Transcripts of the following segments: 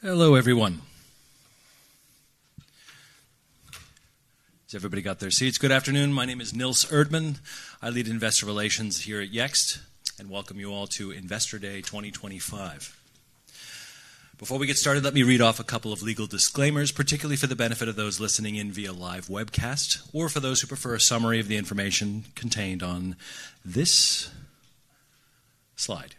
Hello, everyone. Has everybody got their seats? Good afternoon. My name is Nils Erdmann. I lead Investor Relations here at Yext and welcome you all to Investor Day 2025. Before we get started, let me read off a couple of legal disclaimers, particularly for the benefit of those listening in via live webcast or for those who prefer a summary of the information contained on this slide.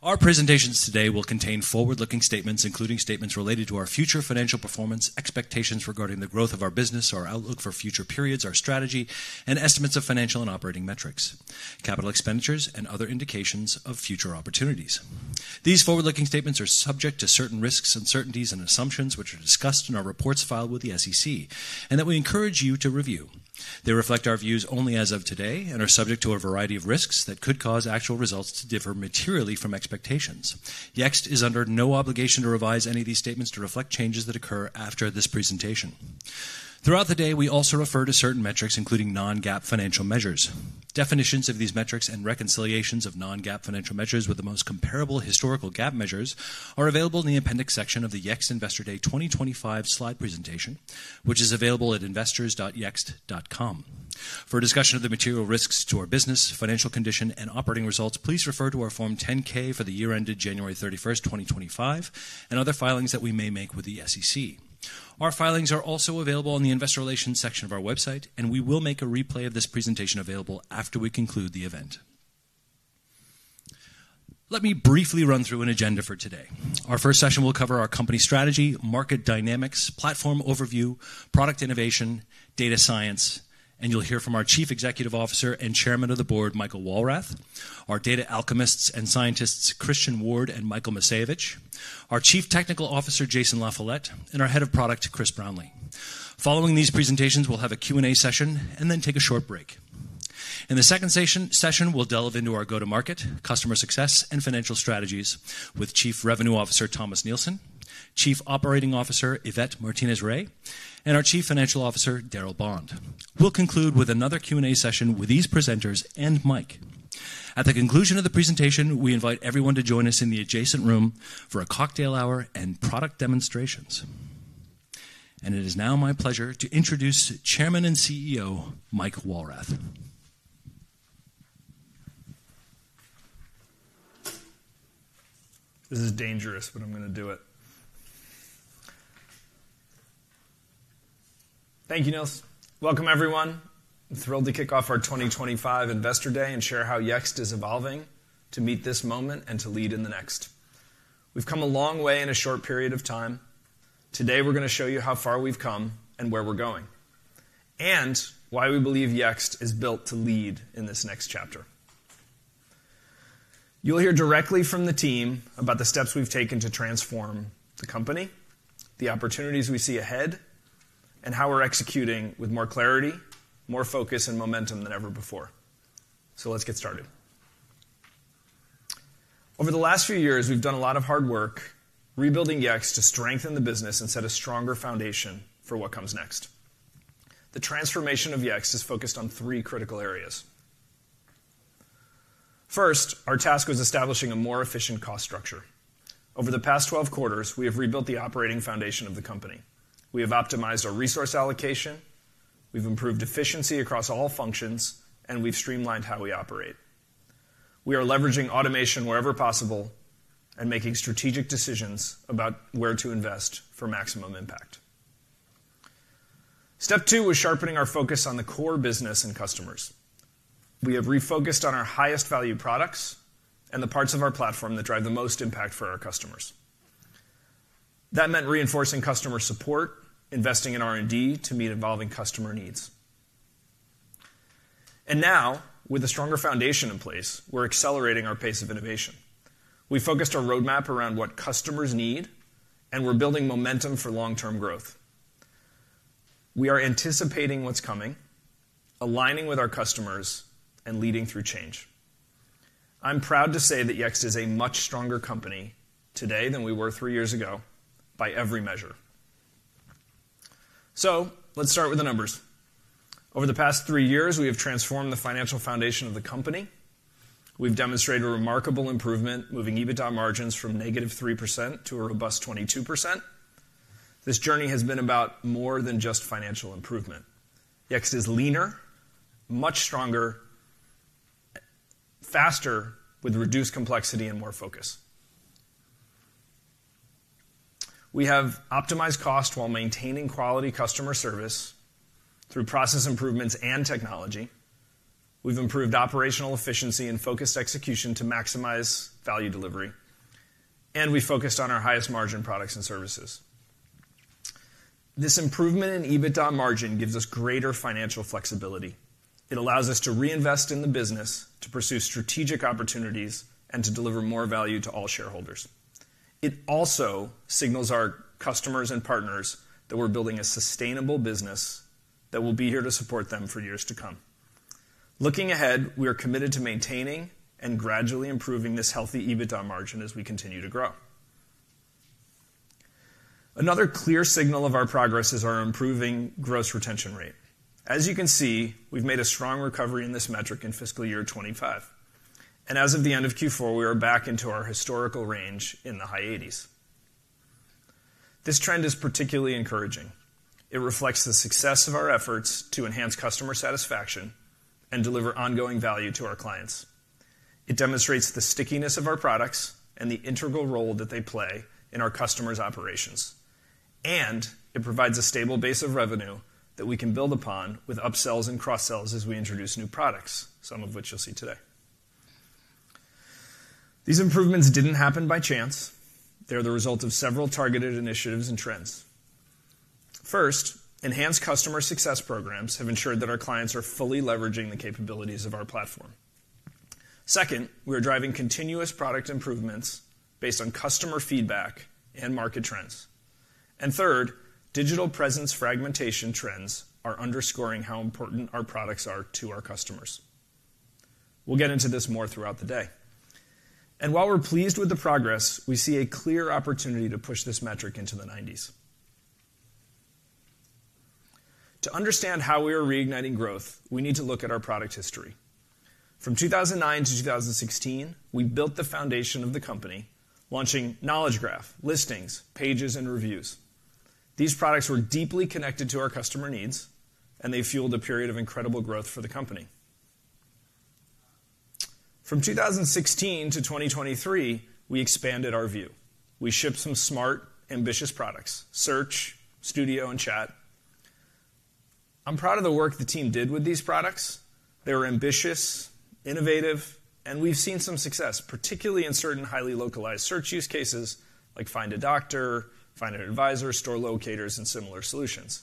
Our presentations today will contain forward-looking statements, including statements related to our future financial performance, expectations regarding the growth of our business, our outlook for future periods, our strategy, and estimates of financial and operating metrics, capital expenditures, and other indications of future opportunities. These forward-looking statements are subject to certain risks, uncertainties, and assumptions which are discussed in our reports filed with the SEC and that we encourage you to review. They reflect our views only as of today and are subject to a variety of risks that could cause actual results to differ materially from expectations. Yext is under no obligation to revise any of these statements to reflect changes that occur after this presentation. Throughout the day, we also refer to certain metrics, including non-GAAP financial measures. Definitions of these metrics and reconciliations of non-GAAP financial measures with the most comparable historical GAAP measures are available in the appendix section of the Yext Investor Day 2025 slide presentation, which is available at investors.yext.com. For a discussion of the material risks to our business, financial condition, and operating results, please refer to our Form 10-K for the year ended January 31st, 2025, and other filings that we may make with the SEC. Our filings are also available in the investor relations section of our website, and we will make a replay of this presentation available after we conclude the event. Let me briefly run through an agenda for today. Our first session will cover our company strategy, market dynamics, platform overview, product innovation, data science, and you'll hear from our Chief Executive Officer and Chairman of the Board, Michael Walrath, our Data Alchemist and Scientist, Christian Ward and Michael Masevich, our Chief Technical Officer, Jason LaFollette, and our Head of Product, Chris Brownlee. Following these presentations, we'll have a Q&A session and then take a short break. In the second session, we'll delve into our go-to-market, customer success, and financial strategies with Chief Revenue Officer, Thomas Nielsen, Chief Operating Officer, Yvette Martinez-Rea, and our Chief Financial Officer, Darryl Bond. We'll conclude with another Q&A session with these presenters and Mike. At the conclusion of the presentation, we invite everyone to join us in the adjacent room for a cocktail hour and product demonstrations. It is now my pleasure to introduce Chairman and CEO, Mike Walrath. This is dangerous, but I'm going to do it. Thank you, Nils. Welcome, everyone. I'm thrilled to kick off our 2025 Investor Day and share how Yext is evolving to meet this moment and to lead in the next. We've come a long way in a short period of time. Today, we're going to show you how far we've come and where we're going and why we believe Yext is built to lead in this next chapter. You'll hear directly from the team about the steps we've taken to transform the company, the opportunities we see ahead, and how we're executing with more clarity, more focus, and momentum than ever before. Let's get started. Over the last few years, we've done a lot of hard work rebuilding Yext to strengthen the business and set a stronger foundation for what comes next. The transformation of Yext is focused on three critical areas. First, our task was establishing a more efficient cost structure. Over the past 12 quarters, we have rebuilt the operating foundation of the company. We have optimized our resource allocation, we've improved efficiency across all functions, and we've streamlined how we operate. We are leveraging automation wherever possible and making strategic decisions about where to invest for maximum impact. Step two was sharpening our focus on the core business and customers. We have refocused on our highest value products and the parts of our platform that drive the most impact for our customers. That meant reinforcing customer support, investing in R&D to meet evolving customer needs. Now, with a stronger foundation in place, we're accelerating our pace of innovation. We focused our roadmap around what customers need, and we're building momentum for long-term growth. We are anticipating what's coming, aligning with our customers, and leading through change. I'm proud to say that Yext is a much stronger company today than we were three years ago by every measure. Let's start with the numbers. Over the past three years, we have transformed the financial foundation of the company. We've demonstrated a remarkable improvement, moving EBITDA margins from -3% to a robust 22%. This journey has been about more than just financial improvement. Yext is leaner, much stronger, faster, with reduced complexity and more focus. We have optimized cost while maintaining quality customer service through process improvements and technology. We've improved operational efficiency and focused execution to maximize value delivery, and we focused on our highest margin products and services. This improvement in EBITDA margin gives us greater financial flexibility. It allows us to reinvest in the business, to pursue strategic opportunities, and to deliver more value to all shareholders. It also signals our customers and partners that we're building a sustainable business that will be here to support them for years to come. Looking ahead, we are committed to maintaining and gradually improving this healthy EBITDA margin as we continue to grow. Another clear signal of our progress is our improving gross retention rate. As you can see, we've made a strong recovery in this metric in fiscal year 2025. As of the end of Q4, we are back into our historical range in the high 80s. This trend is particularly encouraging. It reflects the success of our efforts to enhance customer satisfaction and deliver ongoing value to our clients. It demonstrates the stickiness of our products and the integral role that they play in our customers' operations. It provides a stable base of revenue that we can build upon with upsells and cross-sells as we introduce new products, some of which you'll see today. These improvements did not happen by chance. They are the result of several targeted initiatives and trends. First, enhanced customer success programs have ensured that our clients are fully leveraging the capabilities of our platform. Second, we are driving continuous product improvements based on customer feedback and market trends. Third, digital presence fragmentation trends are underscoring how important our products are to our customers. We will get into this more throughout the day. While we are pleased with the progress, we see a clear opportunity to push this metric into the 90s. To understand how we are reigniting growth, we need to look at our product history. From 2009-2016, we built the foundation of the company, launching Knowledge Graph, Listings, Pages, and Reviews. These products were deeply connected to our customer needs, and they fueled a period of incredible growth for the company. From 2016-2023, we expanded our view. We shipped some smart, ambitious products: Search, Studio, and Chat. I'm proud of the work the team did with these products. They were ambitious, innovative, and we've seen some success, particularly in certain highly localized search use cases like Find a Doctor, Find an Advisor, Store Locators, and similar solutions.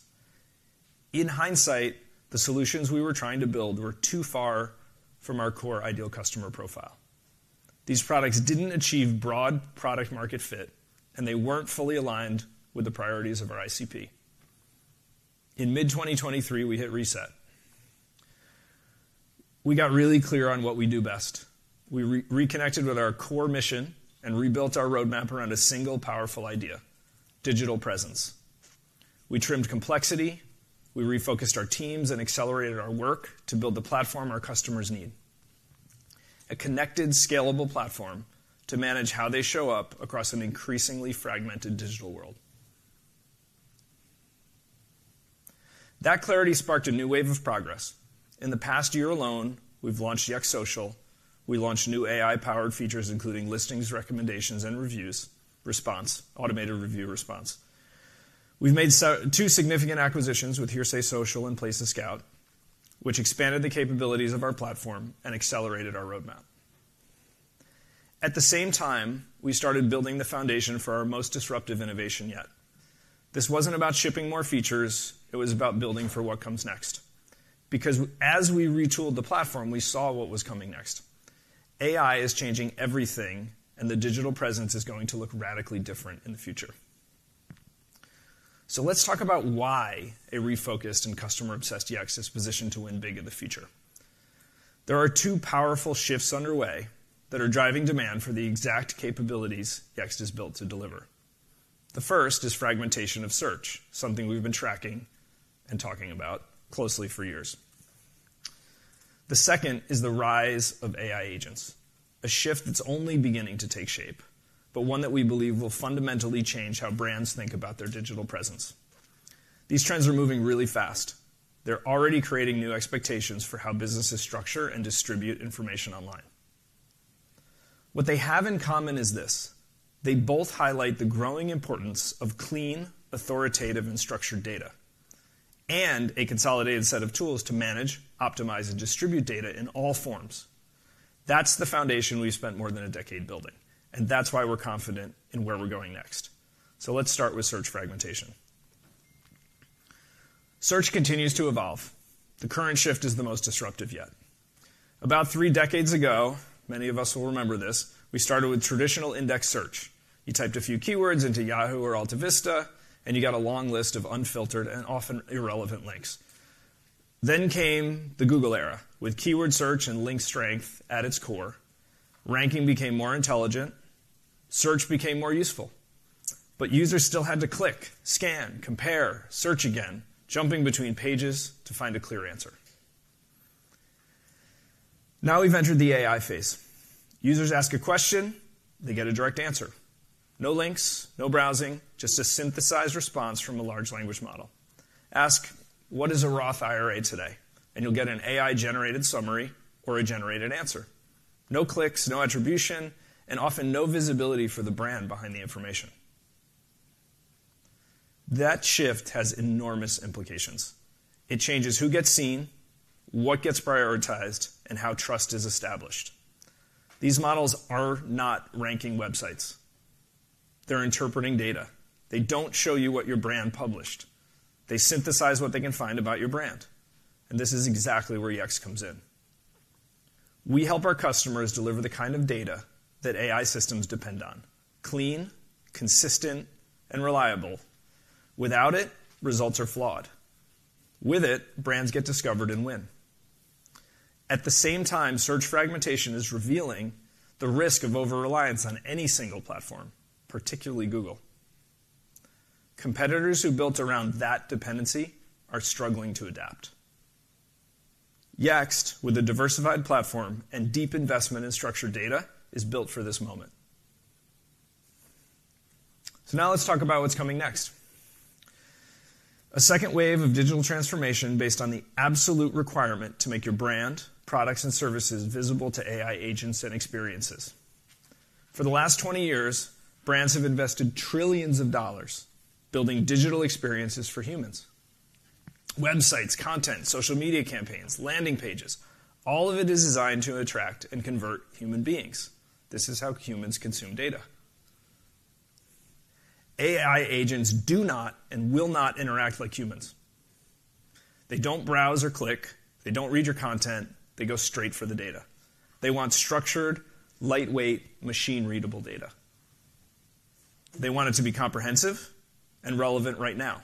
In hindsight, the solutions we were trying to build were too far from our core ideal customer profile. These products didn't achieve broad product-market fit, and they weren't fully aligned with the priorities of our ICP. In mid-2023, we hit reset. We got really clear on what we do best. We reconnected with our core mission and rebuilt our roadmap around a single powerful idea: digital presence. We trimmed complexity. We refocused our teams and accelerated our work to build the platform our customers need: a connected, scalable platform to manage how they show up across an increasingly fragmented digital world. That clarity sparked a new wave of progress. In the past year alone, we've launched Yext Social. We launched new AI-powered features, including Listings Recommendations and Reviews, Response, Automated Review Response. We've made two significant acquisitions with Hearsay Social and Places Scout, which expanded the capabilities of our platform and accelerated our roadmap. At the same time, we started building the foundation for our most disruptive innovation yet. This was not about shipping more features. It was about building for what comes next. Because as we retooled the platform, we saw what was coming next. AI is changing everything, and the digital presence is going to look radically different in the future. Let's talk about why a refocused and customer-obsessed Yext is positioned to win big in the future. There are two powerful shifts underway that are driving demand for the exact capabilities Yext is built to deliver. The first is fragmentation of search, something we've been tracking and talking about closely for years. The second is the rise of AI agents, a shift that's only beginning to take shape, but one that we believe will fundamentally change how brands think about their digital presence. These trends are moving really fast. They're already creating new expectations for how businesses structure and distribute information online. What they have in common is this: they both highlight the growing importance of clean, authoritative, and structured data, and a consolidated set of tools to manage, optimize, and distribute data in all forms. That is the foundation we have spent more than a decade building, and that is why we are confident in where we are going next. Let us start with search fragmentation. Search continues to evolve. The current shift is the most disruptive yet. About three decades ago, many of us will remember this, we started with traditional index search. You typed a few keywords into Yahoo or AltaVista, and you got a long list of unfiltered and often irrelevant links. Then came the Google era with keyword search and link strength at its core. Ranking became more intelligent. Search became more useful. Users still had to click, scan, compare, search again, jumping between pages to find a clear answer. Now we've entered the AI phase. Users ask a question. They get a direct answer. No links, no browsing, just a synthesized response from a large language model. Ask, "What is a Roth IRA today?" and you'll get an AI-generated summary or a generated answer. No clicks, no attribution, and often no visibility for the brand behind the information. That shift has enormous implications. It changes who gets seen, what gets prioritized, and how trust is established. These models are not ranking websites. They're interpreting data. They don't show you what your brand published. They synthesize what they can find about your brand. This is exactly where Yext comes in. We help our customers deliver the kind of data that AI systems depend on: clean, consistent, and reliable. Without it, results are flawed. With it, brands get discovered and win. At the same time, search fragmentation is revealing the risk of over-reliance on any single platform, particularly Google. Competitors who built around that dependency are struggling to adapt. Yext, with a diversified platform and deep investment in structured data, is built for this moment. Now let's talk about what's coming next. A second wave of digital transformation based on the absolute requirement to make your brand, products, and services visible to AI agents and experiences. For the last 20 years, brands have invested trillions of dollars building digital experiences for humans: websites, content, social media campaigns, landing pages. All of it is designed to attract and convert human beings. This is how humans consume data. AI agents do not and will not interact like humans. They don't browse or click. They don't read your content. They go straight for the data. They want structured, lightweight, machine-readable data. They want it to be comprehensive and relevant right now.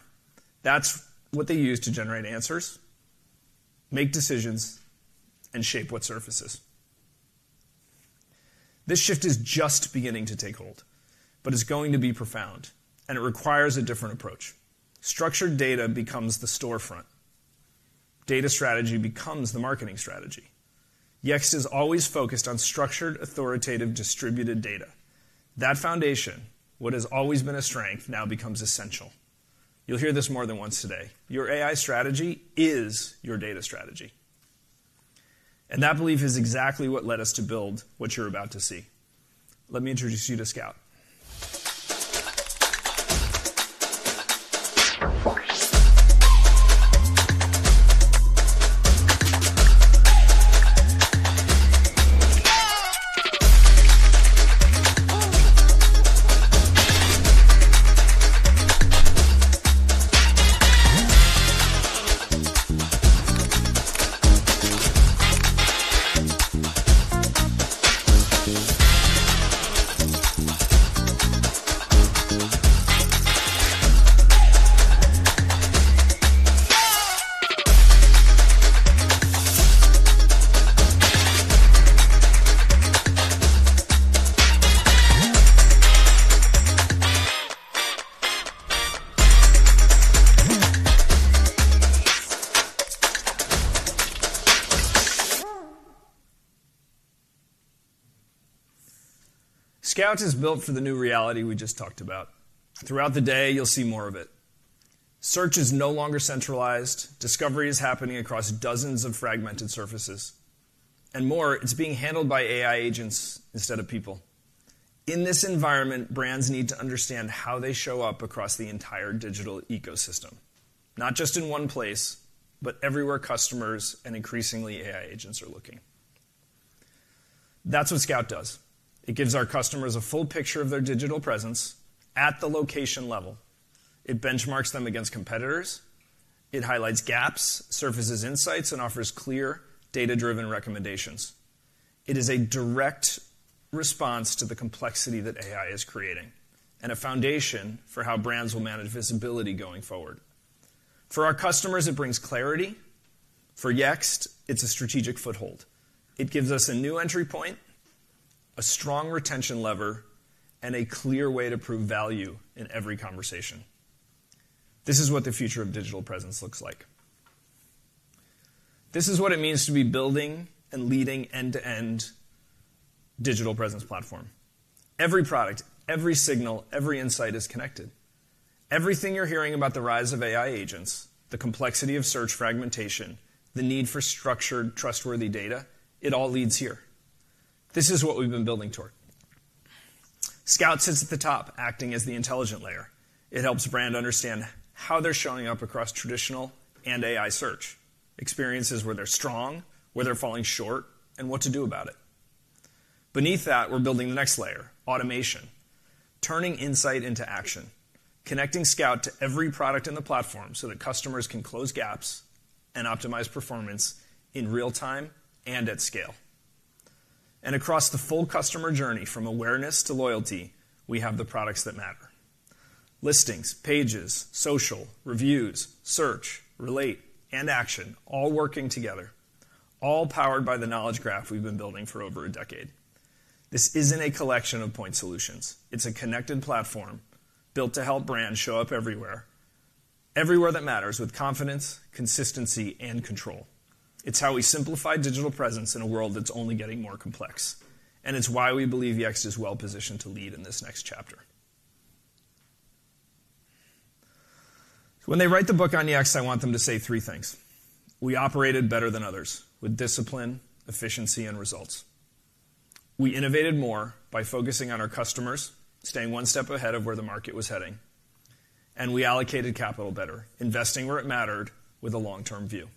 That's what they use to generate answers, make decisions, and shape what surfaces. This shift is just beginning to take hold, but it's going to be profound, and it requires a different approach. Structured data becomes the storefront. Data strategy becomes the marketing strategy. Yext is always focused on structured, authoritative, distributed data. That foundation, what has always been a strength, now becomes essential. You'll hear this more than once today. Your AI strategy is your data strategy. That belief is exactly what led us to build what you're about to see. Let me introduce you to Scout. Scout is built for the new reality we just talked about. Throughout the day, you'll see more of it. Search is no longer centralized. Discovery is happening across dozens of fragmented surfaces. More, it's being handled by AI agents instead of people. In this environment, brands need to understand how they show up across the entire digital ecosystem, not just in one place, but everywhere customers and increasingly AI agents are looking. That's what Scout does. It gives our customers a full picture of their digital presence at the location level. It benchmarks them against competitors. It highlights gaps, surfaces insights, and offers clear, data-driven recommendations. It is a direct response to the complexity that AI is creating and a foundation for how brands will manage visibility going forward. For our customers, it brings clarity. For Yext, it's a strategic foothold. It gives us a new entry point, a strong retention lever, and a clear way to prove value in every conversation. This is what the future of digital presence looks like. This is what it means to be building and leading end-to-end digital presence platform. Every product, every signal, every insight is connected. Everything you're hearing about the rise of AI agents, the complexity of search fragmentation, the need for structured, trustworthy data, it all leads here. This is what we've been building toward. Scout sits at the top, acting as the intelligent layer. It helps brands understand how they're showing up across traditional and AI search experiences, where they're strong, where they're falling short, and what to do about it. Beneath that, we're building the next layer: automation, turning insight into action, connecting Scout to every product in the platform so that customers can close gaps and optimize performance in real time and at scale. Across the full customer journey from awareness to loyalty, we have the products that matter: Listings, Pages, Social, Reviews, Search, Relate, and Action, all working together, all powered by the Knowledge Graph we have been building for over a decade. This is not a collection of point solutions. It is a connected platform built to help brands show up everywhere, everywhere that matters, with confidence, consistency, and control. It is how we simplify digital presence in a world that is only getting more complex. It is why we believe Yext is well-positioned to lead in this next chapter. When they write the book on Yext, I want them to say three things. We operated better than others with discipline, efficiency, and results. We innovated more by focusing on our customers, staying one step ahead of where the market was heading. We allocated capital better, investing where it mattered with a long-term view.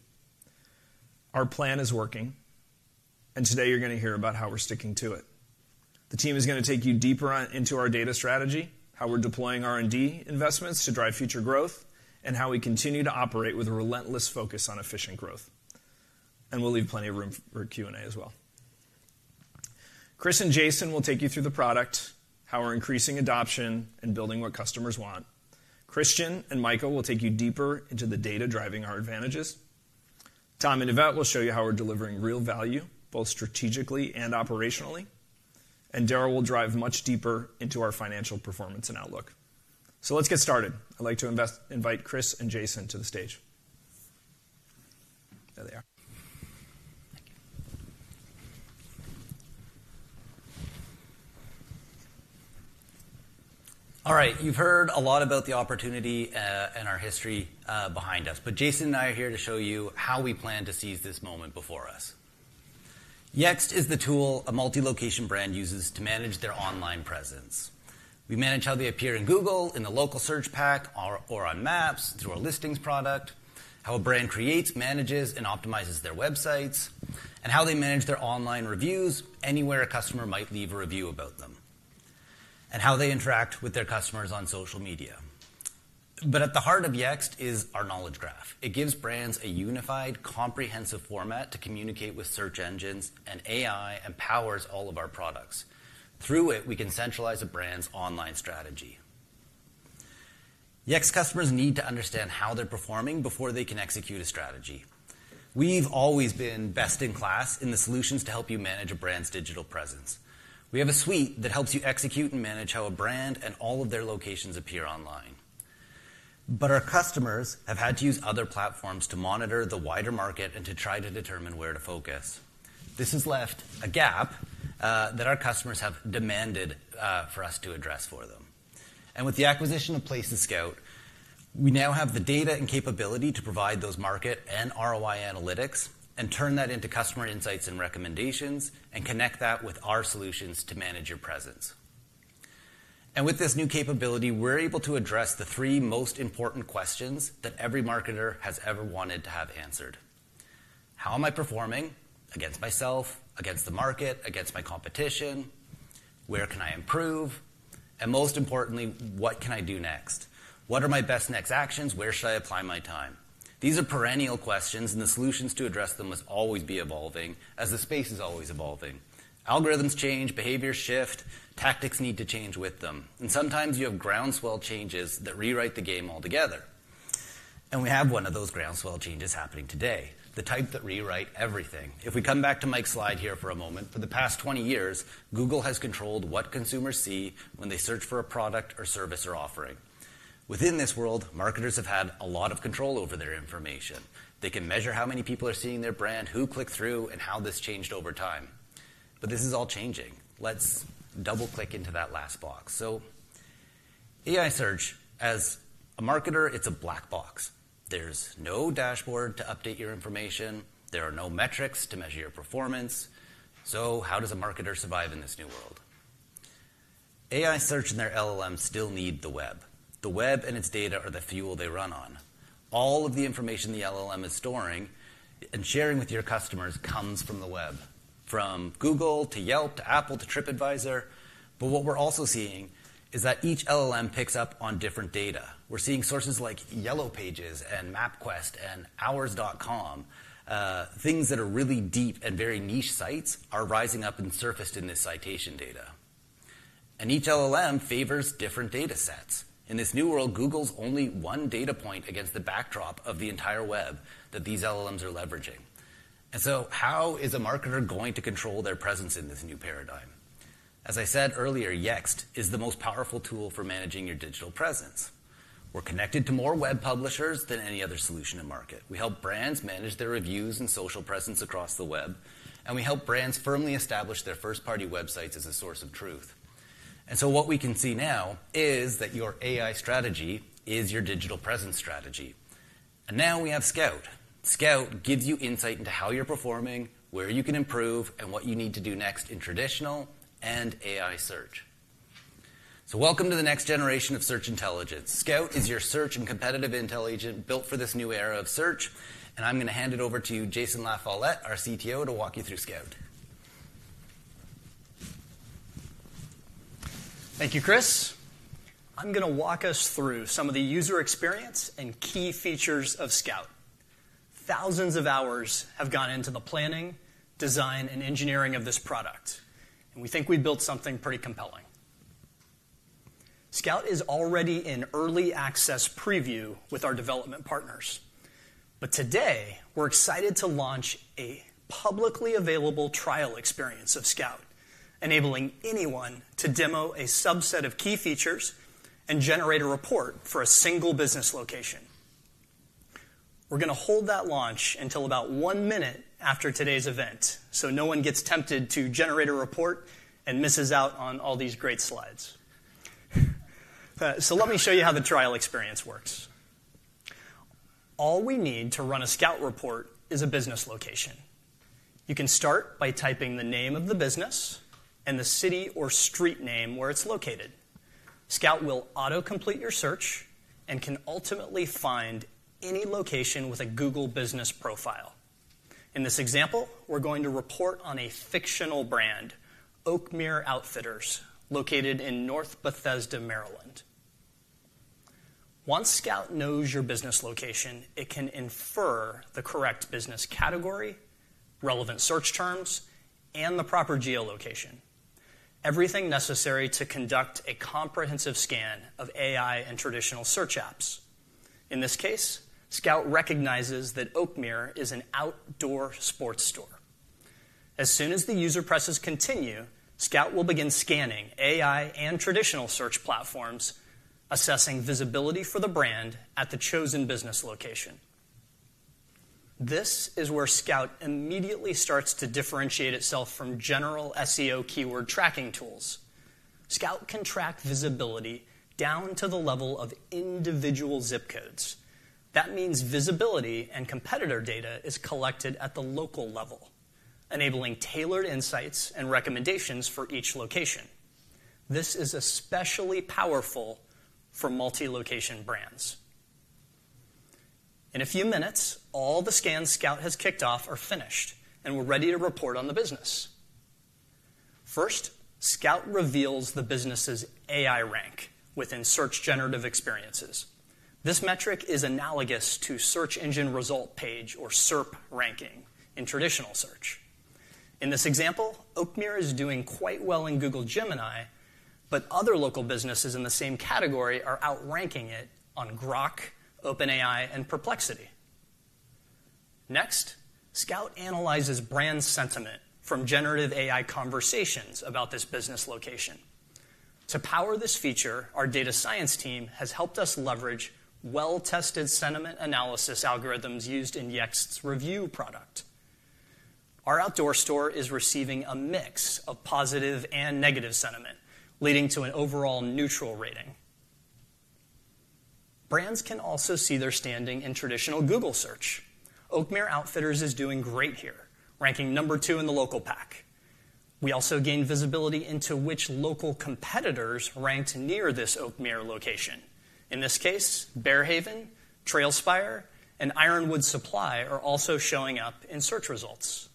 Our plan is working. Today, you're going to hear about how we're sticking to it. The team is going to take you deeper into our data strategy, how we're deploying R&D investments to drive future growth, and how we continue to operate with a relentless focus on efficient growth. We'll leave plenty of room for Q&A as well. Chris and Jason will take you through the product, how we're increasing adoption and building what customers want. Christian and Michael will take you deeper into the data driving our advantages. Tom and Yvette will show you how we're delivering real value, both strategically and operationally. Darryl will drive much deeper into our financial performance and outlook. Let's get started. I'd like to invite Chris and Jason to the stage. There they are. All right. You've heard a lot about the opportunity and our history behind us. Jason and I are here to show you how we plan to seize this moment before us. Yext is the tool a multi-location brand uses to manage their online presence. We manage how they appear in Google, in the local search pack, or on Maps through our Listings product, how a brand creates, manages, and optimizes their websites, and how they manage their online reviews anywhere a customer might leave a review about them, and how they interact with their customers on social media. At the heart of Yext is our Knowledge Graph. It gives brands a unified, comprehensive format to communicate with search engines and AI and powers all of our products. Through it, we can centralize a brand's online strategy. Yext customers need to understand how they're performing before they can execute a strategy. We've always been best in class in the solutions to help you manage a brand's digital presence. We have a suite that helps you execute and manage how a brand and all of their locations appear online. Our customers have had to use other platforms to monitor the wider market and to try to determine where to focus. This has left a gap that our customers have demanded for us to address for them. With the acquisition of Places Scout, we now have the data and capability to provide those market and ROI analytics and turn that into customer insights and recommendations and connect that with our solutions to manage your presence. With this new capability, we're able to address the three most important questions that every marketer has ever wanted to have answered: How am I performing against myself, against the market, against my competition? Where can I improve? And most importantly, what can I do next? What are my best next actions? Where should I apply my time? These are perennial questions, and the solutions to address them must always be evolving as the space is always evolving. Algorithms change, behaviors shift, tactics need to change with them. Sometimes you have groundswell changes that rewrite the game altogether. We have one of those groundswell changes happening today, the type that rewrite everything. If we come back to Mike's slide here for a moment, for the past 20 years, Google has controlled what consumers see when they search for a product or service or offering. Within this world, marketers have had a lot of control over their information. They can measure how many people are seeing their brand, who clicked through, and how this changed over time. This is all changing. Let's double-click into that last box. AI search, as a marketer, it's a black box. There's no dashboard to update your information. There are no metrics to measure your performance. How does a marketer survive in this new world? AI search and their LLMs still need the web. The web and its data are the fuel they run on. All of the information the LLM is storing and sharing with your customers comes from the web, from Google to Yelp to Apple to Tripadvisor. What we're also seeing is that each LLM picks up on different data. We're seeing sources like Yellow Pages and MapQuest and Hours.com, things that are really deep and very niche sites are rising up and surfaced in this citation data. Each LLM favors different data sets. In this new world, Google's only one data point against the backdrop of the entire web that these LLMs are leveraging. How is a marketer going to control their presence in this new paradigm? As I said earlier, Yext is the most powerful tool for managing your digital presence. We're connected to more web publishers than any other solution and market. We help brands manage their reviews and social presence across the web. We help brands firmly establish their first-party websites as a source of truth. What we can see now is that your AI strategy is your digital presence strategy. Now we have Scout. Scout gives you insight into how you're performing, where you can improve, and what you need to do next in traditional and AI search. Welcome to the next generation of search intelligence. Scout is your search and competitive intelligence built for this new era of search. I am going to hand it over to Jason LaFollette, our CTO, to walk you through Scout. Thank you, Chris. I am going to walk us through some of the user experience and key features of Scout. Thousands of hours have gone into the planning, design, and engineering of this product. We think we have built something pretty compelling. Scout is already in early access preview with our development partners. Today, we are excited to launch a publicly available trial experience of Scout, enabling anyone to demo a subset of key features and generate a report for a single business location. We are going to hold that launch until about one minute after today's event so no one gets tempted to generate a report and misses out on all these great slides. Let me show you how the trial experience works. All we need to run a Scout report is a business location. You can start by typing the name of the business and the city or street name where it's located. Scout will auto-complete your search and can ultimately find any location with a Google Business Profile. In this example, we're going to report on a fictional brand, Oakmere Outfitters, located in North Bethesda, Maryland. Once Scout knows your business location, it can infer the correct business category, relevant search terms, and the proper geolocation, everything necessary to conduct a comprehensive scan of AI and traditional search apps. In this case, Scout recognizes that Oakmere is an outdoor sports store. As soon as the user presses Continue, Scout will begin scanning AI and traditional search platforms, assessing visibility for the brand at the chosen business location. This is where Scout immediately starts to differentiate itself from general SEO keyword tracking tools. Scout can track visibility down to the level of individual zip codes. That means visibility and competitor data is collected at the local level, enabling tailored insights and recommendations for each location. This is especially powerful for multi-location brands. In a few minutes, all the scans Scout has kicked off are finished and we're ready to report on the business. First, Scout reveals the business's AI rank within search generative experiences. This metric is analogous to search engine result page or SERP ranking in traditional search. In this example, Oakmere is doing quite well in Google Gemini, but other local businesses in the same category are outranking it on Grok, OpenAI, and Perplexity. Next, Scout analyzes brand sentiment from generative AI conversations about this business location. To power this feature, our data science team has helped us leverage well-tested sentiment analysis algorithms used in Yext's review product. Our outdoor store is receiving a mix of positive and negative sentiment, leading to an overall neutral rating. Brands can also see their standing in traditional Google search. Oakmere Outfitters is doing great here, ranking number two in the local pack. We also gained visibility into which local competitors ranked near this Oakmere location. In this case, Bearhaven, TrailsFire, and Ironwood Supply are also showing up in search results.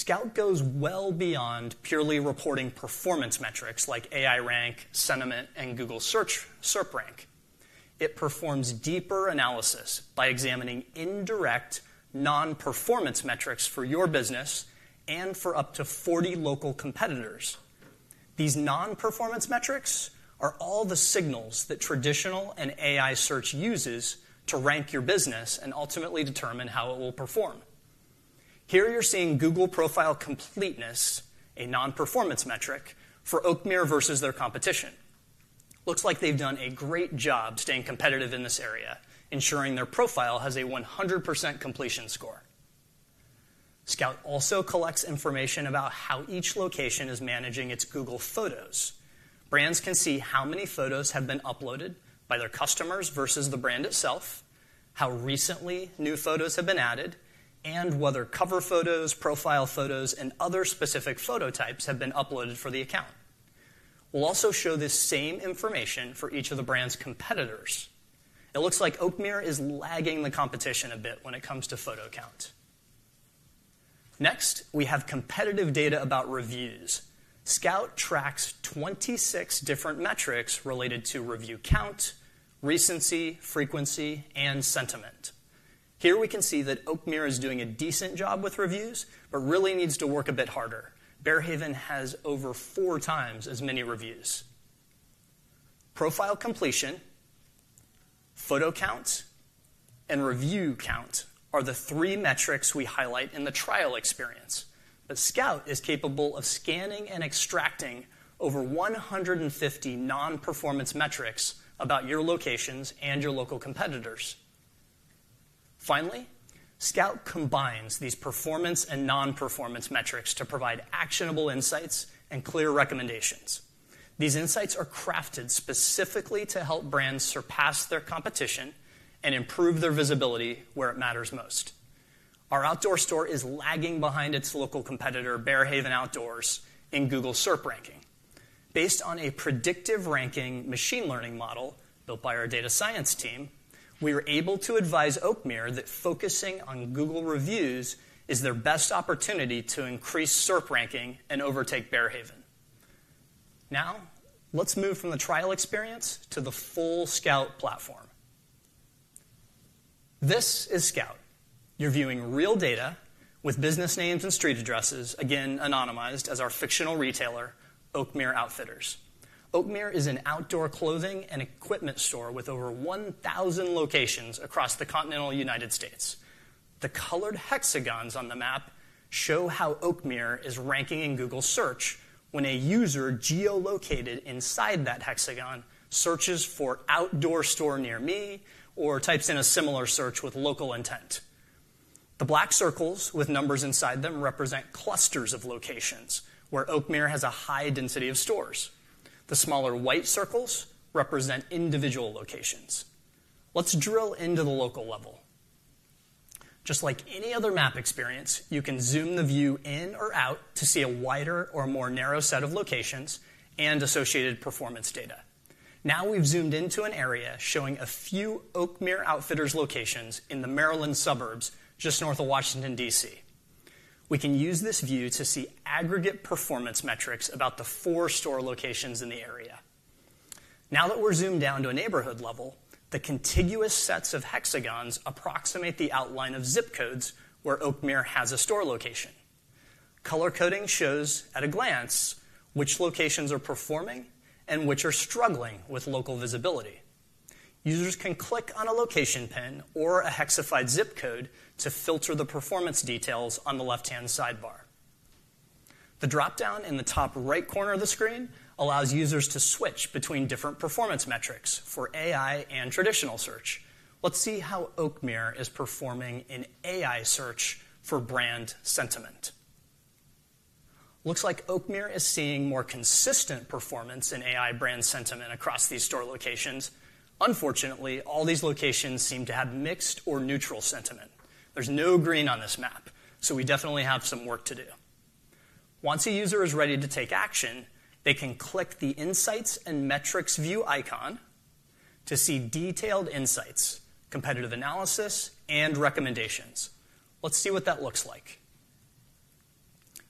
Scout goes well beyond purely reporting performance metrics like AI rank, sentiment, and Google search SERP rank. It performs deeper analysis by examining indirect non-performance metrics for your business and for up to 40 local competitors. These non-performance metrics are all the signals that traditional and AI search uses to rank your business and ultimately determine how it will perform. Here you're seeing Google Profile Completeness, a non-performance metric for Oakmere versus their competition. Looks like they've done a great job staying competitive in this area, ensuring their profile has a 100% completion score. Scout also collects information about how each location is managing its Google Photos. Brands can see how many photos have been uploaded by their customers versus the brand itself, how recently new photos have been added, and whether cover photos, profile photos, and other specific photo types have been uploaded for the account. We'll also show this same information for each of the brand's competitors. It looks like Oakmere is lagging the competition a bit when it comes to photo count. Next, we have competitive data about reviews. Scout tracks 26 different metrics related to review count, recency, frequency, and sentiment. Here we can see that Oakmere is doing a decent job with reviews, but really needs to work a bit harder. Bearhaven has over four times as many reviews. Profile completion, photo count, and review count are the three metrics we highlight in the trial experience. Scout is capable of scanning and extracting over 150 non-performance metrics about your locations and your local competitors. Finally, Scout combines these performance and non-performance metrics to provide actionable insights and clear recommendations. These insights are crafted specifically to help brands surpass their competition and improve their visibility where it matters most. Our outdoor store is lagging behind its local competitor, Bearhaven Outdoors, in Google SERP ranking. Based on a predictive ranking machine learning model built by our data science team, we were able to advise Oakmere that focusing on Google reviews is their best opportunity to increase SERP ranking and overtake Bearhaven. Now let's move from the trial experience to the full Scout platform. This is Scout. You're viewing real data with business names and street addresses, again anonymized as our fictional retailer, Oakmere Outfitters. Oakmere is an outdoor clothing and equipment store with over 1,000 locations across the continental U.S. The colored hexagons on the map show how Oakmere is ranking in Google Search when a user geolocated inside that hexagon searches for outdoor store near me or types in a similar search with local intent. The black circles with numbers inside them represent clusters of locations where Oakmere has a high density of stores. The smaller white circles represent individual locations. Let's drill into the local level. Just like any other map experience, you can zoom the view in or out to see a wider or more narrow set of locations and associated performance data. Now we've zoomed into an area showing a few Oakmere Outfitters locations in the Maryland suburbs just north of Washington, D.C. We can use this view to see aggregate performance metrics about the four store locations in the area. Now that we're zoomed down to a neighborhood level, the contiguous sets of hexagons approximate the outline of zip codes where Oakmere has a store location. Color coding shows at a glance which locations are performing and which are struggling with local visibility. Users can click on a location pin or a hexified zip code to filter the performance details on the left-hand sidebar. The dropdown in the top right corner of the screen allows users to switch between different performance metrics for AI and traditional search. Let's see how Oakmere is performing in AI search for brand sentiment. Looks like Oakmere is seeing more consistent performance in AI brand sentiment across these store locations. Unfortunately, all these locations seem to have mixed or neutral sentiment. There's no green on this map, so we definitely have some work to do. Once a user is ready to take action, they can click the Insights and Metrics view icon to see detailed insights, competitive analysis, and recommendations. Let's see what that looks like.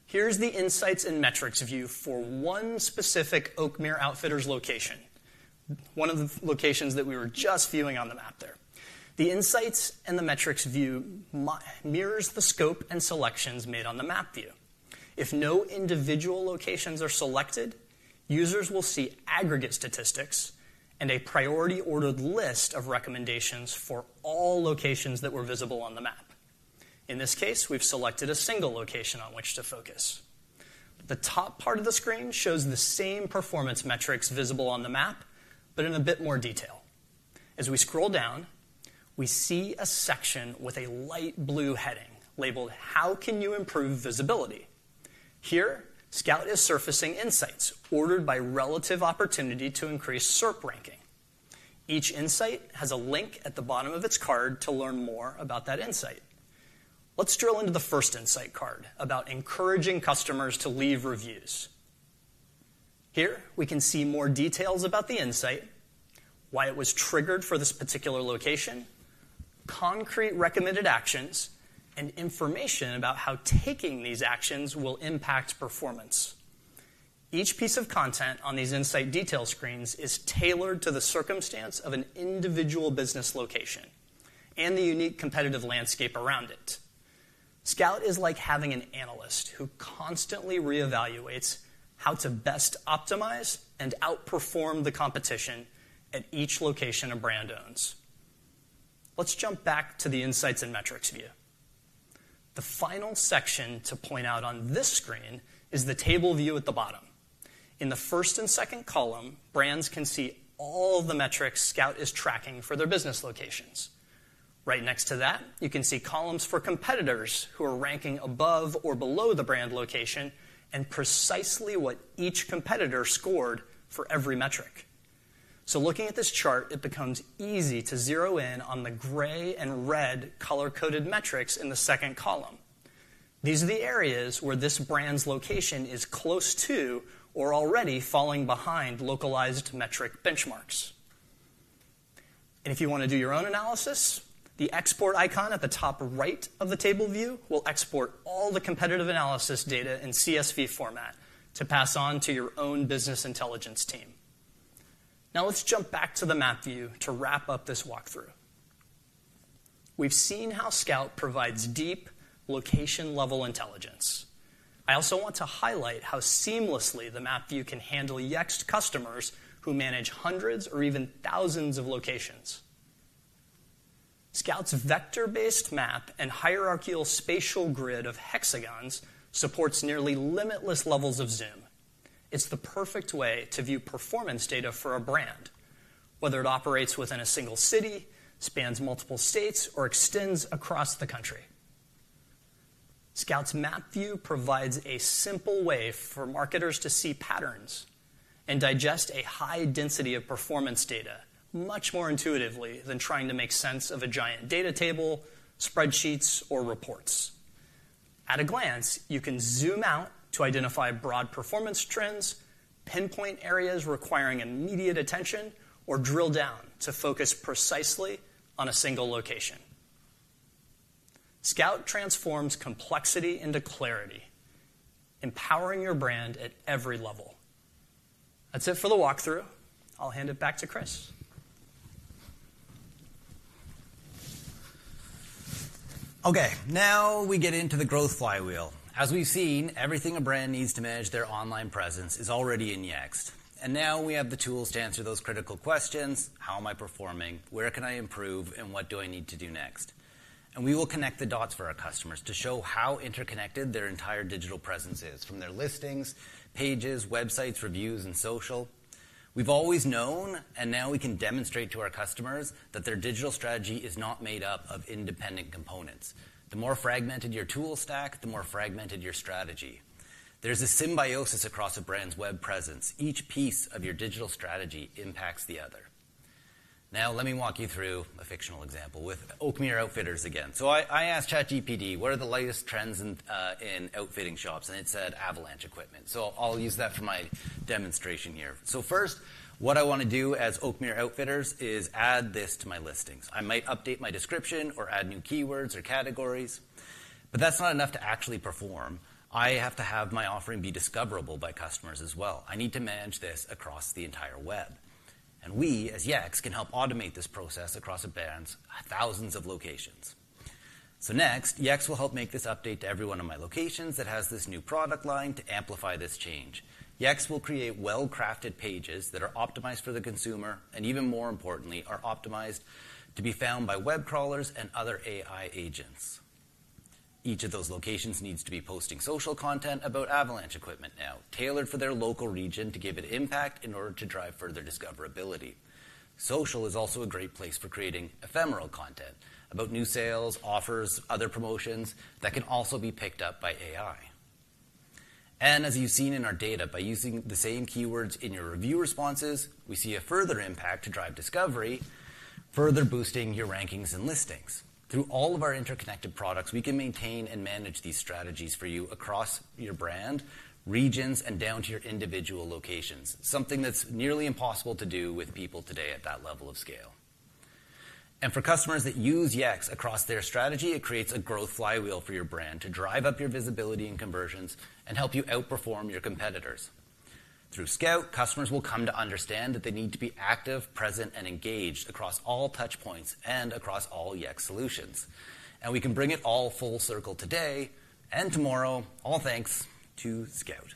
Here's the Insights and Metrics view for one specific Oakmere Outfitters location, one of the locations that we were just viewing on the map there. The Insights and the Metrics view mirrors the scope and selections made on the map view. If no individual locations are selected, users will see aggregate statistics and a priority-ordered list of recommendations for all locations that were visible on the map. In this case, we've selected a single location on which to focus. The top part of the screen shows the same performance metrics visible on the map, but in a bit more detail. As we scroll down, we see a section with a light blue heading labeled, "How can you improve visibility?" Here, Scout is surfacing insights ordered by relative opportunity to increase SERP ranking. Each insight has a link at the bottom of its card to learn more about that insight. Let's drill into the first insight card about encouraging customers to leave reviews. Here, we can see more details about the insight, why it was triggered for this particular location, concrete recommended actions, and information about how taking these actions will impact performance. Each piece of content on these insight detail screens is tailored to the circumstance of an individual business location and the unique competitive landscape around it. Scout is like having an analyst who constantly reevaluates how to best optimize and outperform the competition at each location a brand owns. Let's jump back to the Insights and Metrics view. The final section to point out on this screen is the table view at the bottom. In the first and second column, brands can see all the metrics Scout is tracking for their business locations. Right next to that, you can see columns for competitors who are ranking above or below the brand location and precisely what each competitor scored for every metric. Looking at this chart, it becomes easy to zero in on the gray and red color-coded metrics in the second column. These are the areas where this brand's location is close to or already falling behind localized metric benchmarks. If you want to do your own analysis, the export icon at the top right of the table view will export all the competitive analysis data in CSV format to pass on to your own business intelligence team. Now let's jump back to the map view to wrap up this walkthrough. We've seen how Scout provides deep location-level intelligence. I also want to highlight how seamlessly the map view can handle Yext customers who manage hundreds or even thousands of locations. Scout's vector-based map and hierarchical spatial grid of hexagons supports nearly limitless levels of zoom. It's the perfect way to view performance data for a brand, whether it operates within a single city, spans multiple states, or extends across the country. Scout's map view provides a simple way for marketers to see patterns and digest a high density of performance data much more intuitively than trying to make sense of a giant data table, spreadsheets, or reports. At a glance, you can zoom out to identify broad performance trends, pinpoint areas requiring immediate attention, or drill down to focus precisely on a single location. Scout transforms complexity into clarity, empowering your brand at every level. That's it for the walkthrough. I'll hand it back to Chris. Okay, now we get into the growth flywheel. As we've seen, everything a brand needs to manage their online presence is already in Yext. And now we have the tools to answer those critical questions: how am I performing? Where can I improve? And what do I need to do next? We will connect the dots for our customers to show how interconnected their entire digital presence is from their listings, pages, websites, reviews, and social. We've always known, and now we can demonstrate to our customers that their digital strategy is not made up of independent components. The more fragmented your tool stack, the more fragmented your strategy. There's a symbiosis across a brand's web presence. Each piece of your digital strategy impacts the other. Let me walk you through a fictional example with Oakmere Outfitters again. I asked ChatGPT, "What are the latest trends in outfitting shops?" and it said, "Avalanche equipment." I'll use that for my demonstration here. First, what I want to do as Oakmere Outfitters is add this to my listings. I might update my description or add new keywords or categories. That's not enough to actually perform. I have to have my offering be discoverable by customers as well. I need to manage this across the entire web. We as Yext can help automate this process across a brand's thousands of locations. Next, Yext will help make this update to every one of my locations that has this new product line to amplify this change. Yext will create well-crafted pages that are optimized for the consumer and, even more importantly, are optimized to be found by web crawlers and other AI agents. Each of those locations needs to be posting social content about Avalanche equipment now, tailored for their local region to give it impact in order to drive further discoverability. Social is also a great place for creating ephemeral content about new sales, offers, other promotions that can also be picked up by AI. As you've seen in our data, by using the same keywords in your review responses, we see a further impact to drive discovery, further boosting your rankings and listings. Through all of our interconnected products, we can maintain and manage these strategies for you across your brand, regions, and down to your individual locations, something that's nearly impossible to do with people today at that level of scale. For customers that use Yext across their strategy, it creates a growth flywheel for your brand to drive up your visibility and conversions and help you outperform your competitors. Through Scout, customers will come to understand that they need to be active, present, and engaged across all touchpoints and across all Yext solutions. We can bring it all full circle today and tomorrow, all thanks to Scout.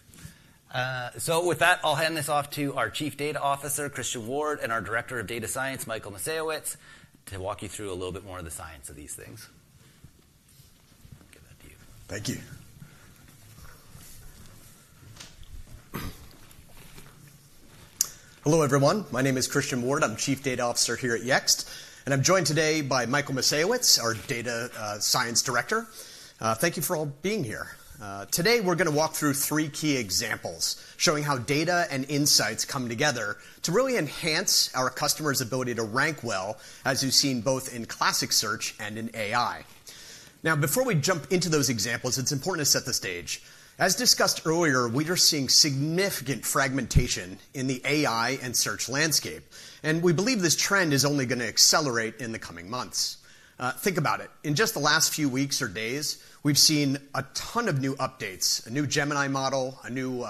With that, I'll hand this off to our Chief Data Officer, Christian Ward, and our Director of Data Science, Michael Masevich, to walk you through a little bit more of the science of these things. Give that to you. Thank you. Hello, everyone. My name is Christian Ward. I'm Chief Data Officer here at Yext. I'm joined today by Michael Masevich, our Data Science Director. Thank you for all being here. Today, we're going to walk through three key examples showing how data and insights come together to really enhance our customers' ability to rank well, as you've seen both in classic search and in AI. Now, before we jump into those examples, it's important to set the stage. As discussed earlier, we are seeing significant fragmentation in the AI and search landscape. We believe this trend is only going to accelerate in the coming months. Think about it. In just the last few weeks or days, we've seen a ton of new updates, a new Gemini model, a new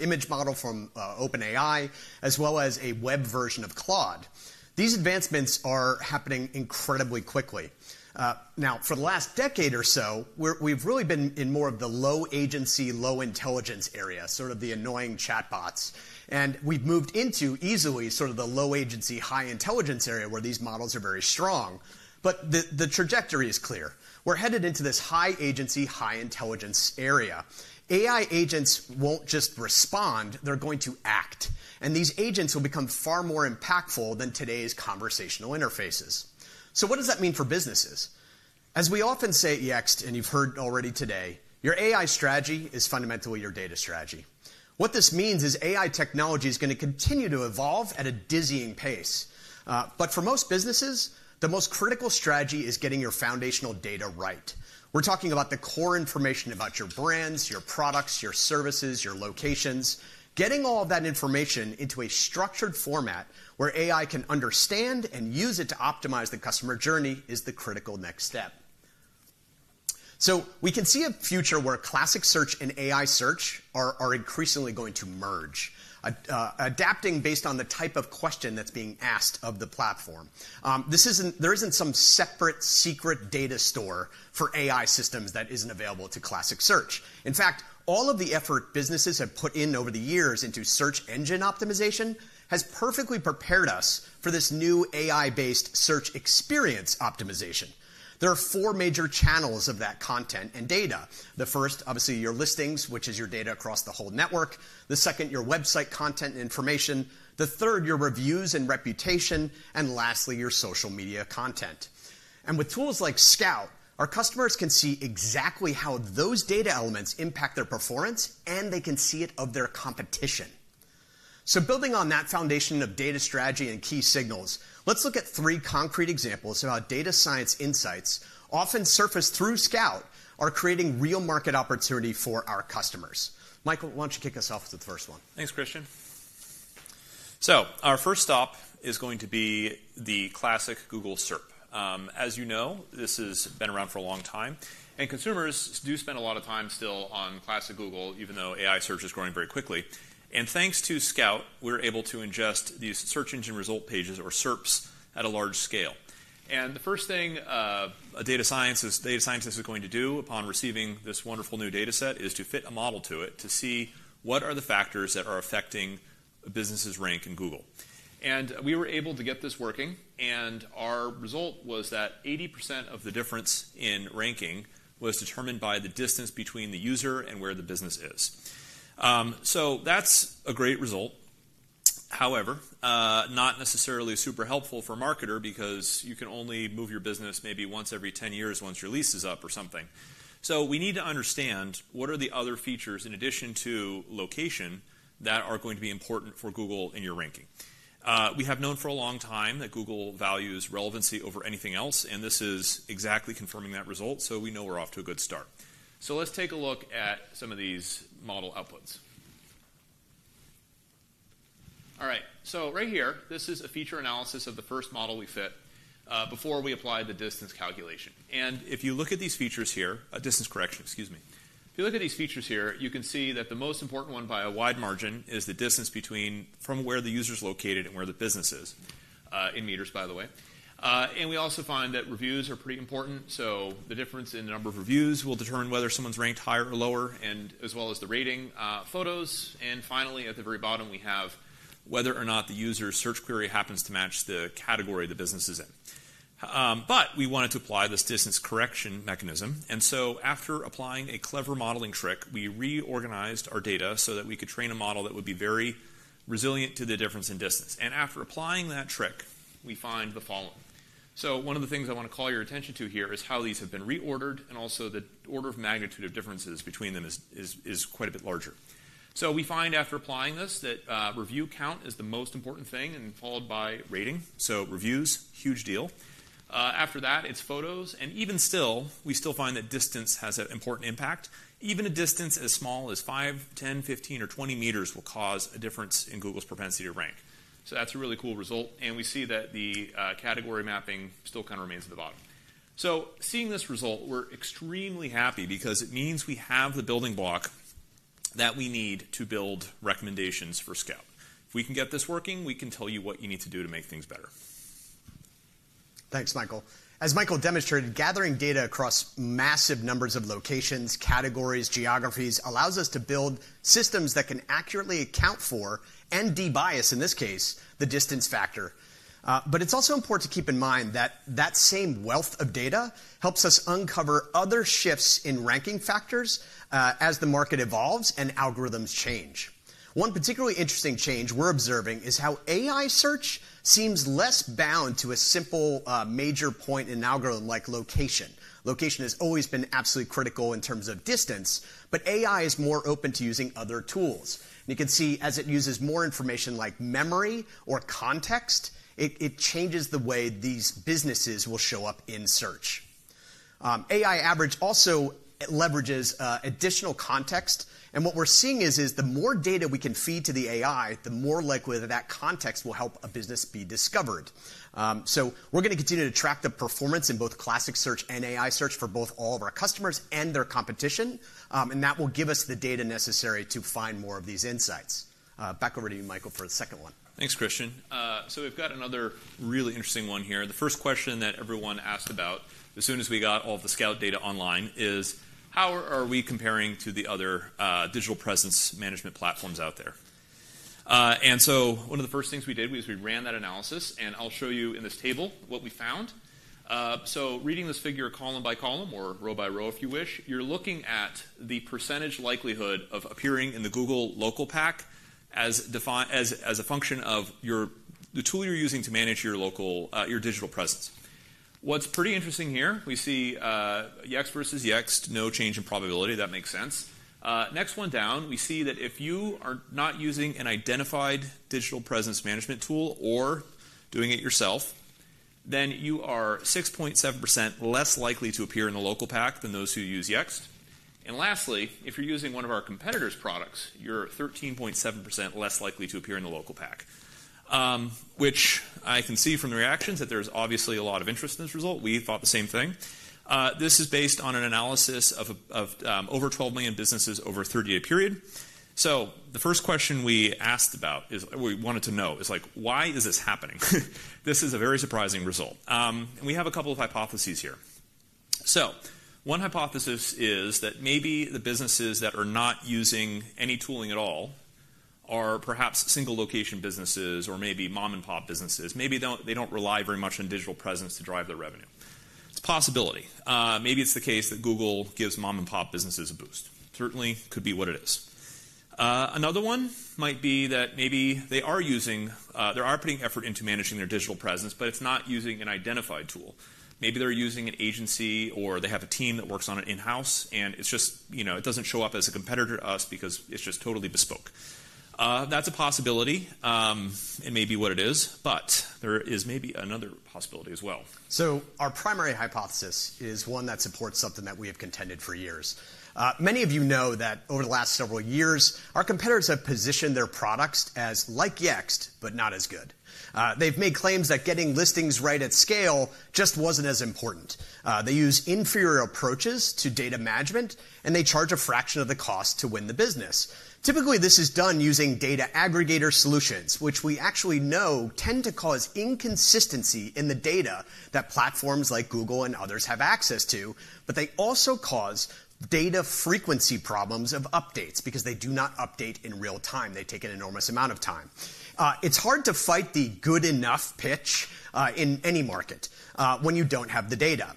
image model from OpenAI, as well as a web version of Claude. These advancements are happening incredibly quickly. Now, for the last decade or so, we've really been in more of the low agency, low intelligence area, sort of the annoying chatbots. We've moved into easily sort of the low agency, high intelligence area where these models are very strong. The trajectory is clear. We're headed into this high agency, high intelligence area. AI agents won't just respond. They're going to act. These agents will become far more impactful than today's conversational interfaces. What does that mean for businesses? As we often say at Yext, and you've heard already today, your AI strategy is fundamentally your data strategy. What this means is AI technology is going to continue to evolve at a dizzying pace. For most businesses, the most critical strategy is getting your foundational data right. We're talking about the core information about your brands, your products, your services, your locations. Getting all of that information into a structured format where AI can understand and use it to optimize the customer journey is the critical next step. We can see a future where classic search and AI search are increasingly going to merge, adapting based on the type of question that's being asked of the platform. There isn't some separate secret data store for AI systems that isn't available to classic search. In fact, all of the effort businesses have put in over the years into search engine optimization has perfectly prepared us for this new AI-based search experience optimization. There are four major channels of that content and data. The first, obviously, your listings, which is your data across the whole network. The second, your website content and information. The third, your reviews and reputation. Lastly, your social media content. With tools like Scout, our customers can see exactly how those data elements impact their performance, and they can see it of their competition. Building on that foundation of data strategy and key signals, let's look at three concrete examples of how data science insights, often surfaced through Scout, are creating real market opportunity for our customers. Michael, why don't you kick us off with the first one? Thanks, Christian. Our first stop is going to be the classic Google SERP. As you know, this has been around for a long time. Consumers do spend a lot of time still on classic Google, even though AI search is growing very quickly. Thanks to Scout, we're able to ingest these search engine result pages, or SERPs, at a large scale. The first thing a data scientist is going to do upon receiving this wonderful new data set is to fit a model to it to see what are the factors that are affecting a business's rank in Google. We were able to get this working. Our result was that 80% of the difference in ranking was determined by the distance between the user and where the business is. That's a great result. However, not necessarily super helpful for a marketer because you can only move your business maybe once every 10 years once your lease is up or something. We need to understand what are the other features in addition to location that are going to be important for Google in your ranking. We have known for a long time that Google values relevancy over anything else. This is exactly confirming that result. We know we're off to a good start. Let's take a look at some of these model outputs. All right. Right here, this is a feature analysis of the first model we fit before we applied the distance calculation. If you look at these features here, distance correction, excuse me, if you look at these features here, you can see that the most important one by a wide margin is the distance from where the user's located and where the business is in meters, by the way. We also find that reviews are pretty important. The difference in the number of reviews will determine whether someone's ranked higher or lower, as well as the rating. Photos. Finally, at the very bottom, we have whether or not the user's search query happens to match the category the business is in. We wanted to apply this distance correction mechanism. After applying a clever modeling trick, we reorganized our data so that we could train a model that would be very resilient to the difference in distance. After applying that trick, we find the following. One of the things I want to call your attention to here is how these have been reordered and also the order of magnitude of differences between them is quite a bit larger. We find after applying this that review count is the most important thing and followed by rating. Reviews, huge deal. After that, it's photos. Even still, we still find that distance has an important impact. Even a distance as small as 5 m, 10 m, 15 m, or 20 m will cause a difference in Google's propensity to rank. That's a really cool result. We see that the category mapping still kind of remains at the bottom. Seeing this result, we're extremely happy because it means we have the building block that we need to build recommendations for Scout. If we can get this working, we can tell you what you need to do to make things better. Thanks, Michael. As Michael demonstrated, gathering data across massive numbers of locations, categories, geographies allows us to build systems that can accurately account for and debias, in this case, the distance factor. It is also important to keep in mind that that same wealth of data helps us uncover other shifts in ranking factors as the market evolves and algorithms change. One particularly interesting change we're observing is how AI search seems less bound to a simple major point in an algorithm like location. Location has always been absolutely critical in terms of distance. AI is more open to using other tools. You can see as it uses more information like memory or context, it changes the way these businesses will show up in search. AI Average also leverages additional context. What we're seeing is the more data we can feed to the AI, the more likely that that context will help a business be discovered. We're going to continue to track the performance in both classic search and AI search for both all of our customers and their competition. That will give us the data necessary to find more of these insights. Back over to you, Michael, for the second one. Thanks, Christian. We've got another really interesting one here. The first question that everyone asked about as soon as we got all of the Scout data online is, how are we comparing to the other digital presence management platforms out there? One of the first things we did was we ran that analysis. I'll show you in this table what we found. Reading this figure column by column or row by row, if you wish, you're looking at the percentage likelihood of appearing in the Google Local Pack as a function of the tool you're using to manage your digital presence. What's pretty interesting here, we see Yext versus Yext, no change in probability. That makes sense. Next one down, we see that if you are not using an identified digital presence management tool or doing it yourself, then you are 6.7% less likely to appear in the Local pack than those who use Yext. Lastly, if you're using one of our competitors' products, you're 13.7% less likely to appear in the Local pack, which I can see from the reactions that there's obviously a lot of interest in this result. We thought the same thing. This is based on an analysis of over 12 million businesses over a 30-day period. The first question we asked about is we wanted to know is, why is this happening? This is a very surprising result. We have a couple of hypotheses here. One hypothesis is that maybe the businesses that are not using any tooling at all are perhaps single-location businesses or maybe mom-and-pop businesses. Maybe they do not rely very much on digital presence to drive their revenue. It is a possibility. Maybe it is the case that Google gives mom-and-pop businesses a boost. Certainly, it could be what it is. Another one might be that maybe they are putting effort into managing their digital presence, but it is not using an identified tool. Maybe they are using an agency or they have a team that works on it in-house. It doesn't show up as a competitor to us because it's just totally bespoke. That's a possibility. It may be what it is. There is maybe another possibility as well. Our primary hypothesis is one that supports something that we have contended for years. Many of you know that over the last several years, our competitors have positioned their products as like Yext but not as good. They've made claims that getting listings right at scale just wasn't as important. They use inferior approaches to data management, and they charge a fraction of the cost to win the business. Typically, this is done using data aggregator solutions, which we actually know tend to cause inconsistency in the data that platforms like Google and others have access to. They also cause data frequency problems of updates because they do not update in real time. They take an enormous amount of time. It's hard to fight the good enough pitch in any market when you don't have the data.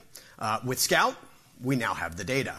With Scout, we now have the data.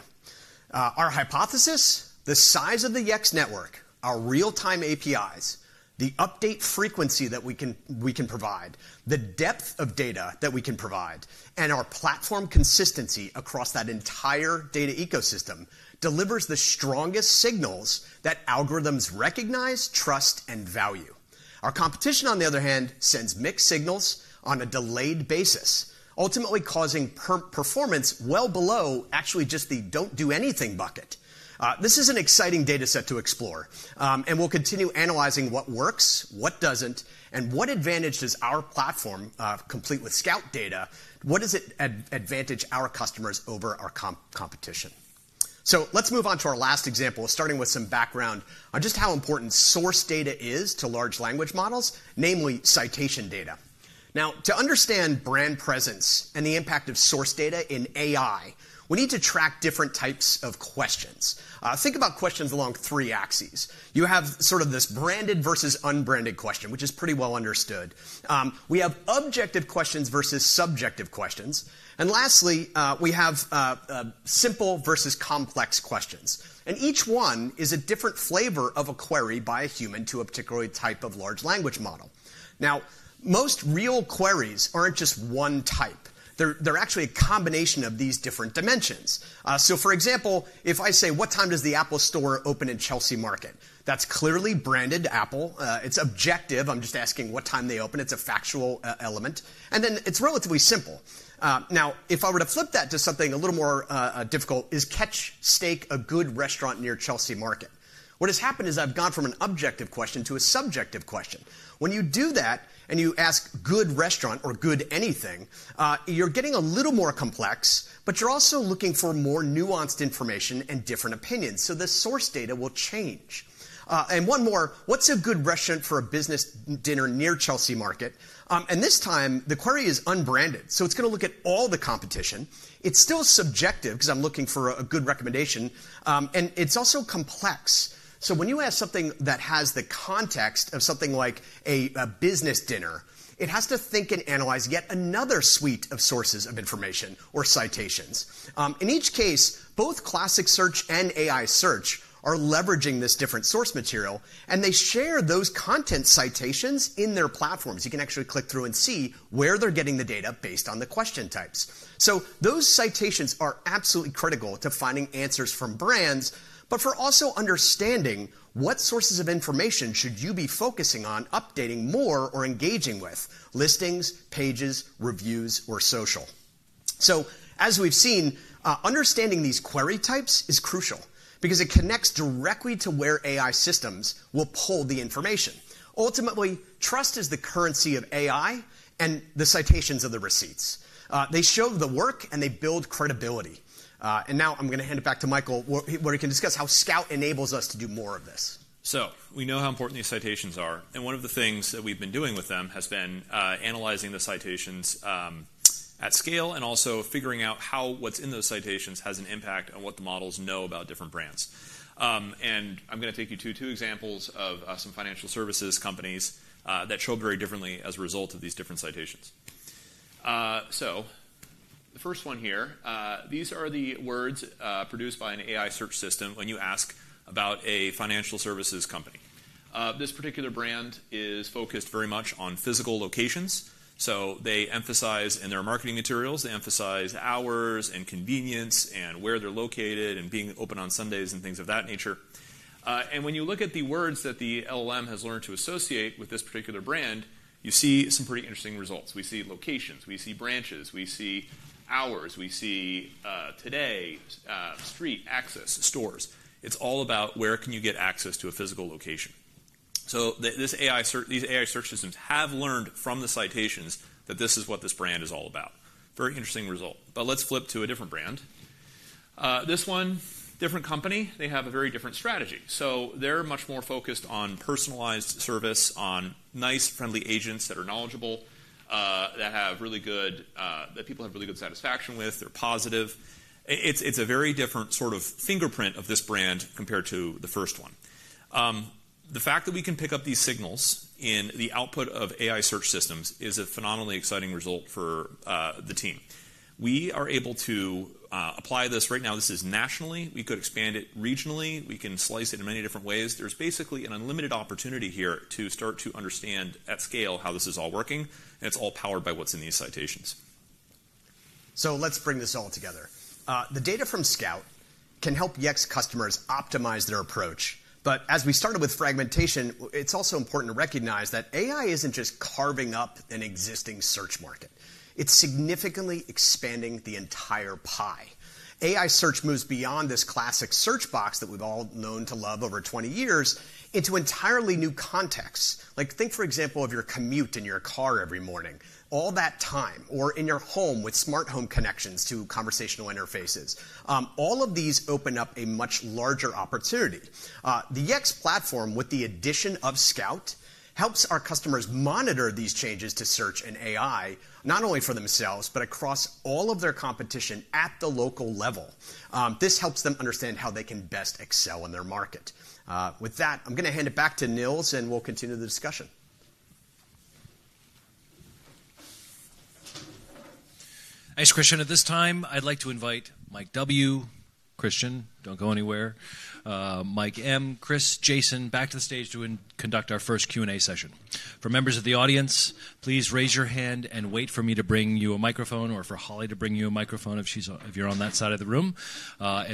Our hypothesis, the size of the Yext network, our real-time APIs, the update frequency that we can provide, the depth of data that we can provide, and our platform consistency across that entire data ecosystem delivers the strongest signals that algorithms recognize, trust, and value. Our competition, on the other hand, sends mixed signals on a delayed basis, ultimately causing performance well below actually just the don't-do-anything bucket. This is an exciting data set to explore. We will continue analyzing what works, what doesn't, and what advantage does our platform, complete with Scout data, what does it advantage our customers over our competition? Let's move on to our last example, starting with some background on just how important source data is to large language models, namely citation data. Now, to understand brand presence and the impact of source data in AI, we need to track different types of questions. Think about questions along three axes. You have sort of this branded versus unbranded question, which is pretty well understood. We have objective questions versus subjective questions. Lastly, we have simple versus complex questions. Each one is a different flavor of a query by a human to a particular type of large language model. Now, most real queries aren't just one type. They're actually a combination of these different dimensions. For example, if I say, what time does the Apple Store open in Chelsea Market? That's clearly branded Apple. It's objective. I'm just asking what time they open. It's a factual element. And then it's relatively simple. Now, if I were to flip that to something a little more difficult, is Catch Steak a good restaurant near Chelsea Market? What has happened is I've gone from an objective question to a subjective question. When you do that and you ask good restaurant or good anything, you're getting a little more complex. You're also looking for more nuanced information and different opinions. The source data will change. One more, what's a good restaurant for a business dinner near Chelsea Market? This time, the query is unbranded. It's going to look at all the competition. It's still subjective because I'm looking for a good recommendation. It's also complex. When you ask something that has the context of something like a business dinner, it has to think and analyze yet another suite of sources of information or citations. In each case, both classic search and AI search are leveraging this different source material. They share those content citations in their platforms. You can actually click through and see where they're getting the data based on the question types. Those citations are absolutely critical to finding answers from brands, but for also understanding what sources of information should you be focusing on updating more or engaging with listings, pages, reviews, or social. As we've seen, understanding these query types is crucial because it connects directly to where AI systems will pull the information. Ultimately, trust is the currency of AI and the citations are the receipts. They show the work, and they build credibility. Now I'm going to hand it back to Michael where he can discuss how Scout enables us to do more of this. We know how important these citations are. One of the things that we've been doing with them has been analyzing the citations at scale and also figuring out how what's in those citations has an impact on what the models know about different brands. I'm going to take you to two examples of some financial services companies that show up very differently as a result of these different citations. The first one here, these are the words produced by an AI search system when you ask about a financial services company. This particular brand is focused very much on physical locations. They emphasize in their marketing materials, they emphasize hours and convenience and where they're located and being open on Sundays and things of that nature. When you look at the words that the LLM has learned to associate with this particular brand, you see some pretty interesting results. We see locations. We see branches. We see hours. We see today, street, access, stores. It's all about where can you get access to a physical location. These AI search systems have learned from the citations that this is what this brand is all about. Very interesting result. Let's flip to a different brand. This one, different company. They have a very different strategy. They're much more focused on personalized service, on nice, friendly agents that are knowledgeable, that people have really good satisfaction with. They're positive. It's a very different sort of fingerprint of this brand compared to the first one. The fact that we can pick up these signals in the output of AI search systems is a phenomenally exciting result for the team. We are able to apply this right now. This is nationally. We could expand it regionally. We can slice it in many different ways. There's basically an unlimited opportunity here to start to understand at scale how this is all working. It's all powered by what's in these citations. Let's bring this all together. The data from Scout can help Yext customers optimize their approach. As we started with fragmentation, it's also important to recognize that AI isn't just carving up an existing search market. It's significantly expanding the entire pie. AI search moves beyond this classic search box that we've all known to love over 20 years into entirely new contexts. Think, for example, of your commute in your car every morning, all that time, or in your home with smart home connections to conversational interfaces. All of these open up a much larger opportunity. The Yext platform, with the addition of Scout, helps our customers monitor these changes to search and AI not only for themselves, but across all of their competition at the local level. This helps them understand how they can best excel in their market. With that, I'm going to hand it back to Nils, and we'll continue the discussion. Thanks, Christian. At this time, I'd like to invite Mike W., Christian, don't go anywhere. Mike M., Chris, Jason, back to the stage to conduct our first Q&A session. For members of the audience, please raise your hand and wait for me to bring you a microphone or for Holly to bring you a microphone if you're on that side of the room.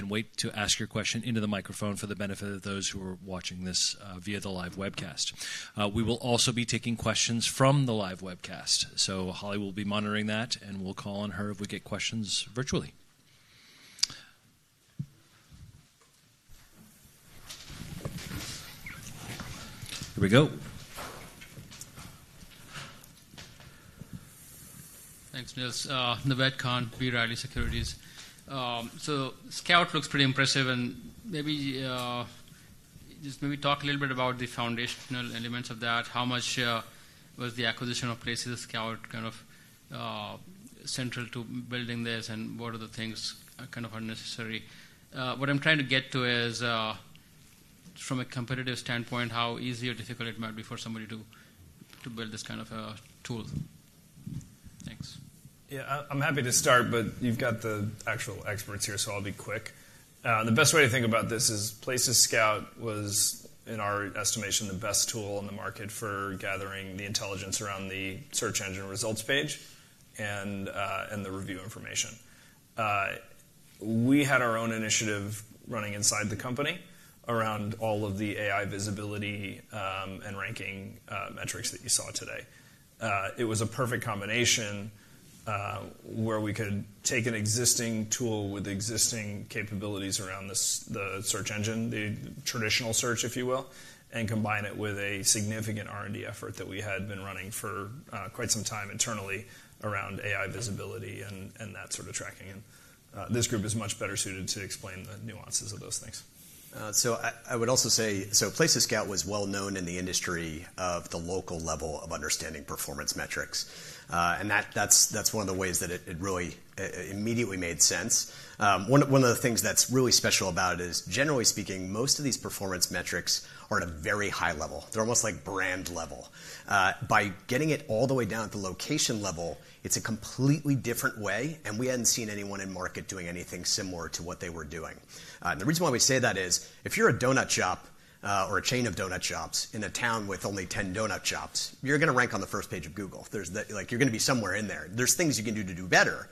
Wait to ask your question into the microphone for the benefit of those who are watching this via the live webcast. We will also be taking questions from the live webcast. Holly will be monitoring that, and we'll call on her if we get questions virtually. Here we go. Thanks, Nils. Naved Khan, B. Riley Securities. Scout looks pretty impressive. Maybe just maybe talk a little bit about the foundational elements of that. How much was the acquisition of Places Scout kind of central to building this? What are the things kind of unnecessary? What I'm trying to get to is, from a competitive standpoint, how easy or difficult it might be for somebody to build this kind of a tool. Thanks. Yeah, I'm happy to start, but you've got the actual experts here, so I'll be quick. The best way to think about this is Places Scout was, in our estimation, the best tool in the market for gathering the intelligence around the search engine results page and the review information. We had our own initiative running inside the company around all of the AI visibility and ranking metrics that you saw today. It was a perfect combination where we could take an existing tool with existing capabilities around the search engine, the traditional search, if you will, and combine it with a significant R&D effort that we had been running for quite some time internally around AI visibility and that sort of tracking. This group is much better suited to explain the nuances of those things. I would also say, Places Scout was well known in the industry of the local level of understanding performance metrics. That is one of the ways that it really immediately made sense. One of the things that is really special about it is, generally speaking, most of these performance metrics are at a very high level. They are almost like brand level. By getting it all the way down at the location level, it is a completely different way. We hadn't seen anyone in market doing anything similar to what they were doing. The reason why we say that is, if you're a donut shop or a chain of donut shops in a town with only 10 donut shops, you're going to rank on the first page of Google. You're going to be somewhere in there. There's things you can do to do better.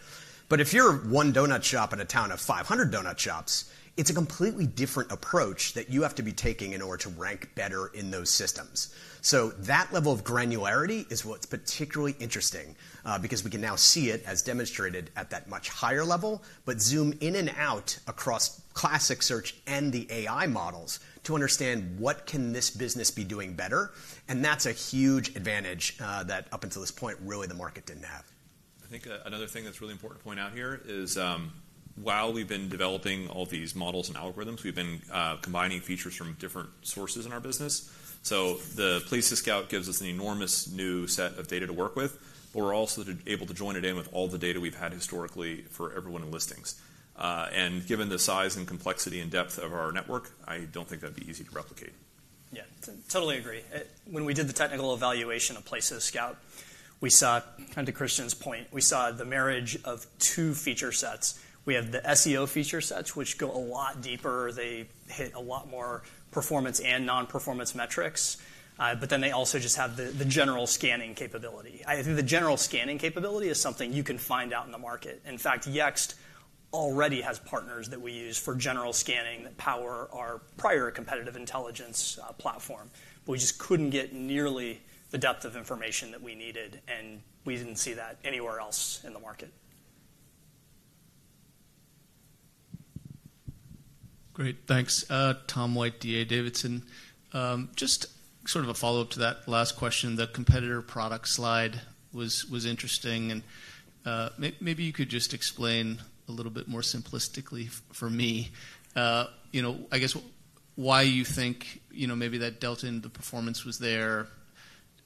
If you're one donut shop in a town of 500 donut shops, it's a completely different approach that you have to be taking in order to rank better in those systems. That level of granularity is what's particularly interesting because we can now see it, as demonstrated, at that much higher level, but zoom in and out across classic search and the AI models to understand what can this business be doing better. That's a huge advantage that, up until this point, really the market didn't have. I think another thing that's really important to point out here is, while we've been developing all these models and algorithms, we've been combining features from different sources in our business. The Places Scout gives us an enormous new set of data to work with. We're also able to join it in with all the data we've had historically for everyone in Listings. Given the size and complexity and depth of our network, I don't think that'd be easy to replicate. Yeah, totally agree. When we did the technical evaluation of Places Scout, we saw, kind of to Christian's point, we saw the marriage of two feature sets. We have the SEO feature sets, which go a lot deeper. They hit a lot more performance and non-performance metrics. They also just have the general scanning capability. I think the general scanning capability is something you can find out in the market. In fact, Yext already has partners that we use for general scanning that power our prior competitive intelligence platform. We just could not get nearly the depth of information that we needed. We did not see that anywhere else in the market. Great. Thanks. Tom White, D.A. Davidson. Just sort of a follow-up to that last question, the competitor product slide was interesting. Maybe you could just explain a little bit more simplistically for me, I guess, why you think maybe that delta in the performance was there,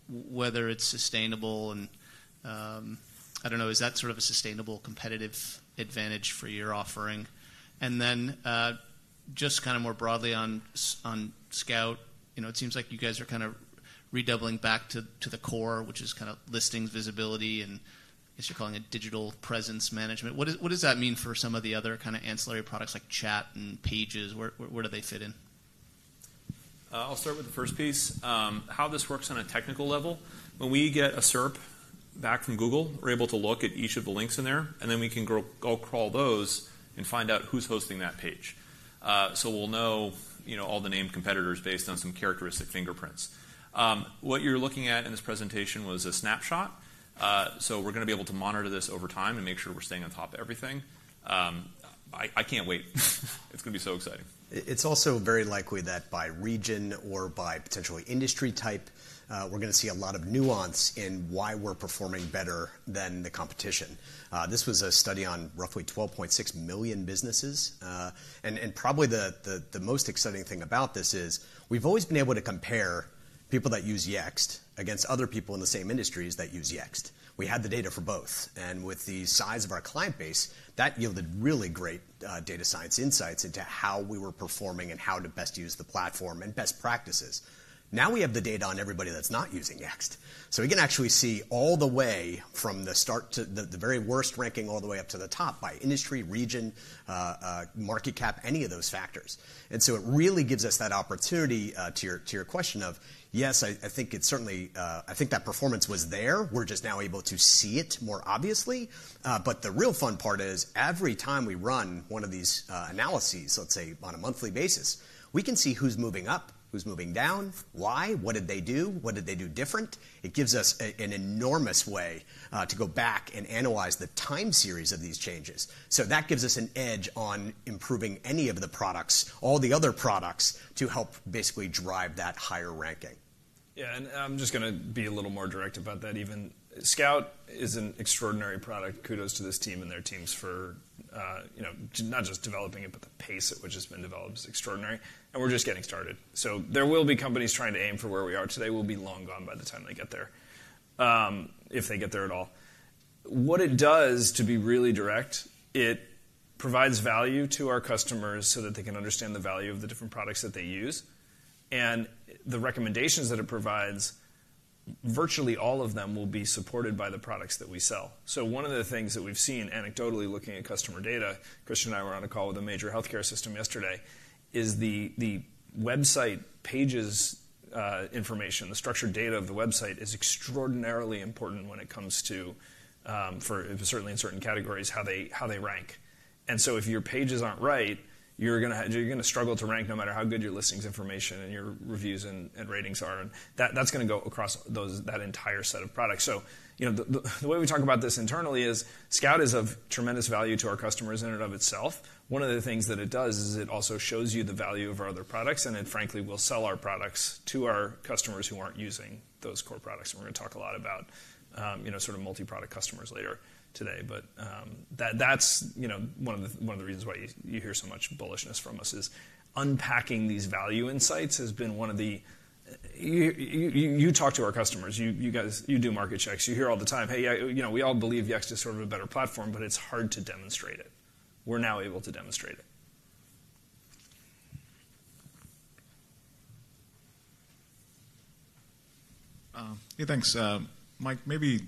whether it is sustainable. I do not know, is that sort of a sustainable competitive advantage for your offering? Just kind of more broadly on Scout, it seems like you guys are kind of redoubling back to the core, which is kind of listings visibility and, I guess, you're calling it digital presence management. What does that mean for some of the other kind of ancillary products like chat and pages? Where do they fit in? I'll start with the first piece. How this works on a technical level, when we get a SERP back from Google, we're able to look at each of the links in there. We can go crawl those and find out who's hosting that page. We'll know all the named competitors based on some characteristic fingerprints. What you're looking at in this presentation was a snapshot. We're going to be able to monitor this over time and make sure we're staying on top of everything. I can't wait. It's going to be so exciting. It's also very likely that by region or by potentially industry type, we're going to see a lot of nuance in why we're performing better than the competition. This was a study on roughly 12.6 million businesses. Probably the most exciting thing about this is we've always been able to compare people that use Yext against other people in the same industries that use Yext. We had the data for both. With the size of our client base, that yielded really great data science insights into how we were performing and how to best use the platform and best practices. Now we have the data on everybody that's not using Yext. We can actually see all the way from the very worst ranking all the way up to the top by industry, region, market cap, any of those factors. It really gives us that opportunity to your question of, yes, I think it's certainly I think that performance was there. We're just now able to see it more obviously. The real fun part is every time we run one of these analyses, let's say on a monthly basis, we can see who's moving up, who's moving down, why, what did they do, what did they do different. It gives us an enormous way to go back and analyze the time series of these changes. That gives us an edge on improving any of the products, all the other products to help basically drive that higher ranking. Yeah, and I'm just going to be a little more direct about that even. Scout is an extraordinary product. Kudos to this team and their teams for not just developing it, but the pace at which it's been developed is extraordinary. We're just getting started. There will be companies trying to aim for where we are today. We'll be long gone by the time they get there, if they get there at all. What it does, to be really direct, it provides value to our customers so that they can understand the value of the different products that they use. The recommendations that it provides, virtually all of them will be supported by the products that we sell. One of the things that we've seen anecdotally looking at customer data, Christian and I were on a call with a major health care system yesterday, is the website pages information, the structured data of the website is extraordinarily important when it comes to, certainly in certain categories, how they rank. If your pages aren't right, you're going to struggle to rank no matter how good your listings information and your reviews and ratings are. That's going to go across that entire set of products. The way we talk about this internally is Scout is of tremendous value to our customers in and of itself. One of the things that it does is it also shows you the value of our other products. It, frankly, will sell our products to our customers who aren't using those core products. We're going to talk a lot about sort of multi-product customers later today. That is one of the reasons why you hear so much bullishness from us. Unpacking these value insights has been one of the you talk to our customers. You do market checks. You hear all the time, hey, we all believe Yext is sort of a better platform, but it's hard to demonstrate it. We're now able to demonstrate it. Yeah, thanks. Mike, maybe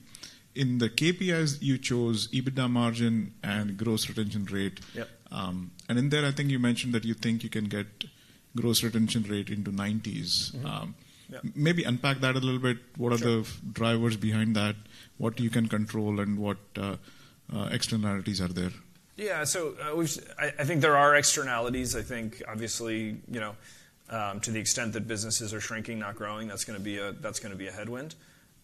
in the KPIs you chose, EBITDA margin and gross retention rate. In there, I think you mentioned that you think you can get gross retention rate into 90s. Maybe unpack that a little bit. What are the drivers behind that? What you can control and what externalities are there? Yeah, I think there are externalities. I think, obviously, to the extent that businesses are shrinking, not growing, that's going to be a headwind.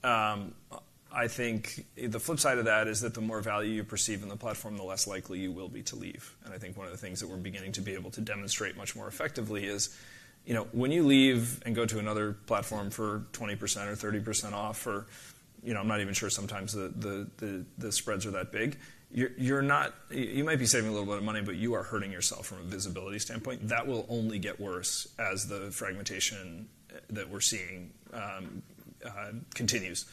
I think the flip side of that is that the more value you perceive in the platform, the less likely you will be to leave. I think one of the things that we're beginning to be able to demonstrate much more effectively is when you leave and go to another platform for 20% or 30% off, or I'm not even sure sometimes the spreads are that big, you might be saving a little bit of money, but you are hurting yourself from a visibility standpoint. That will only get worse as the fragmentation that we're seeing continues.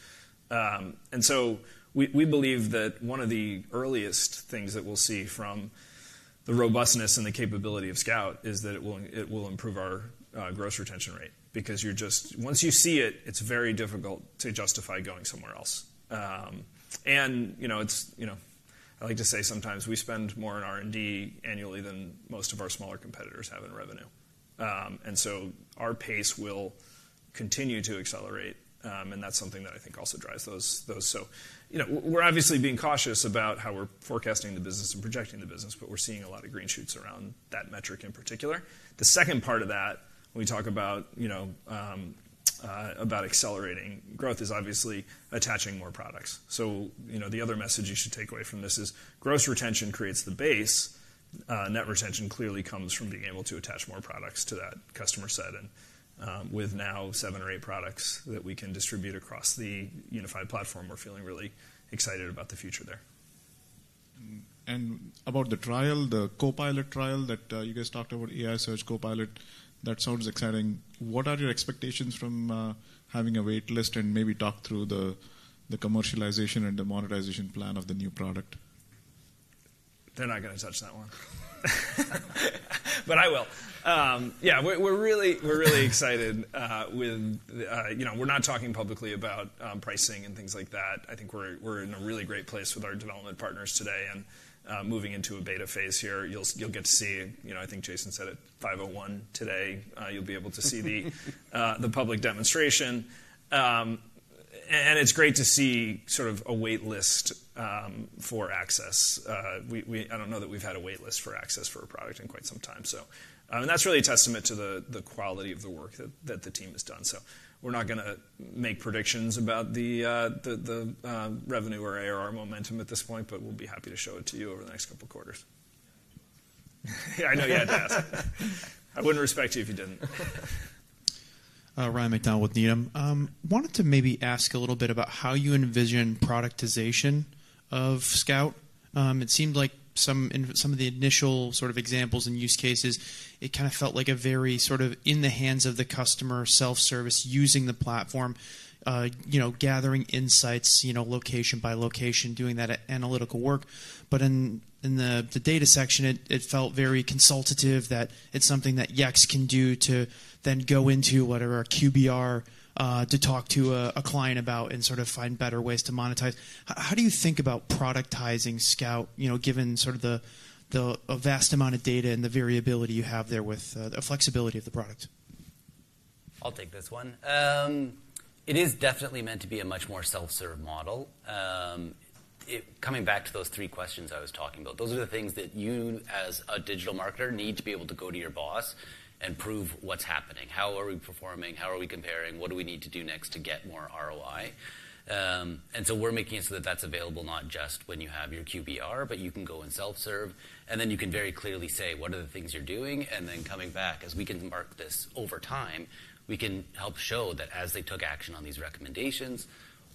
We believe that one of the earliest things that we'll see from the robustness and the capability of Scout is that it will improve our gross retention rate. Because once you see it, it's very difficult to justify going somewhere else. I like to say sometimes we spend more in R&D annually than most of our smaller competitors have in revenue. Our pace will continue to accelerate. That is something that I think also drives those. We are obviously being cautious about how we're forecasting the business and projecting the business. We are seeing a lot of green shoots around that metric in particular. The second part of that, when we talk about accelerating growth, is obviously attaching more products. The other message you should take away from this is gross retention creates the base. Net retention clearly comes from being able to attach more products to that customer set. With now seven or eight products that we can distribute across the unified platform, we're feeling really excited about the future there. About the trial, the Copilot trial that you guys talked about, AI Search Copilot, that sounds exciting. What are your expectations from having a waitlist and maybe talk through the commercialization and the monetization plan of the new product? They're not going to touch that one. I will. Yeah, we're really excited. We're not talking publicly about pricing and things like that. I think we're in a really great place with our development partners today and moving into a beta phase here. You'll get to see, I think Jason said it, 5.01 today. You'll be able to see the public demonstration. It's great to see sort of a waitlist for access. I don't know that we've had a waitlist for access for a product in quite some time. That's really a testament to the quality of the work that the team has done. We're not going to make predictions about the revenue or ARR momentum at this point. We'll be happy to show it to you over the next couple of quarters. Yeah, I know you had to ask. I wouldn't respect you if you didn't. Ryan McDowell with Needham. Wanted to maybe ask a little bit about how you envision productization of Scout. It seemed like some of the initial sort of examples and use cases, it kind of felt like a very sort of in the hands of the customer self-service using the platform, gathering insights location by location, doing that analytical work. In the data section, it felt very consultative that it's something that Yext can do to then go into whatever QBR to talk to a client about and sort of find better ways to monetize. How do you think about productizing Scout, given sort of the vast amount of data and the variability you have there with the flexibility of the product? I'll take this one. It is definitely meant to be a much more self-serve model. Coming back to those three questions I was talking about, those are the things that you, as a digital marketer, need to be able to go to your boss and prove what's happening. How are we performing? How are we comparing? What do we need to do next to get more ROI? We are making it so that that's available not just when you have your QBR, but you can go and self-serve. You can very clearly say, what are the things you're doing? Coming back, as we can mark this over time, we can help show that as they took action on these recommendations,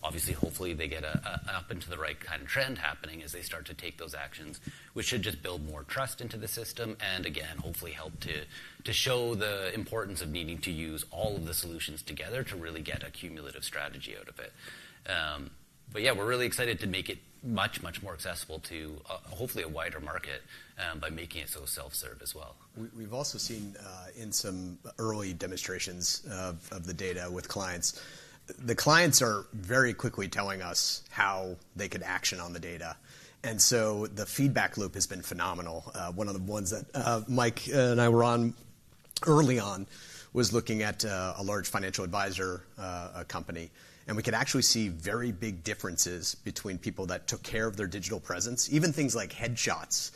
obviously, hopefully, they get up into the right kind of trend happening as they start to take those actions, which should just build more trust into the system. Again, hopefully, help to show the importance of needing to use all of the solutions together to really get a cumulative strategy out of it. Yeah, we're really excited to make it much, much more accessible to hopefully a wider market by making it so self-serve as well. We've also seen in some early demonstrations of the data with clients, the clients are very quickly telling us how they could action on the data. The feedback loop has been phenomenal. One of the ones that Mike and I were on early on was looking at a large financial advisor company. We could actually see very big differences between people that took care of their digital presence, even things like headshots.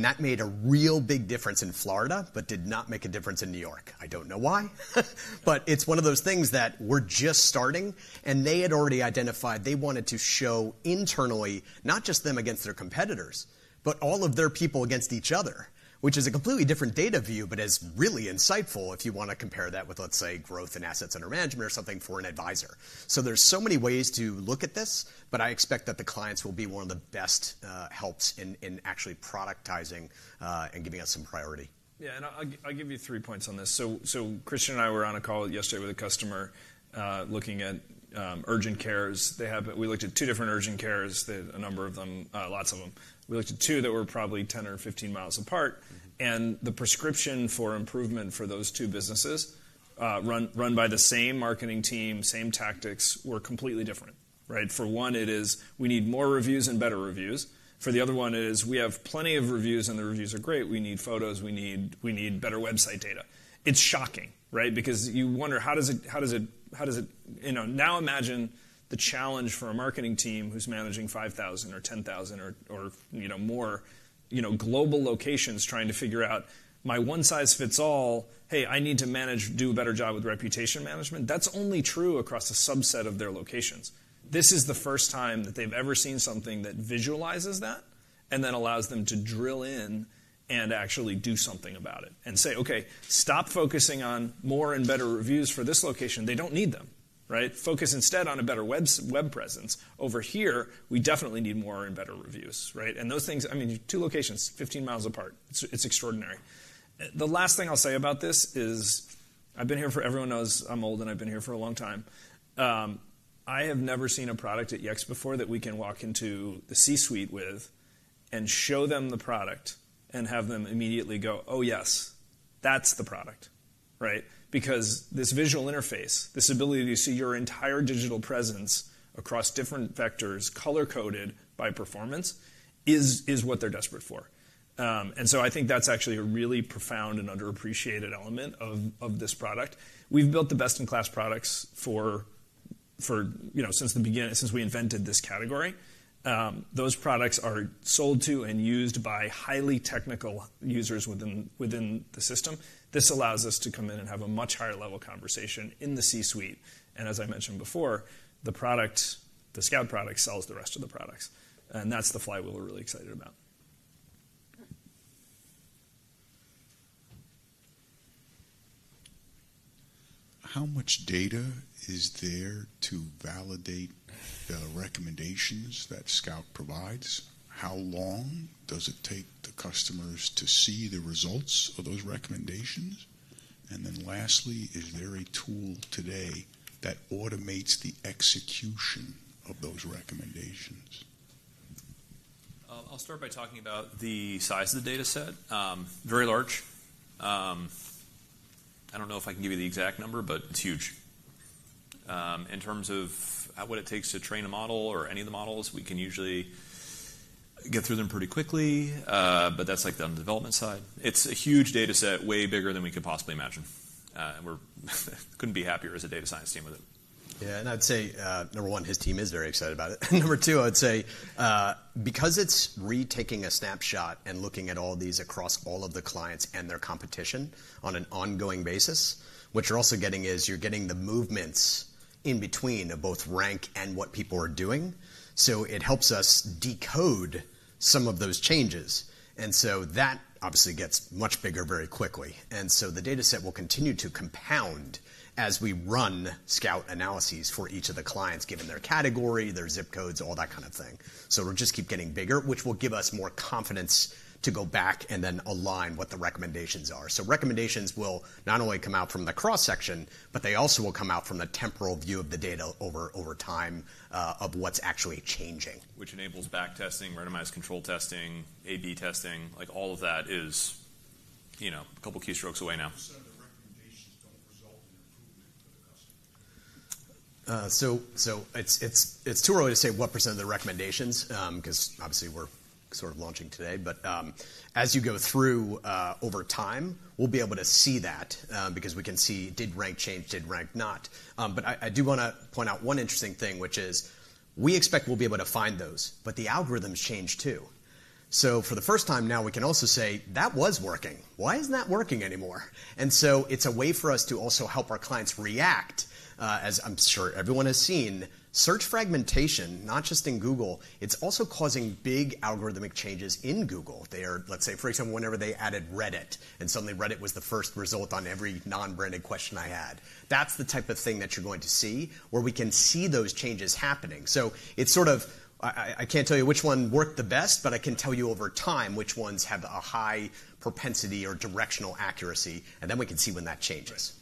That made a real big difference in Florida, but did not make a difference in New York. I do not know why. It is one of those things that we are just starting. They had already identified they wanted to show internally, not just them against their competitors, but all of their people against each other, which is a completely different data view, but is really insightful if you want to compare that with, let's say, growth in assets under management or something for an advisor. There are so many ways to look at this. I expect that the clients will be one of the best helps in actually productizing and giving us some priority. Yeah, I'll give you three points on this. Christian and I were on a call yesterday with a customer looking at urgent cares. We looked at two different urgent cares, a number of them, lots of them. We looked at two that were probably 10 mi or 15 mi apart. The prescription for improvement for those two businesses run by the same marketing team, same tactics, were completely different. For one, it is we need more reviews and better reviews. For the other one, it is we have plenty of reviews, and the reviews are great. We need photos. We need better website data. It's shocking, right? Because you wonder, how does it now imagine the challenge for a marketing team who's managing 5,000 or 10,000 or more global locations trying to figure out my one size fits all, hey, I need to manage do a better job with reputation management? That's only true across a subset of their locations. This is the first time that they've ever seen something that visualizes that and then allows them to drill in and actually do something about it and say, ok, stop focusing on more and better reviews for this location. They don't need them. Focus instead on a better web presence. Over here, we definitely need more and better reviews. And those things, I mean, two locations, 15 mi apart. It's extraordinary. The last thing I'll say about this is I've been here for everyone knows I'm old, and I've been here for a long time. I have never seen a product at Yext before that we can walk into the C-suite with and show them the product and have them immediately go, oh, yes, that's the product. This visual interface, this ability to see your entire digital presence across different vectors, color-coded by performance, is what they're desperate for. I think that's actually a really profound and underappreciated element of this product. We've built the best-in-class products since we invented this category. Those products are sold to and used by highly technical users within the system. This allows us to come in and have a much higher level conversation in the C-suite. As I mentioned before, the Scout product sells the rest of the products. That's the flywheel we're really excited about. How much data is there to validate the recommendations that Scout provides? How long does it take the customers to see the results of those recommendations? Lastly, is there a tool today that automates the execution of those recommendations? I'll start by talking about the size of the data set. Very large. I don't know if I can give you the exact number, but it's huge. In terms of what it takes to train a model or any of the models, we can usually get through them pretty quickly. That's like the development side. It's a huge data set, way bigger than we could possibly imagine. We couldn't be happier as a data science team with it. Yeah, and I'd say, number one, his team is very excited about it. Number two, I would say, because it's retaking a snapshot and looking at all these across all of the clients and their competition on an ongoing basis, what you're also getting is you're getting the movements in between of both rank and what people are doing. It helps us decode some of those changes. That obviously gets much bigger very quickly. The data set will continue to compound as we run Scout analyses for each of the clients, given their category, their zip codes, all that kind of thing. It will just keep getting bigger, which will give us more confidence to go back and then align what the recommendations are. Recommendations will not only come out from the cross-section, but they also will come out from the temporal view of the data over time of what's actually changing. Which enables back testing, randomized control testing, A/B testing. All of that is a couple of keystrokes away now. [percent] of the recommendations do not result in improvement for the customer. It is too early to say what % of the recommendations, because obviously we are sort of launching today. As you go through over time, we will be able to see that because we can see did rank change, did rank not. I do want to point out one interesting thing, which is we expect we will be able to find those. The algorithms change, too. For the first time now, we can also say, that was working. Why is not that working anymore? It is a way for us to also help our clients react. As I am sure everyone has seen, search fragmentation, not just in Google, is also causing big algorithmic changes in Google. Let's say, for example, whenever they added Reddit, and suddenly Reddit was the first result on every non-branded question I had. That's the type of thing that you're going to see where we can see those changes happening. It's sort of I can't tell you which one worked the best, but I can tell you over time which ones have a high propensity or directional accuracy. We can see when that changes.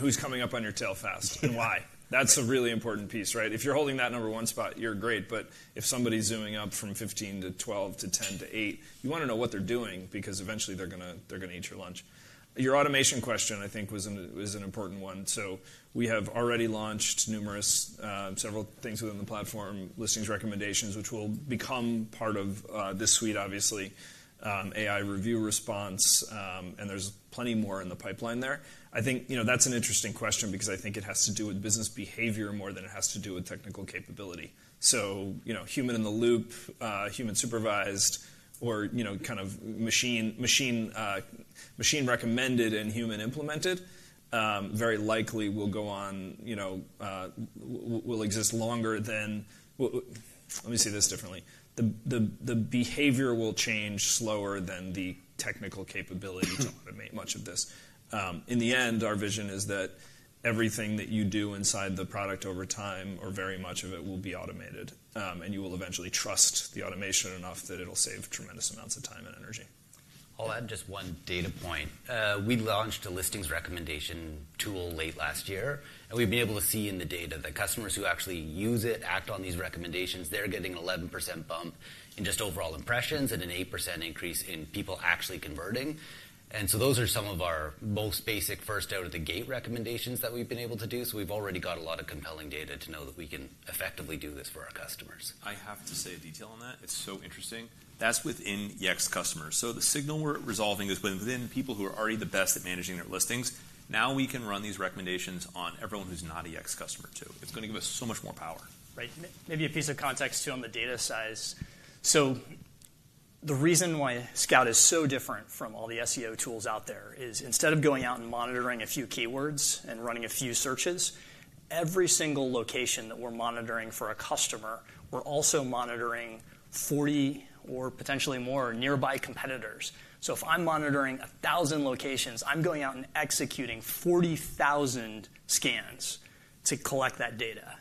Who's coming up on your tail fast and why. That's a really important piece. If you're holding that number one spot, you're great. If somebody's zooming up from 15-12 to 10-8, you want to know what they're doing because eventually they're going to eat your lunch. Your automation question, I think, was an important one. We have already launched several things within the platform, listings recommendations, which will become part of this suite, obviously, AI review response. There's plenty more in the pipeline there. I think that's an interesting question because I think it has to do with business behavior more than it has to do with technical capability. Human in the loop, human supervised, or kind of machine recommended and human implemented very likely will exist longer than, let me see this differently, the behavior will change slower than the technical capability to automate much of this. In the end, our vision is that everything that you do inside the product over time, or very much of it, will be automated. You will eventually trust the automation enough that it'll save tremendous amounts of time and energy. I'll add just one data point. We launched a listings recommendation tool late last year. We have been able to see in the data that customers who actually use it, act on these recommendations, they are getting an 11% bump in just overall impressions and an 8% increase in people actually converting. Those are some of our most basic first out of the gate recommendations that we have been able to do. We have already got a lot of compelling data to know that we can effectively do this for our customers. I have to say a detail on that. It is so interesting. That is within Yext customers. The signal we are resolving has been within people who are already the best at managing their listings. Now we can run these recommendations on everyone who is not a Yext customer, too. It is going to give us so much more power. Right. Maybe a piece of context, too, on the data size. The reason why Scout is so different from all the SEO tools out there is instead of going out and monitoring a few keywords and running a few searches, every single location that we're monitoring for a customer, we're also monitoring 40 or potentially more nearby competitors. If I'm monitoring 1,000 locations, I'm going out and executing 40,000 scans to collect that data.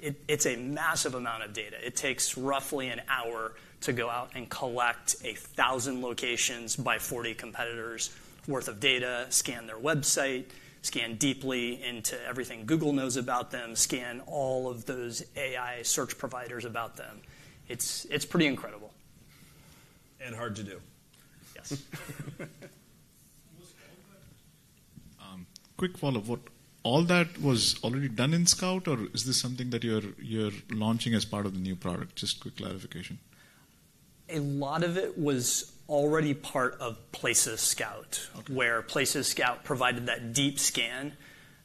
It's a massive amount of data. It takes roughly an hour to go out and collect 1,000 locations by 40 competitors worth of data, scan their website, scan deeply into everything Google knows about them, scan all of those AI search providers about them. It's pretty incredible. Hard to do. Yes. Quick follow-up. All that was already done in Scout, or is this something that you're launching as part of the new product? Just quick clarification. A lot of it was already part of Places Scout, where Places Scout provided that deep scan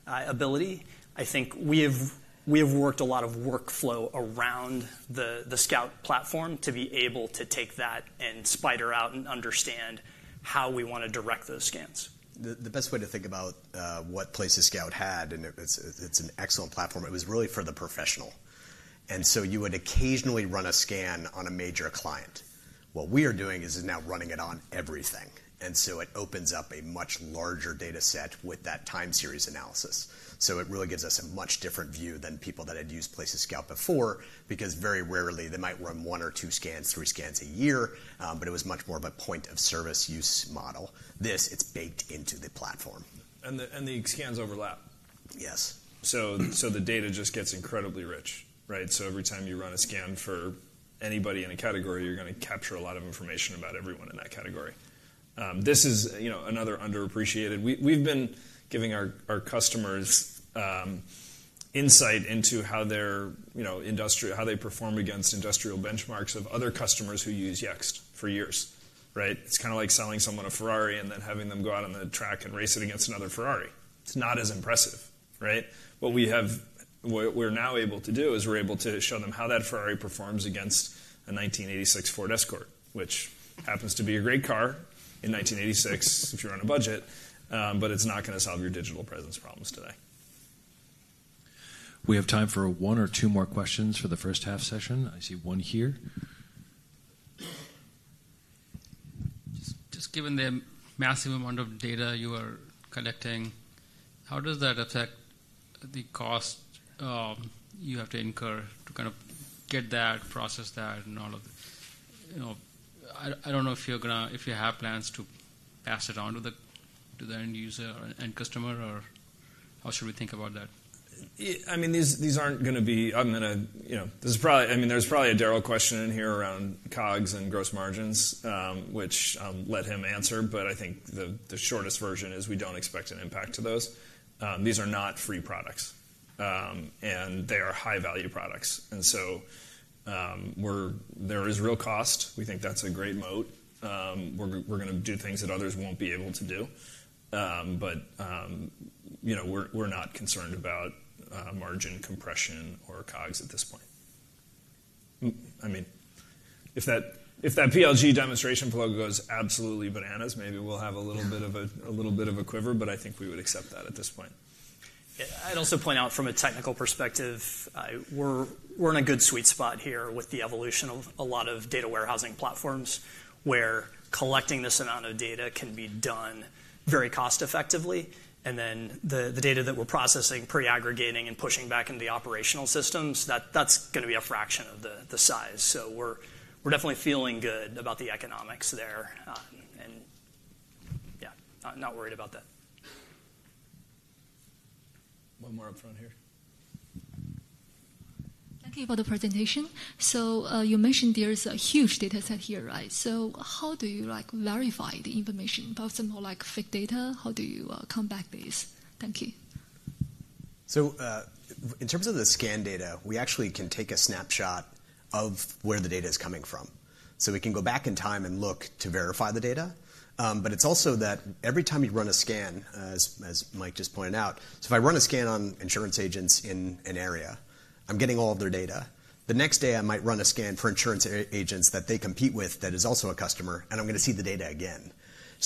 ability. I think we have worked a lot of workflow around the Scout platform to be able to take that and spider out and understand how we want to direct those scans. The best way to think about what Places Scout had, and it's an excellent platform, it was really for the professional. You would occasionally run a scan on a major client. What we are doing is now running it on everything. It opens up a much larger data set with that time series analysis. It really gives us a much different view than people that had used Places Scout before, because very rarely they might run one or two scans, three scans a year. It was much more of a point-of-service use model. This, it's baked into the platform. The scans overlap. Yes. The data just gets incredibly rich. Every time you run a scan for anybody in a category, you're going to capture a lot of information about everyone in that category. This is another underappreciated. We've been giving our customers insight into how they perform against industrial benchmarks of other customers who use Yext for years. It's kind of like selling someone a Ferrari and then having them go out on the track and race it against another Ferrari. It's not as impressive. What we're now able to do is we're able to show them how that Ferrari performs against a 1986 Ford Escort, which happens to be a great car in 1986 if you're on a budget. But it's not going to solve your digital presence problems today. We have time for one or two more questions for the first half session. I see one here. Just given the massive amount of data you are collecting, how does that affect the cost you have to incur to kind of get that, process that, and all of it? I don't know if you have plans to pass it on to the end user and customer, or how should we think about that? I mean, these aren't going to be I mean, that's probably a Darryl question in here around COGS and gross margins, which let him answer. I think the shortest version is we don't expect an impact to those. These are not free products. And they are high-value products. There is real cost. We think that's a great moat. We're going to do things that others won't be able to do. But we're not concerned about margin compression or COGS at this point. I mean, if that PLG demonstration flow goes absolutely bananas, maybe we'll have a little bit of a quiver. But I think we would accept that at this point. I'd also point out from a technical perspective, we're in a good sweet spot here with the evolution of a lot of data warehousing platforms, where collecting this amount of data can be done very cost-effectively. And then the data that we're processing, pre-aggregating, and pushing back into the operational systems, that's going to be a fraction of the size. So we're definitely feeling good about the economics there. And yeah, not worried about that. One more up front here. Thank you for the presentation. So you mentioned there's a huge data set here. How do you verify the information? For example, like fake data, how do you combat this? Thank you. In terms of the scan data, we actually can take a snapshot of where the data is coming from. We can go back in time and look to verify the data. It's also that every time you run a scan, as Mike just pointed out, if I run a scan on insurance agents in an area, I'm getting all of their data. The next day, I might run a scan for insurance agents that they compete with that is also a customer. I'm going to see the data again.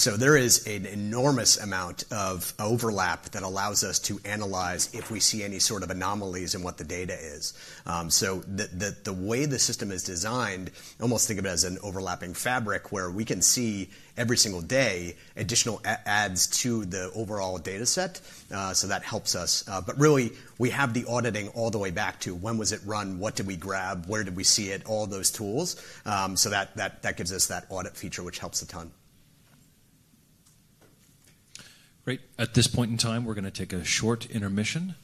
There is an enormous amount of overlap that allows us to analyze if we see any sort of anomalies in what the data is. The way the system is designed, almost think of it as an overlapping fabric, where we can see every single day additional adds to the overall data set. That helps us. Really, we have the auditing all the way back to when was it run, what did we grab, where did we see it, all those tools. That gives us that audit feature, which helps a ton. Great. At this point in time, we're going to take a short intermission.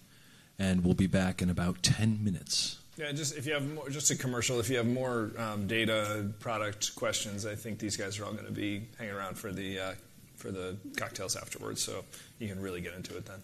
We'll be back in about 10 minutes. Yeah, just a commercial. If you have more data product questions, I think these guys are all going to be hanging around for the cocktails afterwards. You can really get into it then.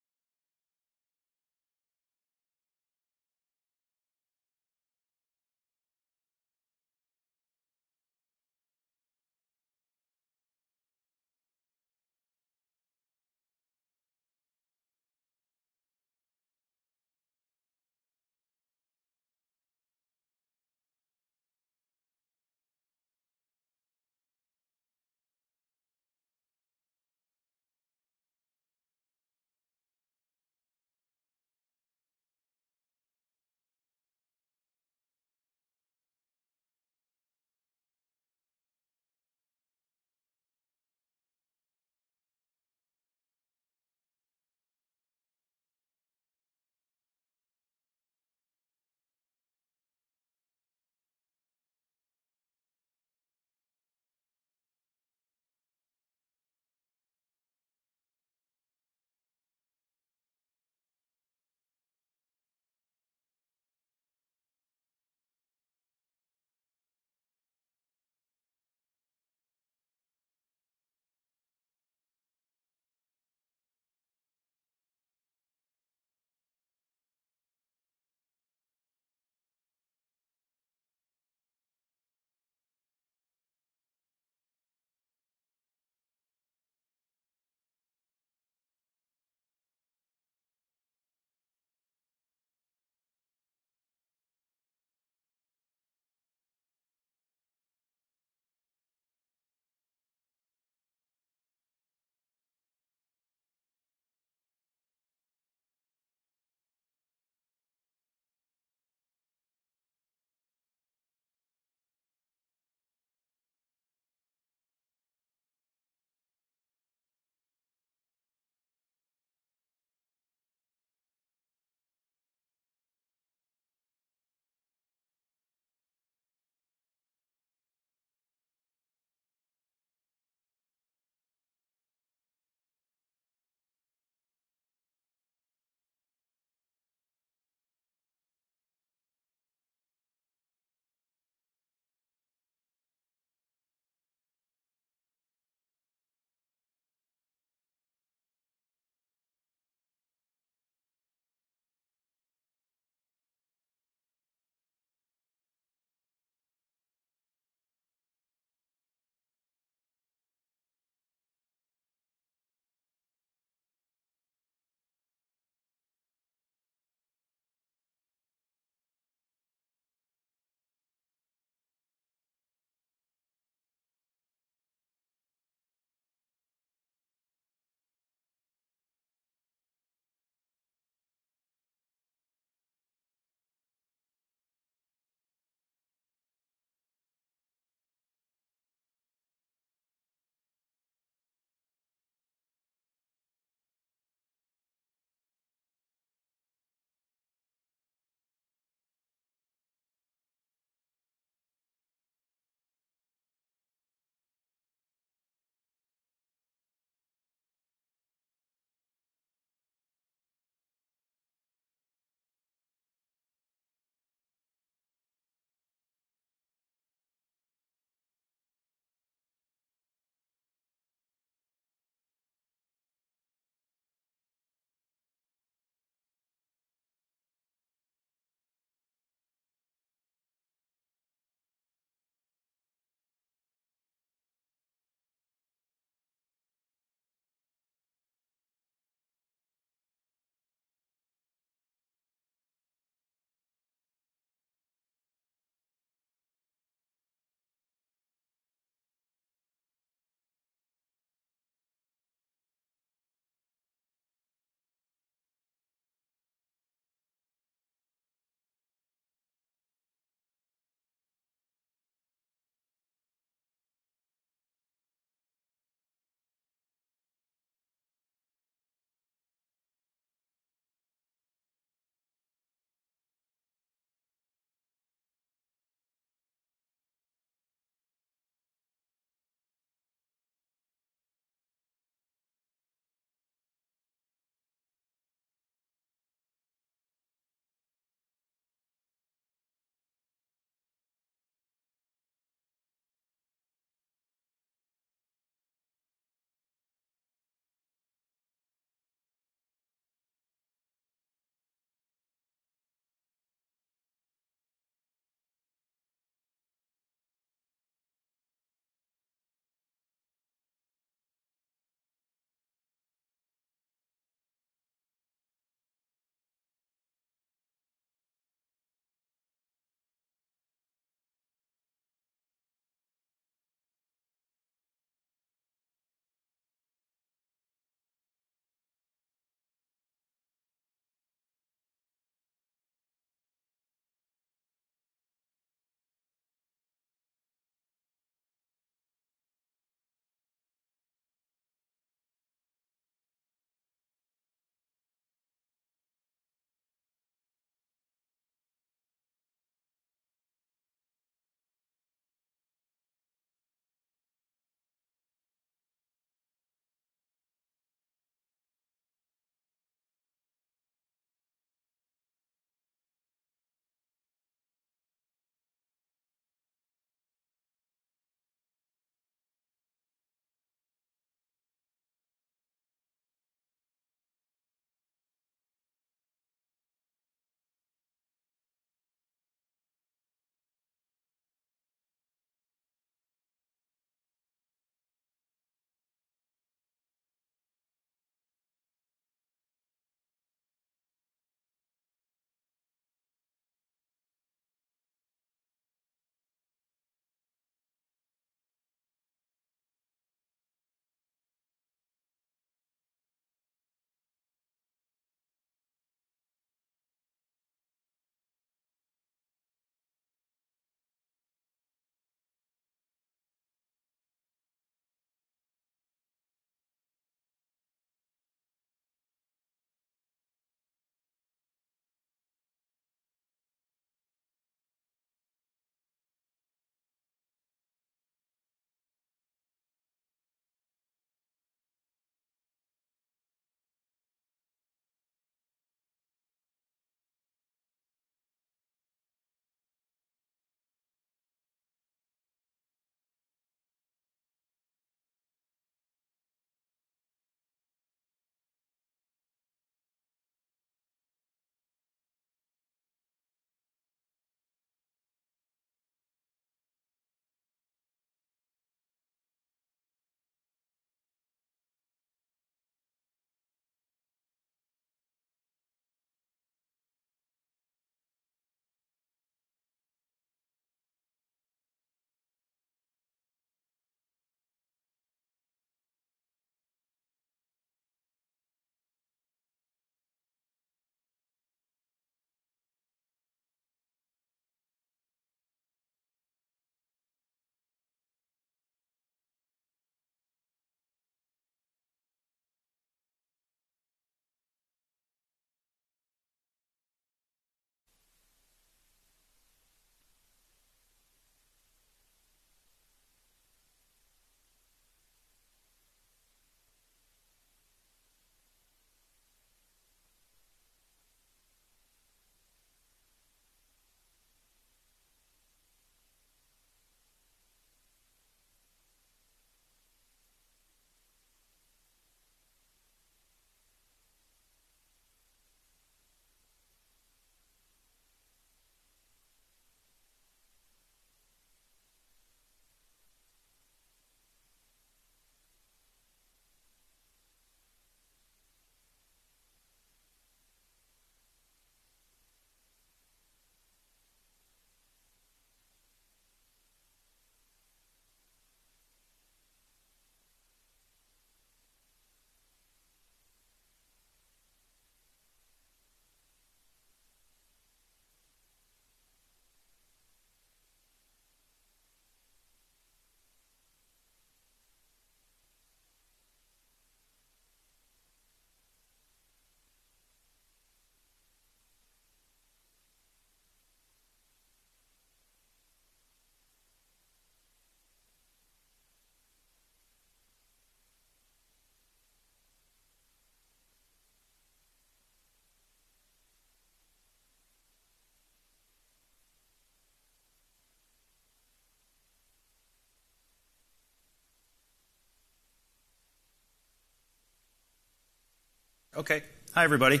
Ok. Hi, everybody.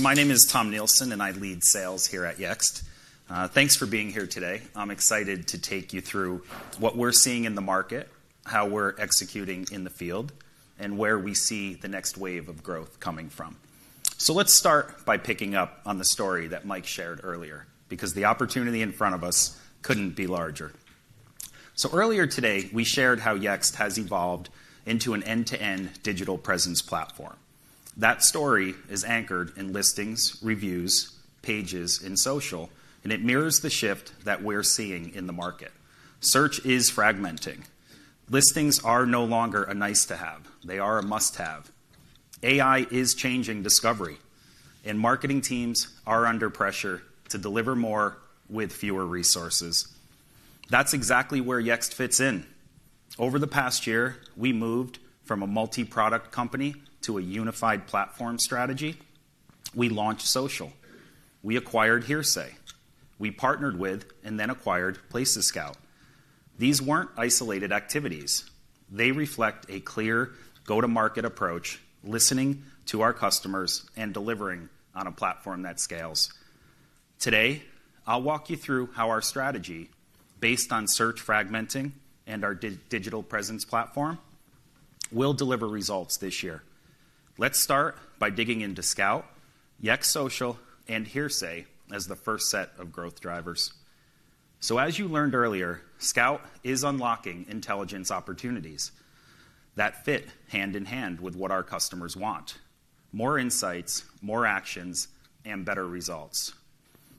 My name is Tom Nielsen, and I lead sales here at Yext. Thanks for being here today. I'm excited to take you through what we're seeing in the market, how we're executing in the field, and where we see the next wave of growth coming from. Let's start by picking up on the story that Mike shared earlier, because the opportunity in front of us couldn't be larger. Earlier today, we shared how Yext has evolved into an end-to-end digital presence platform. That story is anchored in listings, reviews, pages, and social, and it mirrors the shift that we're seeing in the market. Search is fragmenting. Listings are no longer a nice-to-have. They are a must-have. AI is changing discovery, and marketing teams are under pressure to deliver more with fewer resources. That's exactly where Yext fits in. Over the past year, we moved from a multi-product company to a unified platform strategy. We launched Social. We acquired Hearsay Systems. We partnered with and then acquired Places Scout. These were not isolated activities. They reflect a clear go-to-market approach, listening to our customers and delivering on a platform that scales. Today, I'll walk you through how our strategy, based on search fragmenting and our digital presence platform, will deliver results this year. Let's start by digging into Scout, Yext Social, and Hearsay Systems as the first set of growth drivers. As you learned earlier, Scout is unlocking intelligence opportunities that fit hand in hand with what our customers want: more insights, more actions, and better results.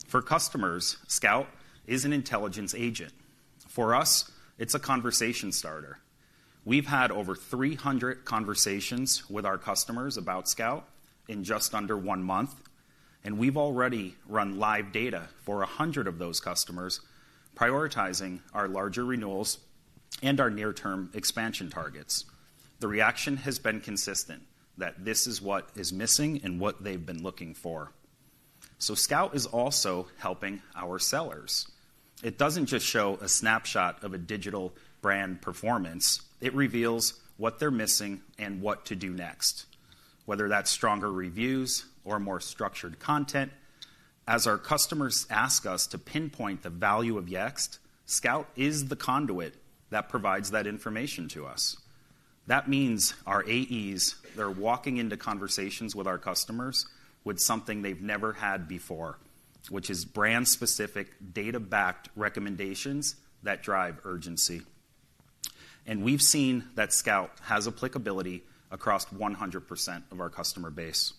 For customers, Scout is an intelligence agent. For us, it's a conversation starter. We've had over 300 conversations with our customers about Scout in just under one month, and we've already run live data for 100 of those customers, prioritizing our larger renewals and our near-term expansion targets. The reaction has been consistent that this is what is missing and what they've been looking for. Scout is also helping our sellers. It doesn't just show a snapshot of a digital brand performance. It reveals what they're missing and what to do next, whether that's stronger reviews or more structured content. As our customers ask us to pinpoint the value of Yext, Scout is the conduit that provides that information to us. That means our AEs, they're walking into conversations with our customers with something they've never had before, which is brand-specific, data-backed recommendations that drive urgency. We've seen that Scout has applicability across 100% of our customer base.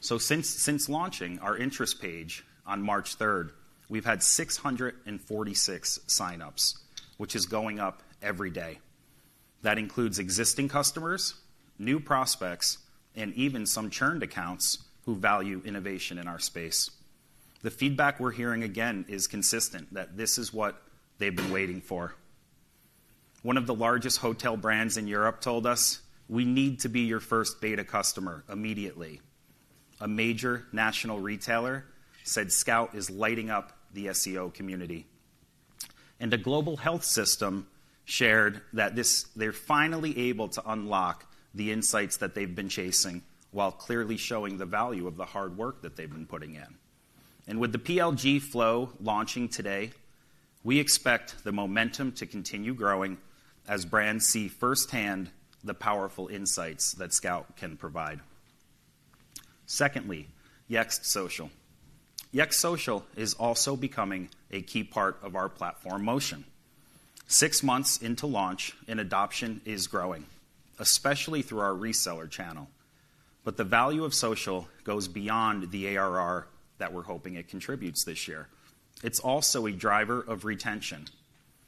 Since launching our interest page on March 3rd, we've had 646 sign-ups, which is going up every day. That includes existing customers, new prospects, and even some churned accounts who value innovation in our space. The feedback we're hearing again is consistent that this is what they've been waiting for. One of the largest hotel brands in Europe told us, "We need to be your first beta customer immediately." A major national retailer said Scout is lighting up the SEO community. The Global Health System shared that they're finally able to unlock the insights that they've been chasing while clearly showing the value of the hard work that they've been putting in. With the PLG flow launching today, we expect the momentum to continue growing as brands see firsthand the powerful insights that Scout can provide. Secondly, Yext Social. Yext Social is also becoming a key part of our platform motion. Six months into launch, and adoption is growing, especially through our reseller channel. The value of social goes beyond the ARR that we're hoping it contributes this year. It's also a driver of retention.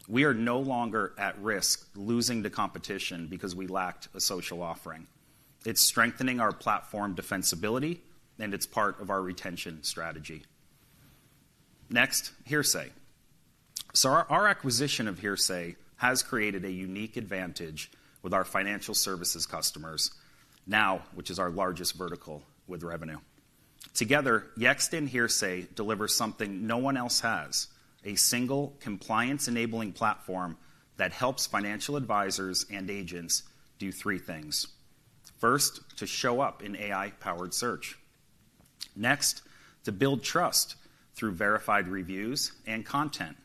We are no longer at risk losing to competition because we lacked a social offering. It's strengthening our platform defensibility, and it's part of our retention strategy. Next, Hearsay Systems. Our acquisition of Hearsay Systems has created a unique advantage with our financial services customers now, which is our largest vertical with revenue. Together, Yext and Hearsay Systems deliver something no one else has: a single compliance-enabling platform that helps financial advisors and agents do three things. First, to show up in AI-powered search. Next, to build trust through verified reviews and content.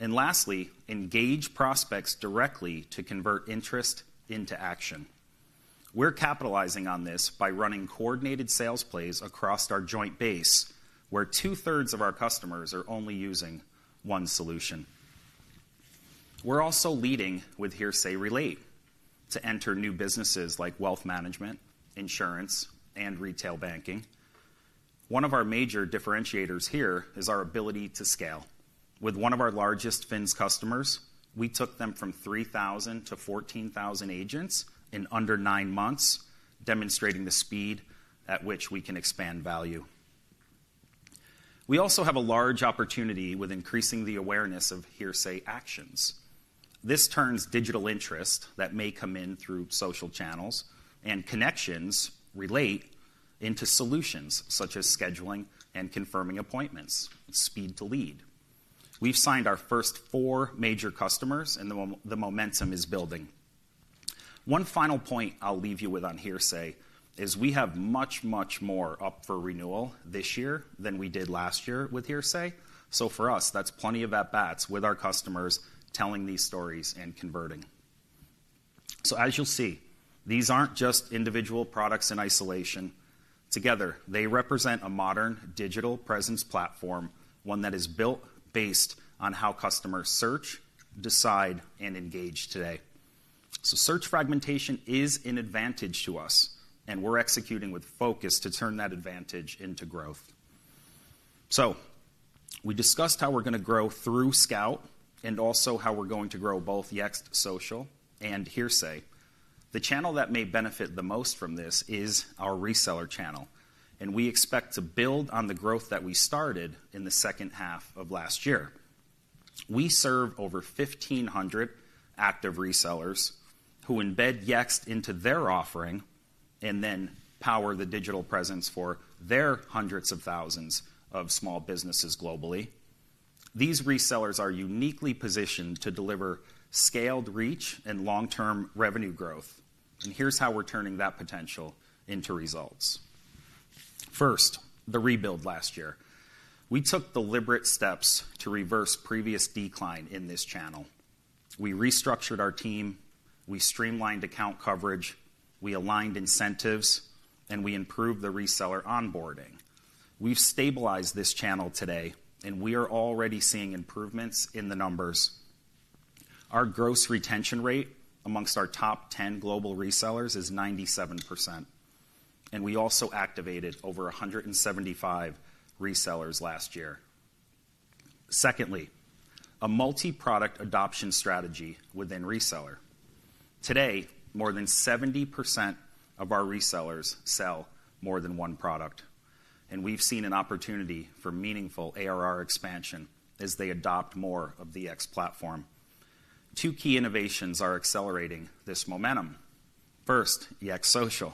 Lastly, engage prospects directly to convert interest into action. We're capitalizing on this by running coordinated sales plays across our joint base, where two-thirds of our customers are only using one solution. We're also leading with Hearsay Relate to enter new businesses like wealth management, insurance, and retail banking. One of our major differentiators here is our ability to scale. With one of our largest FINS customers, we took them from 3,000-14,000 agents in under nine months, demonstrating the speed at which we can expand value. We also have a large opportunity with increasing the awareness of Hearsay Actions. This turns digital interest that may come in through social channels and connections relate into solutions such as scheduling and confirming appointments, speed to lead. We've signed our first four major customers, and the momentum is building. One final point I'll leave you with on Hearsay Systems is we have much, much more up for renewal this year than we did last year with Hearsay Systems. For us, that's plenty of at-bats with our customers telling these stories and converting. As you'll see, these aren't just individual products in isolation. Together, they represent a modern digital presence platform, one that is built based on how customers search, decide, and engage today. Search fragmentation is an advantage to us, and we're executing with focus to turn that advantage into growth. We discussed how we're going to grow through Scout and also how we're going to grow both Yext Social and Hearsay Systems. The channel that may benefit the most from this is our reseller channel, and we expect to build on the growth that we started in the second half of last year. We serve over 1,500 active resellers who embed Yext into their offering and then power the digital presence for their hundreds of thousands of small businesses globally. These resellers are uniquely positioned to deliver scaled reach and long-term revenue growth. Here is how we are turning that potential into results. First, the rebuild last year. We took deliberate steps to reverse previous decline in this channel. We restructured our team. We streamlined account coverage. We aligned incentives, and we improved the reseller onboarding. We have stabilized this channel today, and we are already seeing improvements in the numbers. Our gross retention rate amongst our top 10 global resellers is 97%. We also activated over 175 resellers last year. Secondly, a multi-product adoption strategy within reseller. Today, more than 70% of our resellers sell more than one product. We have seen an opportunity for meaningful ARR expansion as they adopt more of the Yext platform. Two key innovations are accelerating this momentum. First, Yext Social.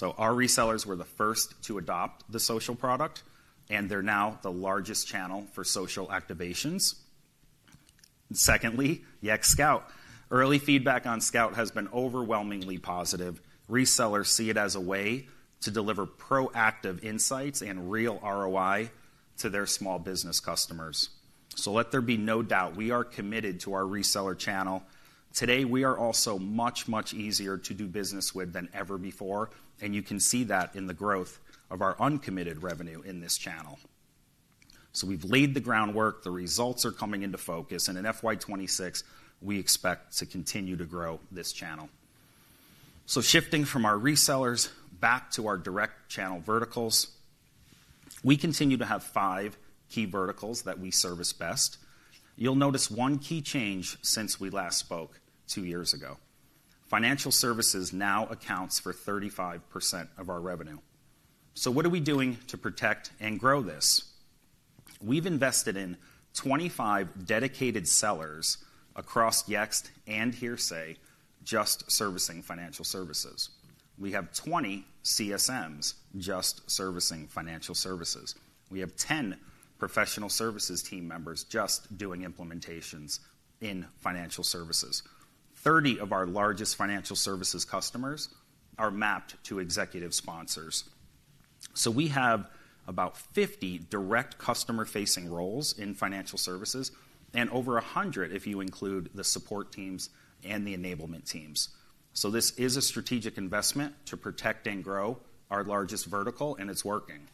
Our resellers were the first to adopt the social product, and they are now the largest channel for social activations. Secondly, Yext Scout. Early feedback on Scout has been overwhelmingly positive. Resellers see it as a way to deliver proactive insights and real ROI to their small business customers. Let there be no doubt we are committed to our reseller channel. Today, we are also much, much easier to do business with than ever before. You can see that in the growth of our uncommitted revenue in this channel. We have laid the groundwork. The results are coming into focus. In FY 2026, we expect to continue to grow this channel. Shifting from our resellers back to our direct channel verticals, we continue to have five key verticals that we service best. You'll notice one key change since we last spoke two years ago. Financial services now accounts for 35% of our revenue. What are we doing to protect and grow this? We've invested in 25 dedicated sellers across Yext and Hearsay Systems just servicing financial services. We have 20 CSMs just servicing financial services. We have 10 professional services team members just doing implementations in financial services. Thirty of our largest financial services customers are mapped to executive sponsors. We have about 50 direct customer-facing roles in financial services and over 100 if you include the support teams and the enablement teams. This is a strategic investment to protect and grow our largest vertical, and it's working.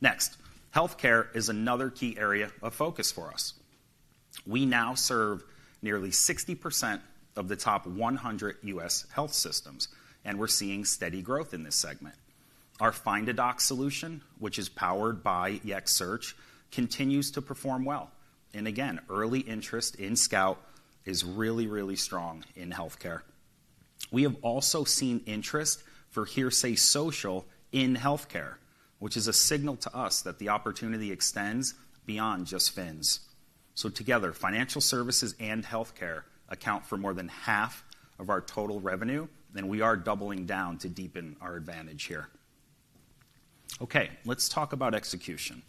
Next, health care is another key area of focus for us. We now serve nearly 60% of the top 100 U.S. health systems, and we're seeing steady growth in this segment. Our Find a Doc solution, which is powered by Yext Search, continues to perform well. Again, early interest in Scout is really, really strong in health care. We have also seen interest for Hearsay Social in health care, which is a signal to us that the opportunity extends beyond just FINS. Together, financial services and health care account for more than half of our total revenue, and we are doubling down to deepen our advantage here. Okay, let's talk about execution.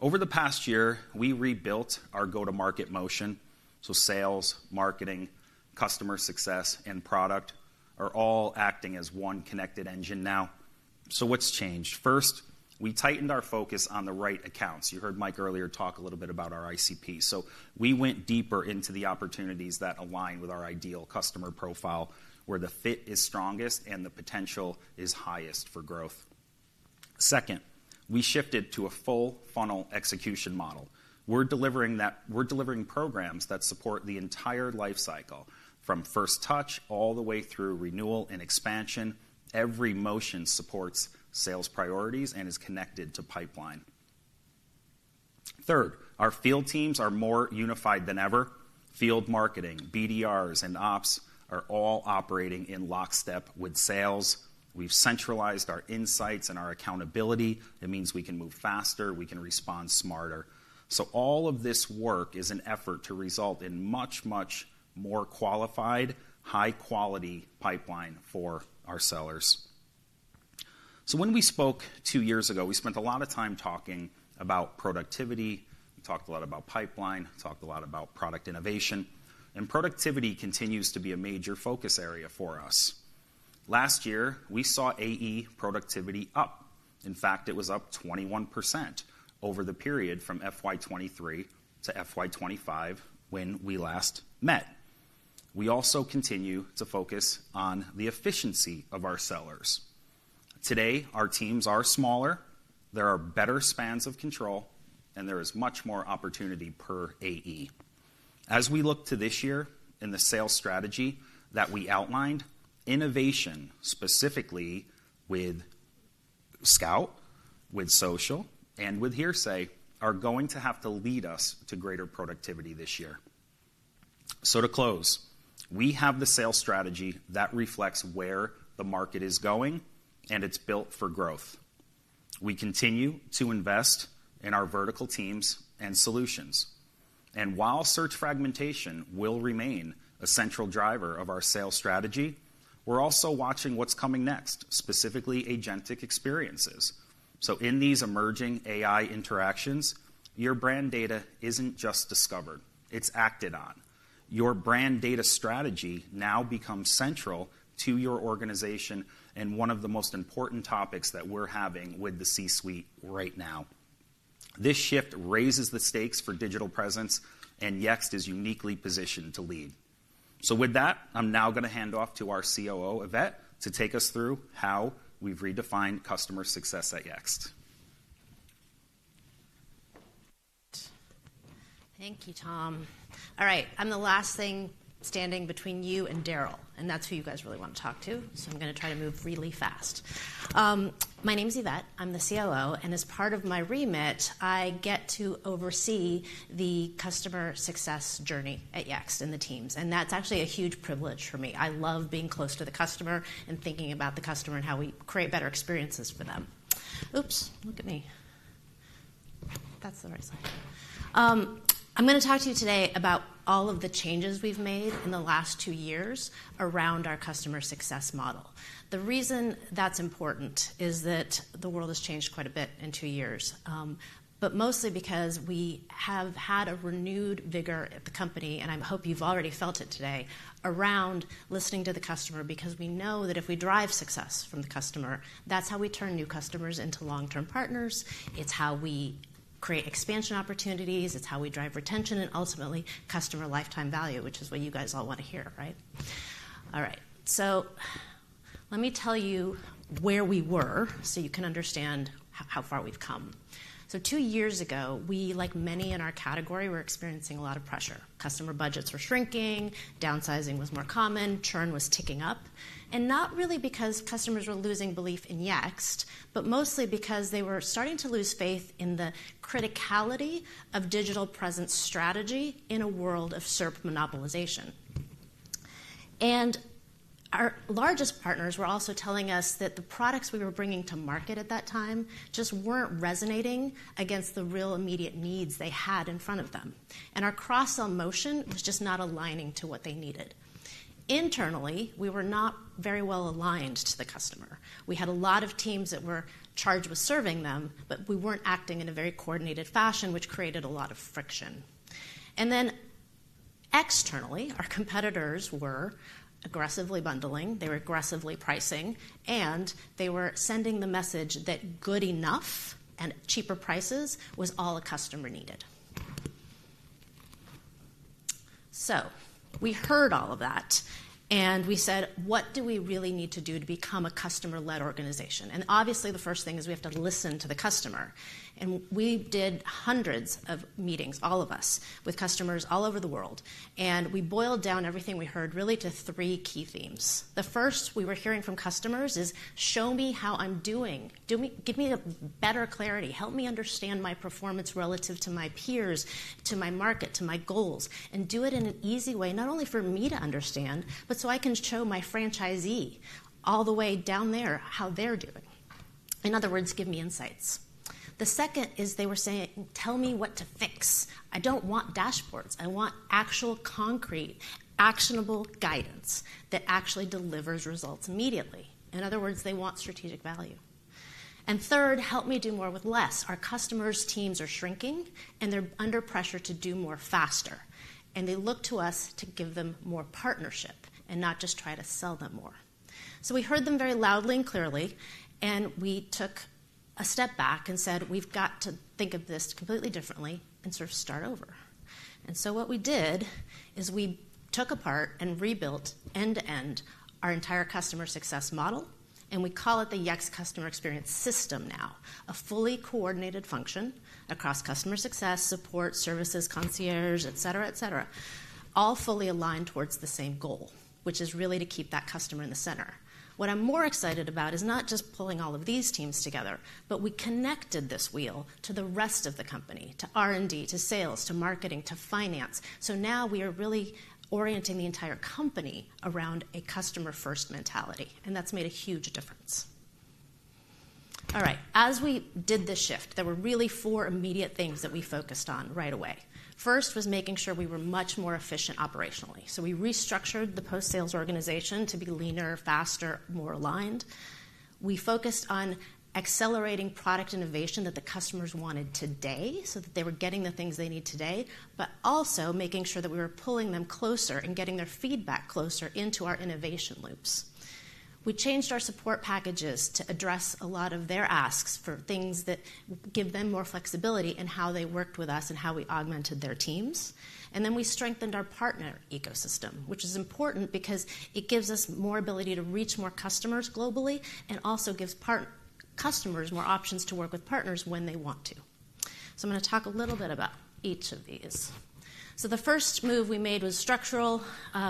Over the past year, we rebuilt our go-to-market motion. Sales, marketing, customer success, and product are all acting as one connected engine now. What's changed? First, we tightened our focus on the right accounts. You heard Mike earlier talk a little bit about our ICP. We went deeper into the opportunities that align with our ideal customer profile, where the fit is strongest and the potential is highest for growth. Second, we shifted to a full funnel execution model. We're delivering programs that support the entire life cycle, from first touch all the way through renewal and expansion. Every motion supports sales priorities and is connected to pipeline. Third, our field teams are more unified than ever. Field marketing, BDRs, and Ops are all operating in lockstep with sales. We've centralized our insights and our accountability. It means we can move faster. We can respond smarter. All of this work is an effort to result in much, much more qualified, high-quality pipeline for our sellers. When we spoke two years ago, we spent a lot of time talking about productivity. We talked a lot about pipeline. We talked a lot about product innovation. Productivity continues to be a major focus area for us. Last year, we saw AE productivity up. In fact, it was up 21% over the period from FY 2023-FY 2025 when we last met. We also continue to focus on the efficiency of our sellers. Today, our teams are smaller. There are better spans of control, and there is much more opportunity per AE. As we look to this year in the sales strategy that we outlined, innovation specifically with Scout, with Social, and with Hearsay Systems are going to have to lead us to greater productivity this year. To close, we have the sales strategy that reflects where the market is going, and it's built for growth. We continue to invest in our vertical teams and solutions. While search fragmentation will remain a central driver of our sales strategy, we're also watching what's coming next, specifically agentic experiences. In these emerging AI interactions, your brand data isn't just discovered. It's acted on. Your brand data strategy now becomes central to your organization and one of the most important topics that we're having with the C-suite right now. This shift raises the stakes for digital presence, and Yext is uniquely positioned to lead. With that, I'm now going to hand off to our COO, Yvette, to take us through how we've redefined customer success at Yext. Thank you, Tom. All right, I'm the last thing standing between you and Darryl, and that's who you guys really want to talk to. I'm going to try to move really fast. My name is Yvette. I'm the COO, and as part of my remit, I get to oversee the customer success journey at Yext and the teams. That's actually a huge privilege for me. I love being close to the customer and thinking about the customer and how we create better experiences for them. Oops, look at me. That's the right side. I'm going to talk to you today about all of the changes we've made in the last two years around our customer success model. The reason that's important is that the world has changed quite a bit in two years, mostly because we have had a renewed vigor at the company, and I hope you've already felt it today, around listening to the customer, because we know that if we drive success from the customer, that's how we turn new customers into long-term partners. It's how we create expansion opportunities. It's how we drive retention and ultimately customer lifetime value, which is what you guys all want to hear, right? All right. Let me tell you where we were so you can understand how far we've come. Two years ago, we, like many in our category, were experiencing a lot of pressure. Customer budgets were shrinking. Downsizing was more common. Churn was ticking up. Not really because customers were losing belief in Yext, but mostly because they were starting to lose faith in the criticality of digital presence strategy in a world of SERP monopolization. Our largest partners were also telling us that the products we were bringing to market at that time just were not resonating against the real immediate needs they had in front of them. Our cross-sell motion was just not aligning to what they needed. Internally, we were not very well aligned to the customer. We had a lot of teams that were charged with serving them, but we were not acting in a very coordinated fashion, which created a lot of friction. Externally, our competitors were aggressively bundling. They were aggressively pricing, and they were sending the message that good enough and cheaper prices was all a customer needed. We heard all of that, and we said, "What do we really need to do to become a customer-led organization?" Obviously, the first thing is we have to listen to the customer. We did hundreds of meetings, all of us, with customers all over the world. We boiled down everything we heard really to three key themes. The first we were hearing from customers is, "Show me how I'm doing. Give me better clarity. Help me understand my performance relative to my peers, to my market, to my goals. Do it in an easy way, not only for me to understand, but so I can show my franchisee all the way down there how they're doing. In other words, give me insights. The second is they were saying, "Tell me what to fix. I don't want dashboards. I want actual concrete, actionable guidance that actually delivers results immediately." In other words, they want strategic value. Third, help me do more with less. Our customers' teams are shrinking, and they're under pressure to do more faster. They look to us to give them more partnership and not just try to sell them more. We heard them very loudly and clearly, and we took a step back and said, "We've got to think of this completely differently and sort of start over." What we did is we took apart and rebuilt end-to-end our entire customer success model, and we call it the Yext Customer Experience System now, a fully coordinated function across customer success, support, services, concierge, etc., etc., all fully aligned towards the same goal, which is really to keep that customer in the center. What I'm more excited about is not just pulling all of these teams together, but we connected this wheel to the rest of the company, to R&D, to sales, to marketing, to finance. Now we are really orienting the entire company around a customer-first mentality, and that's made a huge difference. All right, as we did this shift, there were really four immediate things that we focused on right away. First was making sure we were much more efficient operationally. We restructured the post-sales organization to be leaner, faster, more aligned. We focused on accelerating product innovation that the customers wanted today so that they were getting the things they need today, but also making sure that we were pulling them closer and getting their feedback closer into our innovation loops. We changed our support packages to address a lot of their asks for things that give them more flexibility in how they worked with us and how we augmented their teams. We strengthened our partner ecosystem, which is important because it gives us more ability to reach more customers globally and also gives customers more options to work with partners when they want to. I'm going to talk a little bit about each of these. The first move we made was structural.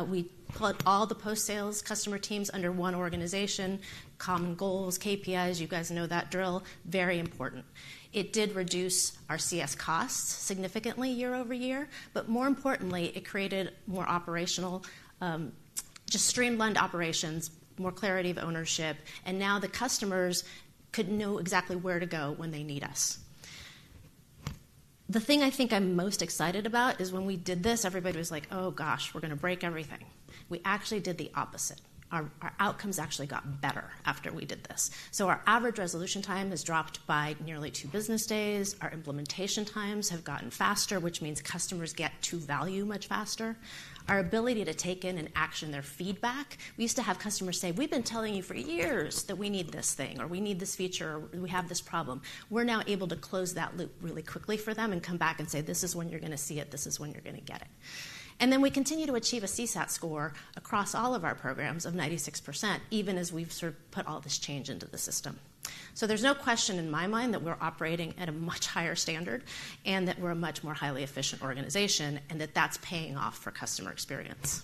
We put all the post-sales customer teams under one organization. Common goals, KPIs, you guys know that drill, very important. It did reduce our CS costs significantly year over year, but more importantly, it created more operational, just streamlined operations, more clarity of ownership, and now the customers could know exactly where to go when they need us. The thing I think I'm most excited about is when we did this, everybody was like, "Oh gosh, we're going to break everything." We actually did the opposite. Our outcomes actually got better after we did this. Our average resolution time has dropped by nearly two business days. Our implementation times have gotten faster, which means customers get to value much faster. Our ability to take in and action their feedback. We used to have customers say, "We've been telling you for years that we need this thing or we need this feature or we have this problem." We're now able to close that loop really quickly for them and come back and say, "This is when you're going to see it. This is when you're going to get it." We continue to achieve a CSAT score across all of our programs of 96%, even as we've sort of put all this change into the system. There's no question in my mind that we're operating at a much higher standard and that we're a much more highly efficient organization and that that's paying off for customer experience.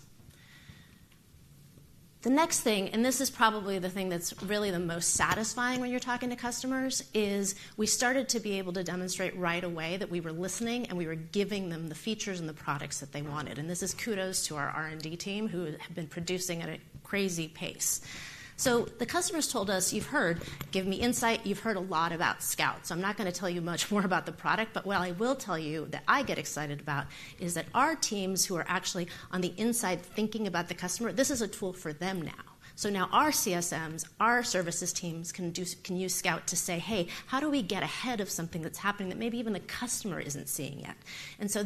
The next thing, and this is probably the thing that's really the most satisfying when you're talking to customers, is we started to be able to demonstrate right away that we were listening and we were giving them the features and the products that they wanted. This is kudos to our R&D team who have been producing at a crazy pace. The customers told us, "You've heard, give me insight. You've heard a lot about Scout. I'm not going to tell you much more about the product, but what I will tell you that I get excited about is that our teams who are actually on the inside thinking about the customer, this is a tool for them now. Now our CSMs, our services teams can use Scout to say, "Hey, how do we get ahead of something that's happening that maybe even the customer isn't seeing yet?"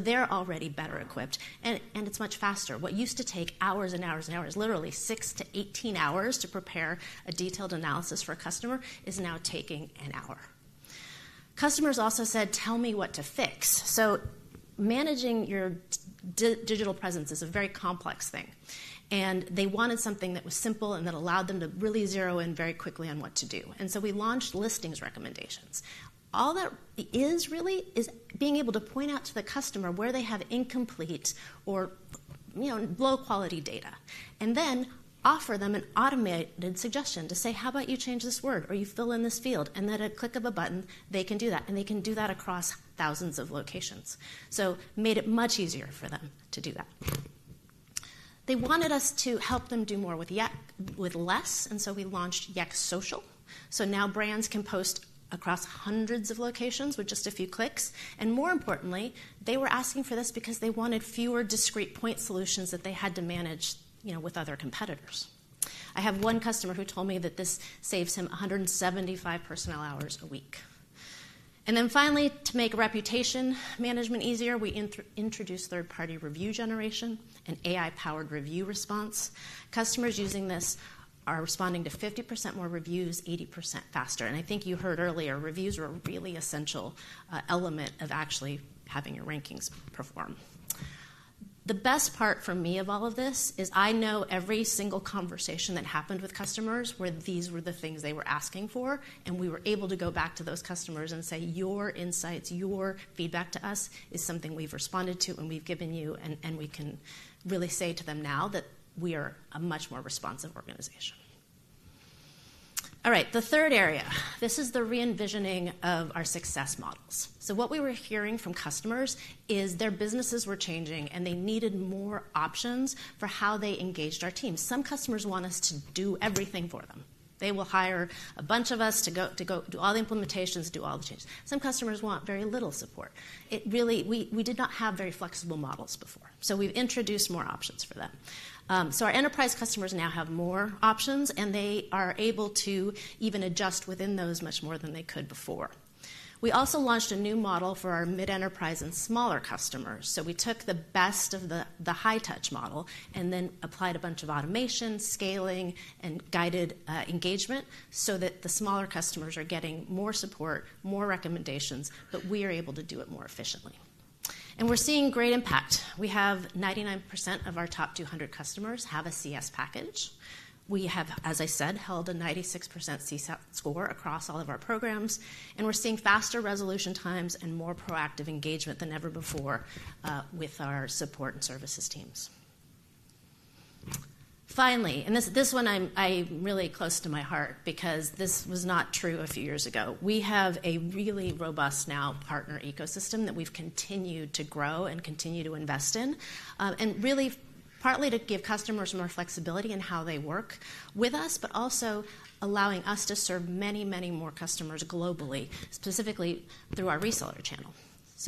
They're already better equipped, and it's much faster. What used to take hours and hours and hours, literally 6 hours-18 hours to prepare a detailed analysis for a customer, is now taking an hour. Customers also said, "Tell me what to fix." Managing your digital presence is a very complex thing, and they wanted something that was simple and that allowed them to really zero in very quickly on what to do. We launched listings recommendations. All that is really is being able to point out to the customer where they have incomplete or low-quality data and then offer them an automated suggestion to say, "How about you change this word or you fill in this field?" With a click of a button, they can do that, and they can do that across thousands of locations. It made it much easier for them to do that. They wanted us to help them do more with less, and we launched Yext Social. Now brands can post across hundreds of locations with just a few clicks. More importantly, they were asking for this because they wanted fewer discrete point solutions that they had to manage with other competitors. I have one customer who told me that this saves him 175 personnel hours a week. Finally, to make reputation management easier, we introduced third-party review generation and AI-powered review response. Customers using this are responding to 50% more reviews, 80% faster. I think you heard earlier, reviews were a really essential element of actually having your rankings perform. The best part for me of all of this is I know every single conversation that happened with customers where these were the things they were asking for, and we were able to go back to those customers and say, "Your insights, your feedback to us is something we've responded to and we've given you," and we can really say to them now that we are a much more responsive organization. All right, the third area. This is the re-envisioning of our success models. What we were hearing from customers is their businesses were changing and they needed more options for how they engaged our teams. Some customers want us to do everything for them. They will hire a bunch of us to do all the implementations, do all the changes. Some customers want very little support. We did not have very flexible models before. We have introduced more options for them. Our enterprise customers now have more options and they are able to even adjust within those much more than they could before. We also launched a new model for our mid-enterprise and smaller customers. We took the best of the high-touch model and then applied a bunch of automation, scaling, and guided engagement so that the smaller customers are getting more support, more recommendations, but we are able to do it more efficiently. We are seeing great impact. We have 99% of our top 200 customers have a CS package. We have, as I said, held a 96% CSAT score across all of our programs, and we're seeing faster resolution times and more proactive engagement than ever before with our support and services teams. Finally, and this one I'm really close to my heart because this was not true a few years ago. We have a really robust now partner ecosystem that we've continued to grow and continue to invest in, and really partly to give customers more flexibility in how they work with us, but also allowing us to serve many, many more customers globally, specifically through our reseller channel.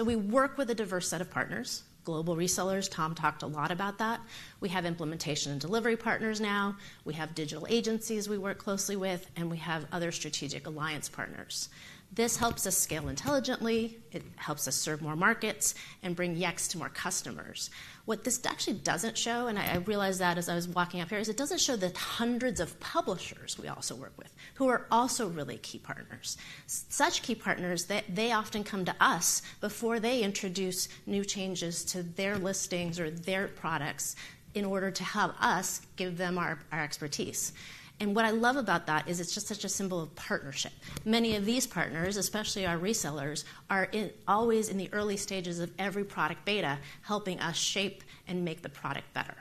We work with a diverse set of partners, global resellers. Tom talked a lot about that. We have implementation and delivery partners now. We have digital agencies we work closely with, and we have other strategic alliance partners. This helps us scale intelligently. It helps us serve more markets and bring Yext to more customers. What this actually does not show, and I realized that as I was walking up here, is it does not show the hundreds of publishers we also work with who are also really key partners. Such key partners that they often come to us before they introduce new changes to their listings or their products in order to help us give them our expertise. What I love about that is it is just such a symbol of partnership. Many of these partners, especially our resellers, are always in the early stages of every product beta, helping us shape and make the product better.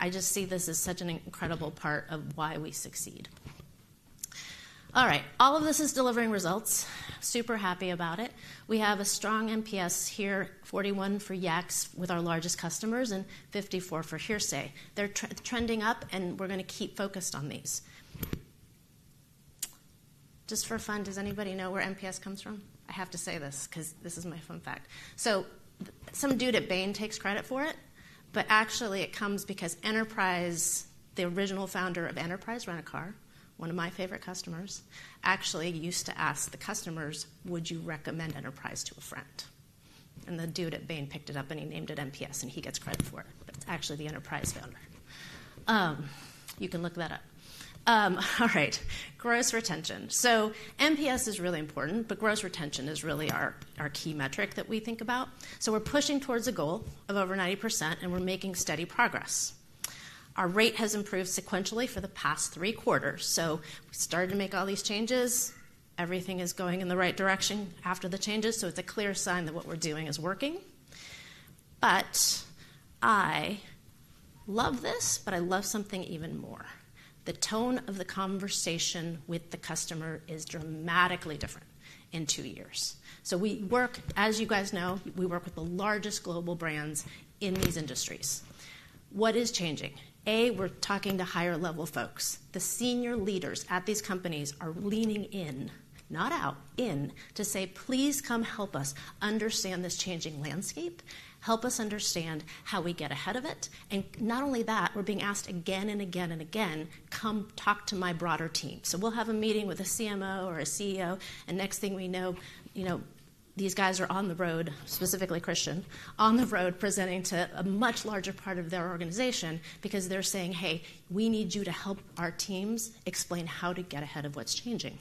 I just see this as such an incredible part of why we succeed. All right, all of this is delivering results. Super happy about it. We have a strong NPS here, 41 for Yext with our largest customers and 54 for Hearsay Systems. They're trending up, and we're going to keep focused on these. Just for fun, does anybody know where NPS comes from? I have to say this because this is my fun fact. Some dude at Bain takes credit for it, but actually it comes because Enterprise, the original founder of Enterprise, Rent a Car, one of my favorite customers, actually used to ask the customers, "Would you recommend Enterprise to a friend?" The dude at Bain picked it up and he named it NPS, and he gets credit for it. It's actually the Enterprise founder. You can look that up. All right, gross retention. NPS is really important, but gross retention is really our key metric that we think about. We're pushing towards a goal of over 90%, and we're making steady progress. Our rate has improved sequentially for the past three quarters. We started to make all these changes. Everything is going in the right direction after the changes, so it's a clear sign that what we're doing is working. I love this, but I love something even more. The tone of the conversation with the customer is dramatically different in two years. We work, as you guys know, we work with the largest global brands in these industries. What is changing? A, we're talking to higher-level folks. The senior leaders at these companies are leaning in, not out, in to say, "Please come help us understand this changing landscape. Help us understand how we get ahead of it." Not only that, we're being asked again and again and again, "Come, talk to my broader team." We'll have a meeting with a CMO or a CEO, and next thing we know, these guys are on the road, specifically Christian, on the road presenting to a much larger part of their organization because they're saying, "Hey, we need you to help our teams explain how to get ahead of what's changing."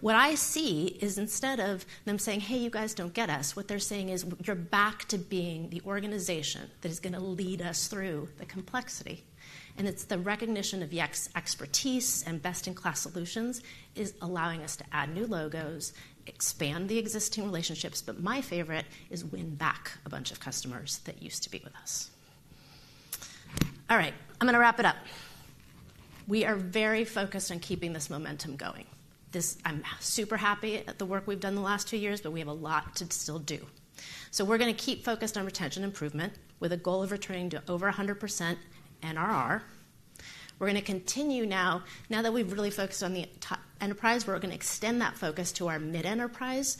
What I see is instead of them saying, "Hey, you guys don't get us," what they're saying is, "You're back to being the organization that is going to lead us through the complexity." It's the recognition of Yext's expertise and best-in-class solutions is allowing us to add new logos, expand the existing relationships, but my favorite is win back a bunch of customers that used to be with us. All right, I'm going to wrap it up. We are very focused on keeping this momentum going. I'm super happy at the work we've done the last two years, but we have a lot to still do. We're going to keep focused on retention improvement with a goal of returning to over 100% NRR. We're going to continue now, now that we've really focused on the enterprise, we're going to extend that focus to our mid-enterprise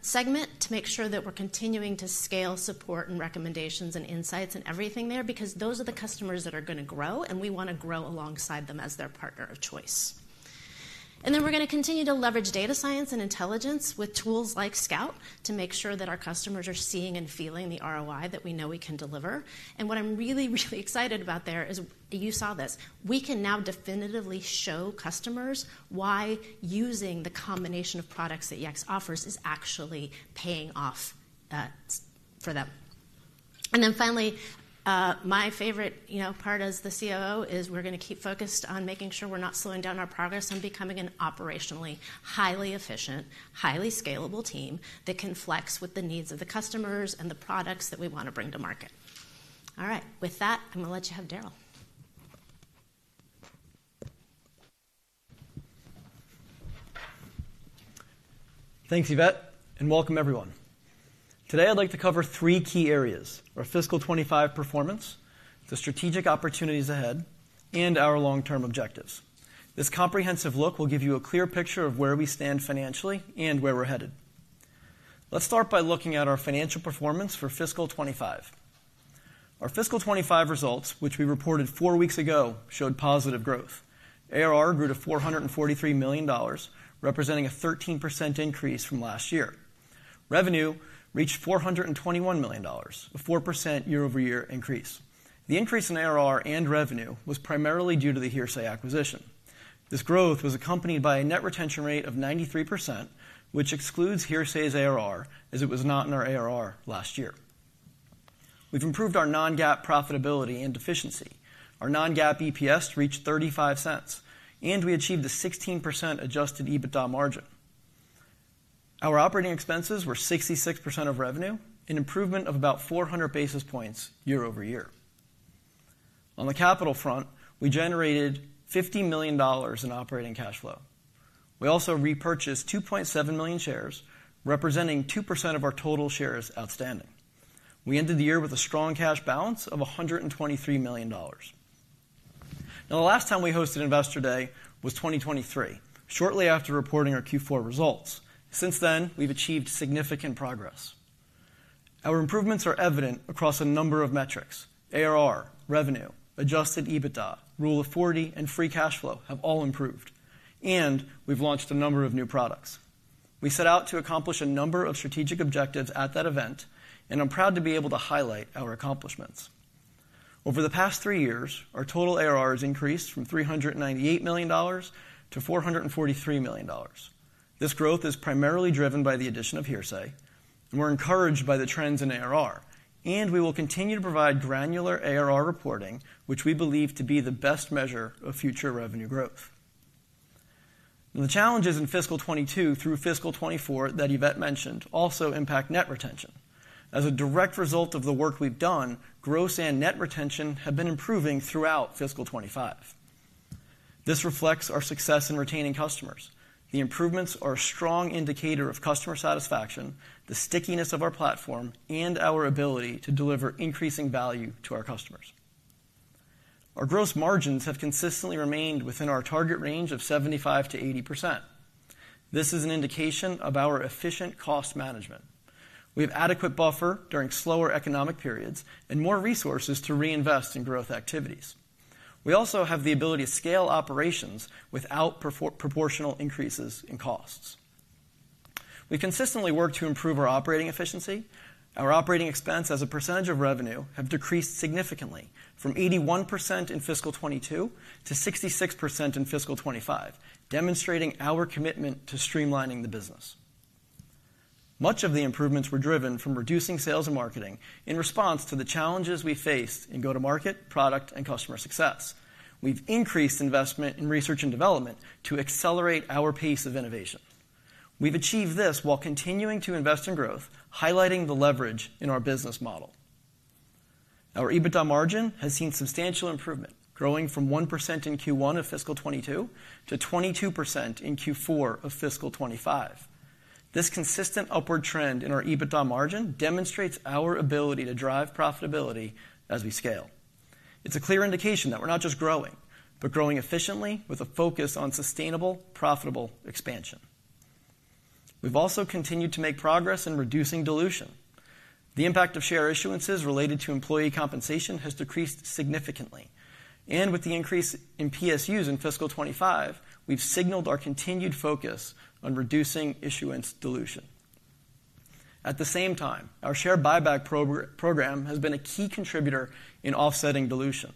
segment to make sure that we're continuing to scale support and recommendations and insights and everything there because those are the customers that are going to grow, and we want to grow alongside them as their partner of choice. We're going to continue to leverage data science and intelligence with tools like Scout to make sure that our customers are seeing and feeling the ROI that we know we can deliver. What I'm really, really excited about there is you saw this. We can now definitively show customers why using the combination of products that Yext offers is actually paying off for them. Finally, my favorite part as the COO is we're going to keep focused on making sure we're not slowing down our progress and becoming an operationally highly efficient, highly scalable team that can flex with the needs of the customers and the products that we want to bring to market. All right, with that, I'm going to let you have Darryl. Thanks, Yvette, and welcome everyone. Today, I'd like to cover three key areas: our fiscal 2025 performance, the strategic opportunities ahead, and our long-term objectives. This comprehensive look will give you a clear picture of where we stand financially and where we're headed. Let's start by looking at our financial performance for fiscal 2025. Our fiscal 2025 results, which we reported four weeks ago, showed positive growth. ARR grew to $443 million, representing a 13% increase from last year. Revenue reached $421 million, a 4% year-over-year increase. The increase in ARR and revenue was primarily due to the Hearsay Systems acquisition. This growth was accompanied by a net retention rate of 93%, which excludes Hearsay Systems' ARR as it was not in our ARR last year. We've improved our non-GAAP profitability and efficiency. Our non-GAAP EPS reached $0.35, and we achieved a 16% adjusted EBITDA margin. Our operating expenses were 66% of revenue, an improvement of about 400 basis points year-over-year. On the capital front, we generated $50 million in operating cash flow. We also repurchased 2.7 million shares, representing 2% of our total shares outstanding. We ended the year with a strong cash balance of $123 million. Now, the last time we hosted Investor Day was 2023, shortly after reporting our Q4 results. Since then, we've achieved significant progress. Our improvements are evident across a number of metrics. ARR, revenue, adjusted EBITDA, Rule of 40, and free cash flow have all improved, and we've launched a number of new products. We set out to accomplish a number of strategic objectives at that event, and I'm proud to be able to highlight our accomplishments. Over the past three years, our total ARR has increased from $398 million-$443 million. This growth is primarily driven by the addition of Hearsay, and we're encouraged by the trends in ARR, and we will continue to provide granular ARR reporting, which we believe to be the best measure of future revenue growth. The challenges in fiscal 2022 through fiscal 2024 that Yvette mentioned also impact net retention. As a direct result of the work we've done, gross and net retention have been improving throughout fiscal 2025. This reflects our success in retaining customers. The improvements are a strong indicator of customer satisfaction, the stickiness of our platform, and our ability to deliver increasing value to our customers. Our gross margins have consistently remained within our target range of 75%-80%. This is an indication of our efficient cost management. We have adequate buffer during slower economic periods and more resources to reinvest in growth activities. We also have the ability to scale operations without proportional increases in costs. We consistently work to improve our operating efficiency. Our operating expense as a percentage of revenue has decreased significantly from 81% in fiscal 2022 to 66% in fiscal 2025, demonstrating our commitment to streamlining the business. Much of the improvements were driven from reducing sales and marketing in response to the challenges we faced in go-to-market, product, and customer success. We've increased investment in research and development to accelerate our pace of innovation. We've achieved this while continuing to invest in growth, highlighting the leverage in our business model. Our EBITDA margin has seen substantial improvement, growing from 1% in Q1 of fiscal 2022- 22% in Q4 of fiscal 2025. This consistent upward trend in our EBITDA margin demonstrates our ability to drive profitability as we scale. It's a clear indication that we're not just growing, but growing efficiently with a focus on sustainable, profitable expansion. We've also continued to make progress in reducing dilution. The impact of share issuances related to employee compensation has decreased significantly. With the increase in PSUs in fiscal 2025, we've signaled our continued focus on reducing issuance dilution. At the same time, our share buyback program has been a key contributor in offsetting dilution.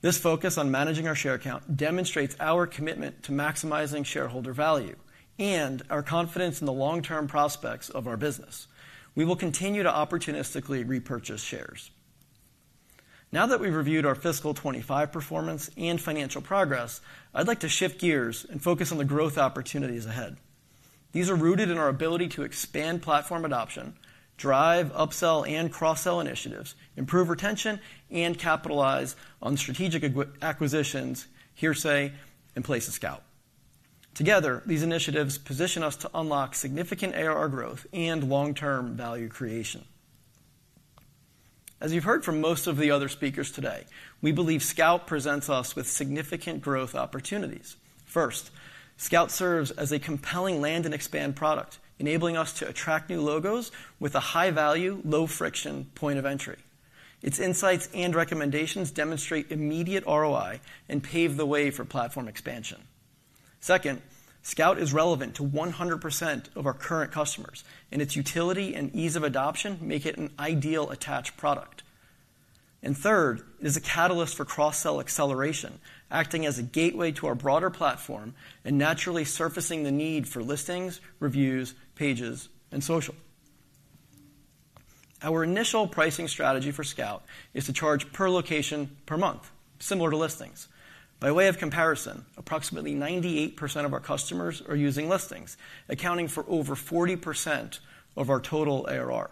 This focus on managing our share count demonstrates our commitment to maximizing shareholder value and our confidence in the long-term prospects of our business. We will continue to opportunistically repurchase shares. Now that we've reviewed our fiscal 2025 performance and financial progress, I'd like to shift gears and focus on the growth opportunities ahead. These are rooted in our ability to expand platform adoption, drive upsell and cross-sell initiatives, improve retention, and capitalize on strategic acquisitions, Hearsay Systems, and Places Scout. Together, these initiatives position us to unlock significant ARR growth and long-term value creation. As you've heard from most of the other speakers today, we believe Scout presents us with significant growth opportunities. First, Scout serves as a compelling land and expand product, enabling us to attract new logos with a high-value, low-friction point of entry. Its insights and recommendations demonstrate immediate ROI and pave the way for platform expansion. Second, Scout is relevant to 100% of our current customers, and its utility and ease of adoption make it an ideal attached product. Third, it is a catalyst for cross-sell acceleration, acting as a gateway to our broader platform and naturally surfacing the need for Listings, Reviews, Pages, and Social. Our initial pricing strategy for Scout is to charge per location per month, similar to Listings. By way of comparison, approximately 98% of our customers are using Listings, accounting for over 40% of our total ARR.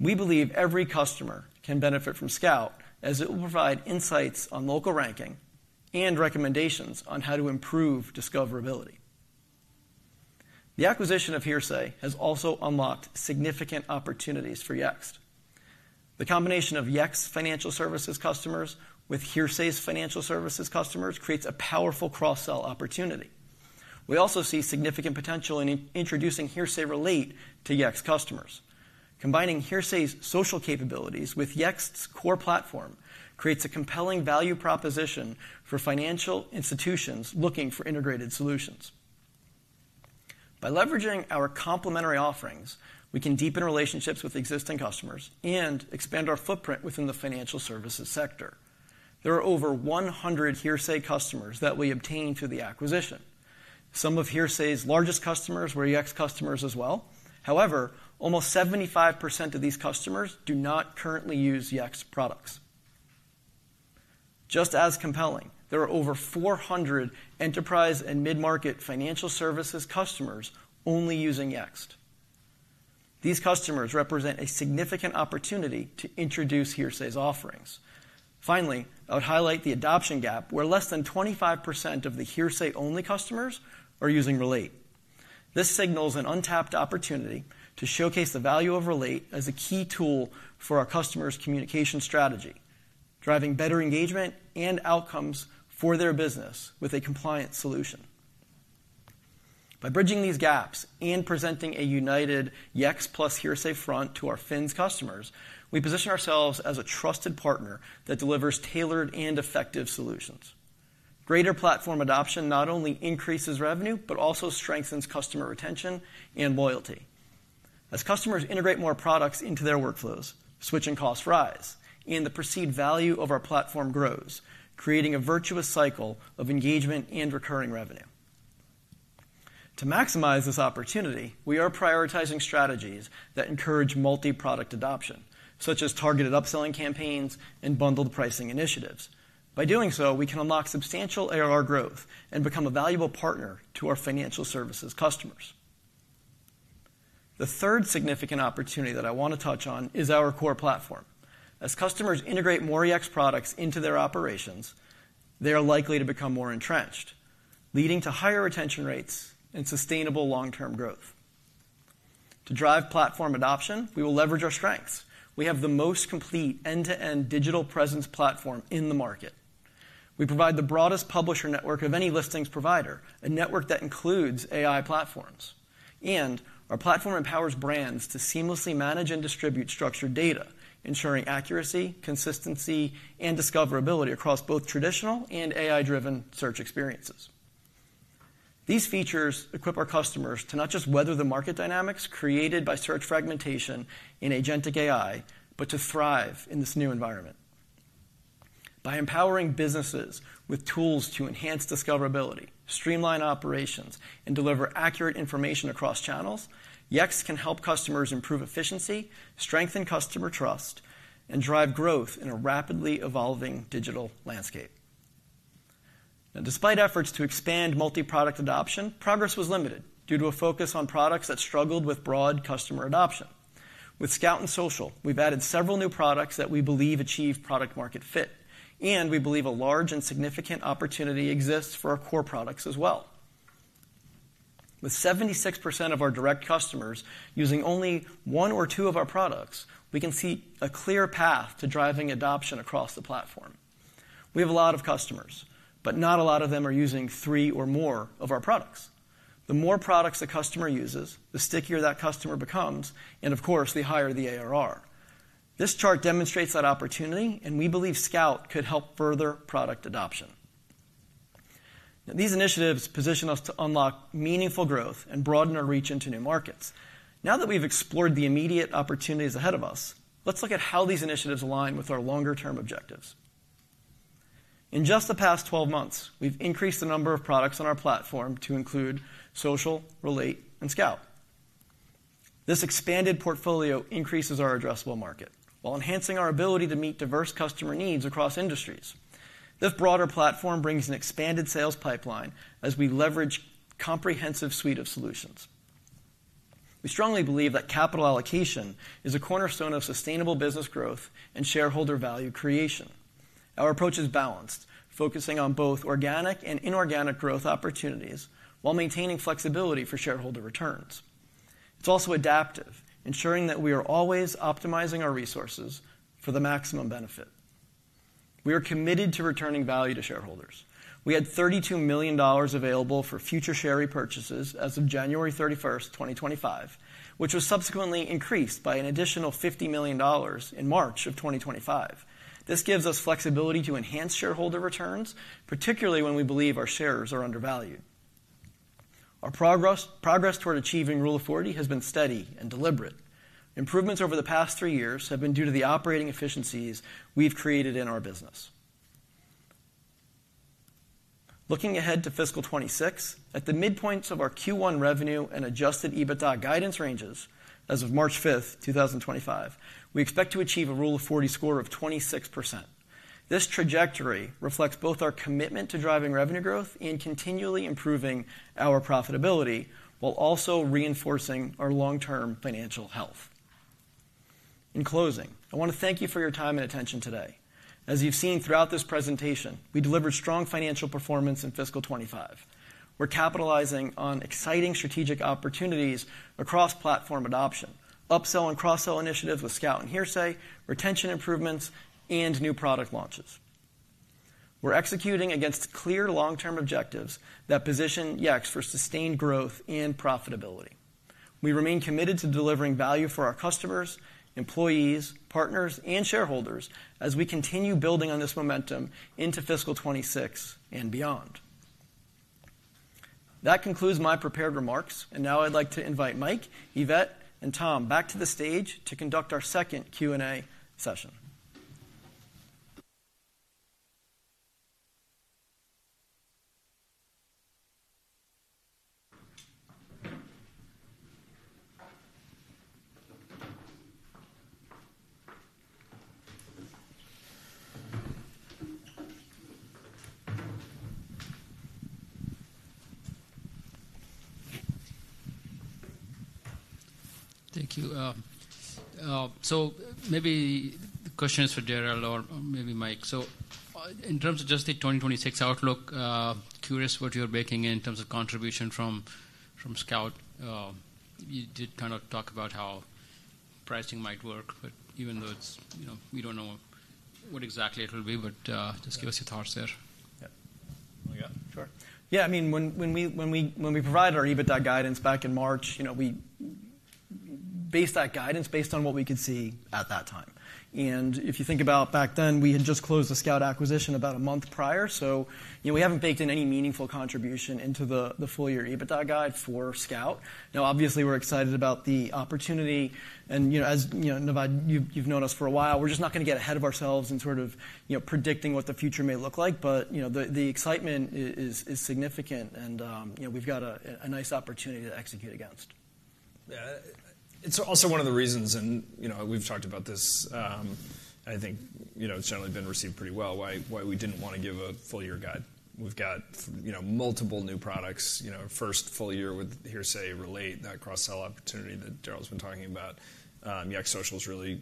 We believe every customer can benefit from Scout as it will provide insights on local ranking and recommendations on how to improve discoverability. The acquisition of Hearsay Systems has also unlocked significant opportunities for Yext. The combination of Yext's financial services customers with Hearsay Systems' financial services customers creates a powerful cross-sell opportunity. We also see significant potential in introducing Hearsay Relate to Yext customers. Combining Hearsay Systems' social capabilities with Yext's core platform creates a compelling value proposition for financial institutions looking for integrated solutions. By leveraging our complementary offerings, we can deepen relationships with existing customers and expand our footprint within the financial services sector. There are over 100 Hearsay Systems customers that we obtained through the acquisition. Some of Hearsay Systems' largest customers were Yext customers as well. However, almost 75% of these customers do not currently use Yext products. Just as compelling, there are over 400 enterprise and mid-market financial services customers only using Yext. These customers represent a significant opportunity to introduce Hearsay Systems' offerings. Finally, I would highlight the adoption gap, where less than 25% of the Hearsay Systems-only customers are using Relate. This signals an untapped opportunity to showcase the value of Relate as a key tool for our customers' communication strategy, driving better engagement and outcomes for their business with a compliant solution. By bridging these gaps and presenting a united Yext plus Hearsay Systems front to our FINS customers, we position ourselves as a trusted partner that delivers tailored and effective solutions. Greater platform adoption not only increases revenue, but also strengthens customer retention and loyalty. As customers integrate more products into their workflows, switching costs rise, and the perceived value of our platform grows, creating a virtuous cycle of engagement and recurring revenue. To maximize this opportunity, we are prioritizing strategies that encourage multi-product adoption, such as targeted upselling campaigns and bundled pricing initiatives. By doing so, we can unlock substantial ARR growth and become a valuable partner to our financial services customers. The third significant opportunity that I want to touch on is our core platform. As customers integrate more Yext products into their operations, they are likely to become more entrenched, leading to higher retention rates and sustainable long-term growth. To drive platform adoption, we will leverage our strengths. We have the most complete end-to-end digital presence platform in the market. We provide the broadest publisher network of any listings provider, a network that includes AI platforms. Our platform empowers brands to seamlessly manage and distribute structured data, ensuring accuracy, consistency, and discoverability across both traditional and AI-driven search experiences. These features equip our customers to not just weather the market dynamics created by search fragmentation and agentic AI, but to thrive in this new environment. By empowering businesses with tools to enhance discoverability, streamline operations, and deliver accurate information across channels, Yext can help customers improve efficiency, strengthen customer trust, and drive growth in a rapidly evolving digital landscape. Despite efforts to expand multi-product adoption, progress was limited due to a focus on products that struggled with broad customer adoption. With Scout and Social, we've added several new products that we believe achieve product-market fit, and we believe a large and significant opportunity exists for our core products as well. With 76% of our direct customers using only one or two of our products, we can see a clear path to driving adoption across the platform. We have a lot of customers, but not a lot of them are using three or more of our products. The more products a customer uses, the stickier that customer becomes, and of course, the higher the ARR. This chart demonstrates that opportunity, and we believe Scout could help further product adoption. These initiatives position us to unlock meaningful growth and broaden our reach into new markets. Now that we've explored the immediate opportunities ahead of us, let's look at how these initiatives align with our longer-term objectives. In just the past 12 months, we've increased the number of products on our platform to include Social, Relate, and Scout. This expanded portfolio increases our addressable market while enhancing our ability to meet diverse customer needs across industries. This broader platform brings an expanded sales pipeline as we leverage a comprehensive suite of solutions. We strongly believe that capital allocation is a cornerstone of sustainable business growth and shareholder value creation. Our approach is balanced, focusing on both organic and inorganic growth opportunities while maintaining flexibility for shareholder returns. It's also adaptive, ensuring that we are always optimizing our resources for the maximum benefit. We are committed to returning value to shareholders. We had $32 million available for future share repurchases as of January 31st, 2025, which was subsequently increased by an additional $50 million in March of 2025. This gives us flexibility to enhance shareholder returns, particularly when we believe our shares are undervalued. Our progress toward achieving Rule of 40 has been steady and deliberate. Improvements over the past three years have been due to the operating efficiencies we've created in our business. Looking ahead to fiscal 2026, at the midpoint of our Q1 revenue and adjusted EBITDA guidance ranges as of March 5th, 2025, we expect to achieve a Rule of 40 score of 26%. This trajectory reflects both our commitment to driving revenue growth and continually improving our profitability while also reinforcing our long-term financial health. In closing, I want to thank you for your time and attention today. As you've seen throughout this presentation, we delivered strong financial performance in fiscal 25. We're capitalizing on exciting strategic opportunities across platform adoption, upsell and cross-sell initiatives with Scout and Hearsay Systems, retention improvements, and new product launches. We're executing against clear long-term objectives that position Yext for sustained growth and profitability. We remain committed to delivering value for our customers, employees, partners, and shareholders as we continue building on this momentum into fiscal 2026 and beyond. That concludes my prepared remarks, and now I'd like to invite Mike, Yvette, and Tom back to the stage to conduct our second Q&A session. Thank you. Maybe the question is for Darryl or maybe Mike. In terms of just the 2026 outlook, curious what you're baking in terms of contribution from Scout. You did kind of talk about how pricing might work, but even though we don't know what exactly it will be, just give us your thoughts there. Yeah. Sure. Yeah. I mean, when we provided our EBITDA guidance back in March, we based that guidance based on what we could see at that time. If you think about back then, we had just closed the Scout acquisition about a month prior. We haven't baked in any meaningful contribution into the full year EBITDA guide for Scout. Now, obviously, we're excited about the opportunity. As you've known us for a while, we're just not going to get ahead of ourselves in sort of predicting what the future may look like. The excitement is significant, and we've got a nice opportunity to execute against. Yeah. It's also one of the reasons, and we've talked about this, I think it's generally been received pretty well, why we didn't want to give a full year guide. We've got multiple new products. First full year with Hearsay Systems, Relate, that cross-sell opportunity that Darryl's been talking about. Yext Social has really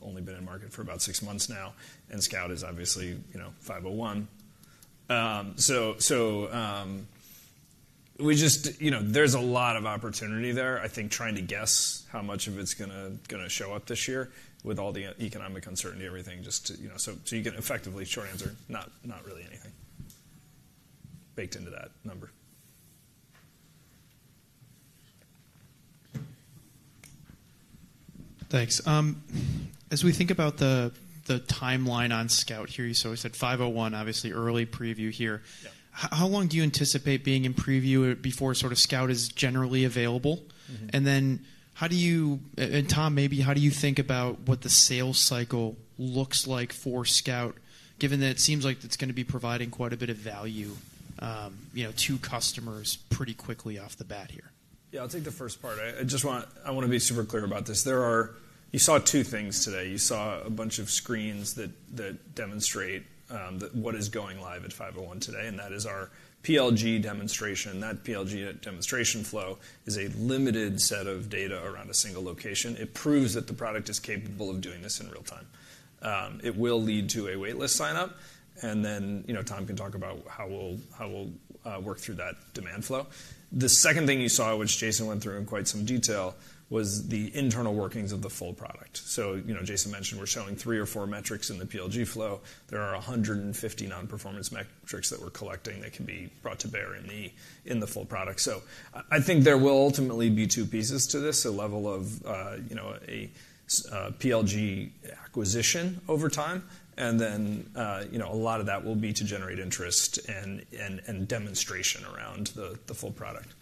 only been in market for about six months now, and Scout is obviously 5:01. There is a lot of opportunity there. I think trying to guess how much of it's going to show up this year with all the economic uncertainty, everything just to so you can effectively short answer, not really anything baked into that number. Thanks. As we think about the timeline on Scout here, you said 5:01, obviously early preview here. How long do you anticipate being in preview before Scout is generally available? How do you and Tom, maybe how do you think about what the sales cycle looks like for Scout, given that it seems like it's going to be providing quite a bit of value to customers pretty quickly off the bat here? Yeah. I'll take the first part. I want to be super clear about this. You saw two things today. You saw a bunch of screens that demonstrate what is going live at 5:01 today, and that is our PLG demonstration. That PLG demonstration flow is a limited set of data around a single location. It proves that the product is capable of doing this in real time. It will lead to a waitlist signup, and then Tom can talk about how we'll work through that demand flow. The second thing you saw, which Jason went through in quite some detail, was the internal workings of the full product. Jason mentioned we're showing three or four metrics in the PLG flow. There are 150 non-performance metrics that we're collecting that can be brought to bear in the full product. I think there will ultimately be two pieces to this: a level of a PLG acquisition over time, and then a lot of that will be to generate interest and demonstration around the full product.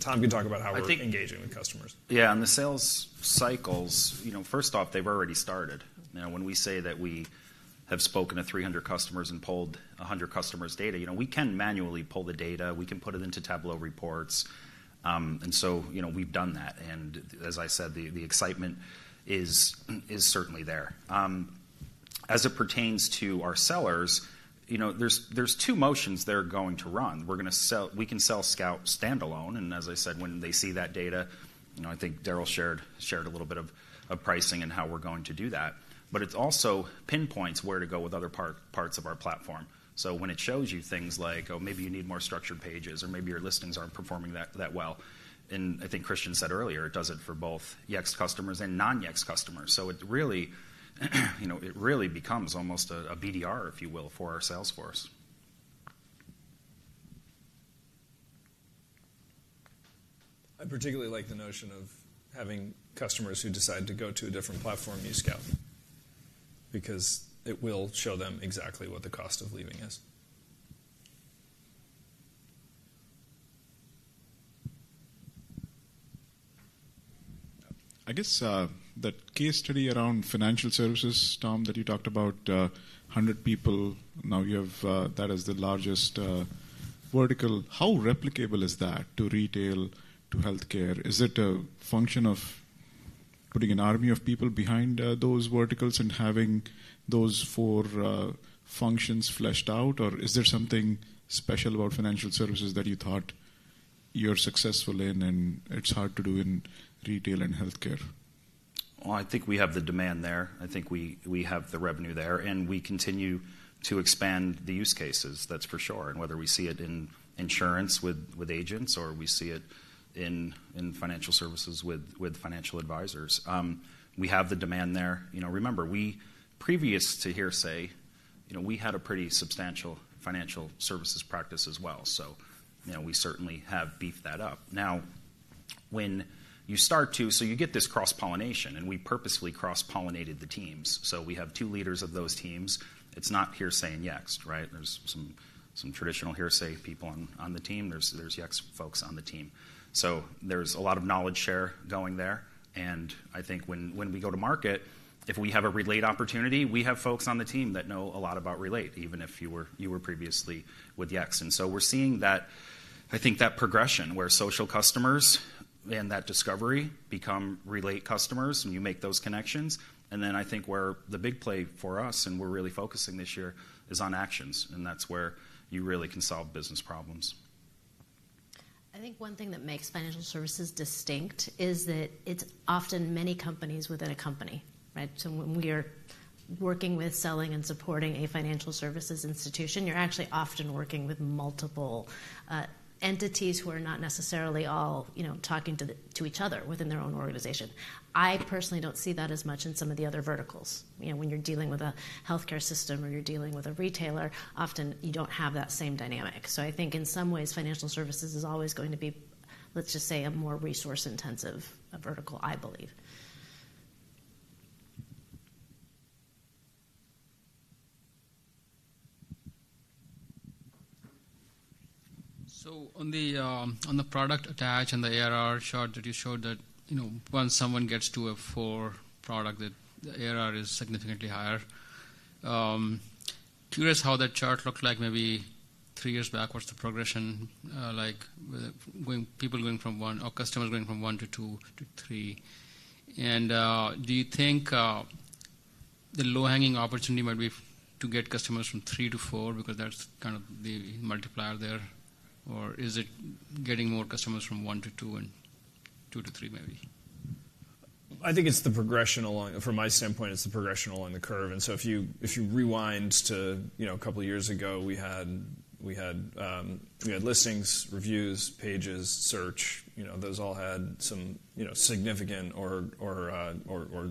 Tom can talk about how we're engaging with customers. Yeah. On the sales cycles, first off, they've already started. When we say that we have spoken to 300 customers and pulled 100 customers' data, we can manually pull the data. We can put it into Tableau reports. We've done that. As I said, the excitement is certainly there. As it pertains to our sellers, there are two motions they're going to run. We can sell Scout standalone. As I said, when they see that data, I think Darryl shared a little bit of pricing and how we're going to do that. It also pinpoints where to go with other parts of our platform. When it shows you things like, "Oh, maybe you need more structured pages," or, "Maybe your listings aren't performing that well," and I think Christian said earlier, it does it for both Yext customers and non-Yext customers. It really becomes almost a BDR, if you will, for our sales force. I particularly like the notion of having customers who decide to go to a different platform use Scout because it will show them exactly what the cost of leaving is. I guess that case study around financial services, Tom, that you talked about, 100 people, now you have that as the largest vertical. How replicable is that to retail, to healthcare? Is it a function of putting an army of people behind those verticals and having those four functions fleshed out, or is there something special about financial services that you thought you're successful in and it's hard to do in retail and healthcare? I think we have the demand there. I think we have the revenue there, and we continue to expand the use cases, that's for sure. Whether we see it in insurance with agents or we see it in financial services with financial advisors, we have the demand there. Remember, previous to Hearsay Systems, we had a pretty substantial financial services practice as well. We certainly have beefed that up. Now, when you start to, you get this cross-pollination, and we purposely cross-pollinated the teams. We have two leaders of those teams. It's not Hearsay Systems and Yext, right? There are some traditional Hearsay Systems people on the team. There are Yext folks on the team. There is a lot of knowledge share going there. I think when we go to market, if we have a Relate opportunity, we have folks on the team that know a lot about Relate, even if you were previously with Yext. We are seeing that progression where social customers and that discovery become Relate customers, and you make those connections. I think where the big play for us, and where we are really focusing this year, is on actions, and that's where you really can solve business problems. I think one thing that makes financial services distinct is that it's often many companies within a company, right? When we are working with, selling, and supporting a financial services institution, you're actually often working with multiple entities who are not necessarily all talking to each other within their own organization. I personally don't see that as much in some of the other verticals. When you're dealing with a healthcare system or you're dealing with a retailer, often you don't have that same dynamic. I think in some ways, financial services is always going to be, let's just say, a more resource-intensive vertical, I believe. On the product attach and the ARR chart that you showed, once someone gets to a four-product, the ARR is significantly higher. Curious how that chart looked like maybe three years back, what's the progression like with people going from one or customers going from one to two to three. Do you think the low-hanging opportunity might be to get customers from three to four because that's kind of the multiplier there, or is it getting more customers from one to two and two to three maybe? I think it's the progression along, from my standpoint, it's the progression along the curve. If you rewind to a couple of years ago, we had Listings, Reviews, Pages, Search. Those all had some significant or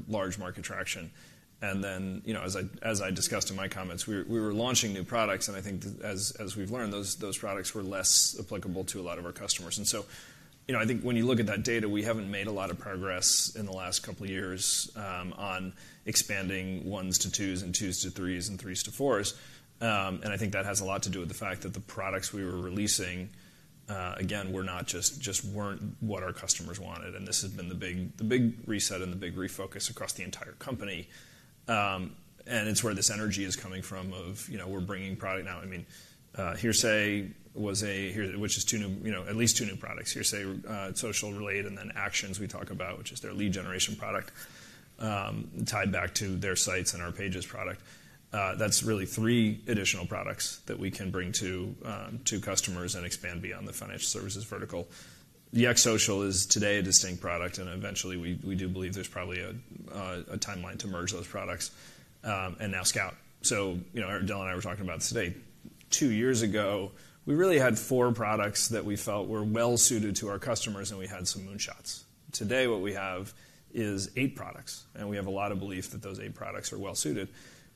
large market traction. As I discussed in my comments, we were launching new products, and I think as we've learned, those products were less applicable to a lot of our customers. I think when you look at that data, we haven't made a lot of progress in the last couple of years on expanding ones to twos and twos to threes and threes to fours. I think that has a lot to do with the fact that the products we were releasing, again, just weren't what our customers wanted. This has been the big reset and the big refocus across the entire company. It's where this energy is coming from of we're bringing product now. I mean, Hearsay Systems, which is at least two new products, Hearsay Social, Relate, and then Actions we talk about, which is their lead generation product tied back to their sites and our Pages product. That's really three additional products that we can bring to customers and expand beyond the financial services vertical. Yext Social is today a distinct product, and eventually we do believe there's probably a timeline to merge those products. Now Scout, Darryl and I were talking about this today. Two years ago, we really had four products that we felt were well-suited to our customers, and we had some moonshots. Today, what we have is eight products, and we have a lot of belief that those eight products are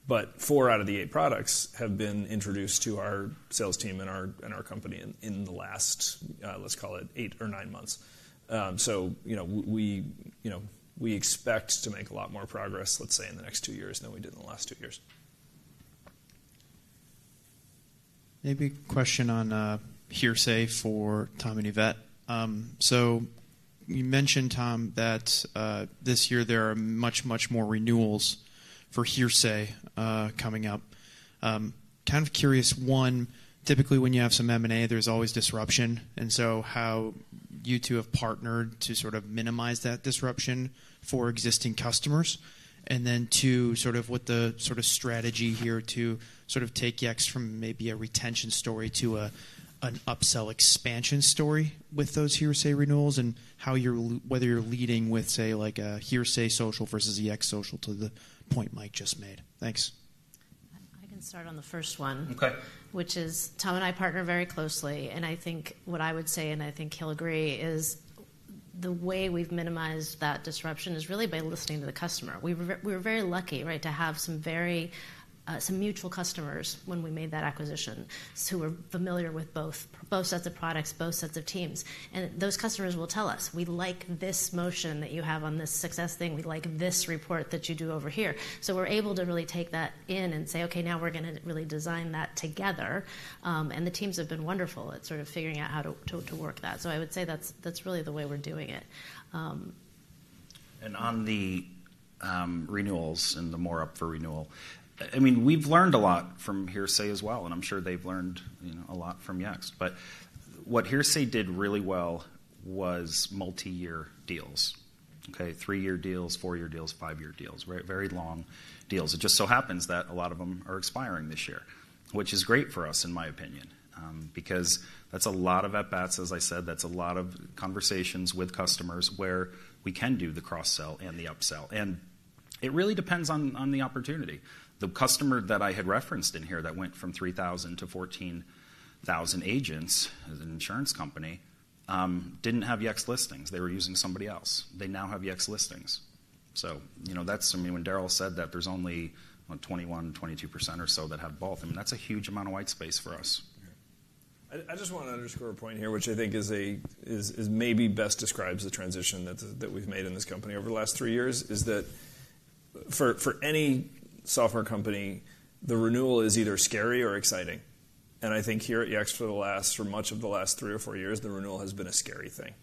well-suited. Four out of the eight products have been introduced to our sales team and our company in the last, let's call it eight or nine months. We expect to make a lot more progress, let's say, in the next two years than we did in the last two years. Maybe a question on Hearsay Systems for Tom and Yvette. You mentioned, Tom, that this year there are much, much more renewals for Hearsay Systems coming up. Kind of curious, one, typically when you have some M&A, there's always disruption. How you two have partnered to sort of minimize that disruption for existing customers? Two, sort of what the sort of strategy here to sort of take Yext from maybe a retention story to an upsell expansion story with those Hearsay Systems renewals and whether you're leading with, say, like a Hearsay Social versus a Yext Social to the point Mike just made. Thanks. I can start on the first one, which is Tom and I partner very closely. I think what I would say, and I think he'll agree, is the way we've minimized that disruption is really by listening to the customer. We were very lucky to have some mutual customers when we made that acquisition who were familiar with both sets of products, both sets of teams. Those customers will tell us, "We like this motion that you have on this success thing. We like this report that you do over here." We are able to really take that in and say, "Okay, now we are going to really design that together." The teams have been wonderful at sort of figuring out how to work that. I would say that is really the way we are doing it. On the renewals and the more up for renewal, I mean, we have learned a lot from Hearsay Systems as well, and I am sure they have learned a lot from Yext. What Hearsay Systems did really well was multi-year deals, okay? Three-year deals, four-year deals, five-year deals, very long deals. It just so happens that a lot of them are expiring this year, which is great for us, in my opinion, because that's a lot of at-bats, as I said, that's a lot of conversations with customers where we can do the cross-sell and the upsell. It really depends on the opportunity. The customer that I had referenced in here that went from 3,000-14,000 agents as an insurance company didn't have Yext Listings. They were using somebody else. They now have Yext Listings. That's, I mean, when Darryl said that there's only 21%, 22% or so that have both, I mean, that's a huge amount of white space for us. I just want to underscore a point here, which I think maybe best describes the transition that we've made in this company over the last three years, is that for any software company, the renewal is either scary or exciting. I think here at Yext for much of the last three or four years, the renewal has been a scary thing.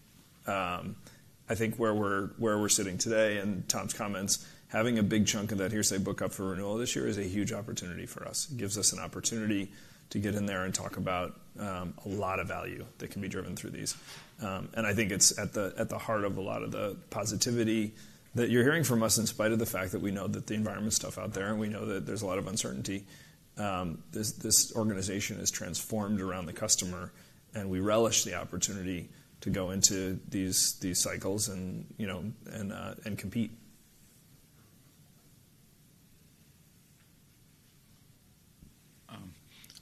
I think where we're sitting today and Tom's comments, having a big chunk of that Hearsay Systems book up for renewal this year is a huge opportunity for us. It gives us an opportunity to get in there and talk about a lot of value that can be driven through these. I think it's at the heart of a lot of the positivity that you're hearing from us, in spite of the fact that we know that the environment's tough out there and we know that there's a lot of uncertainty. This organization is transformed around the customer, and we relish the opportunity to go into these cycles and compete.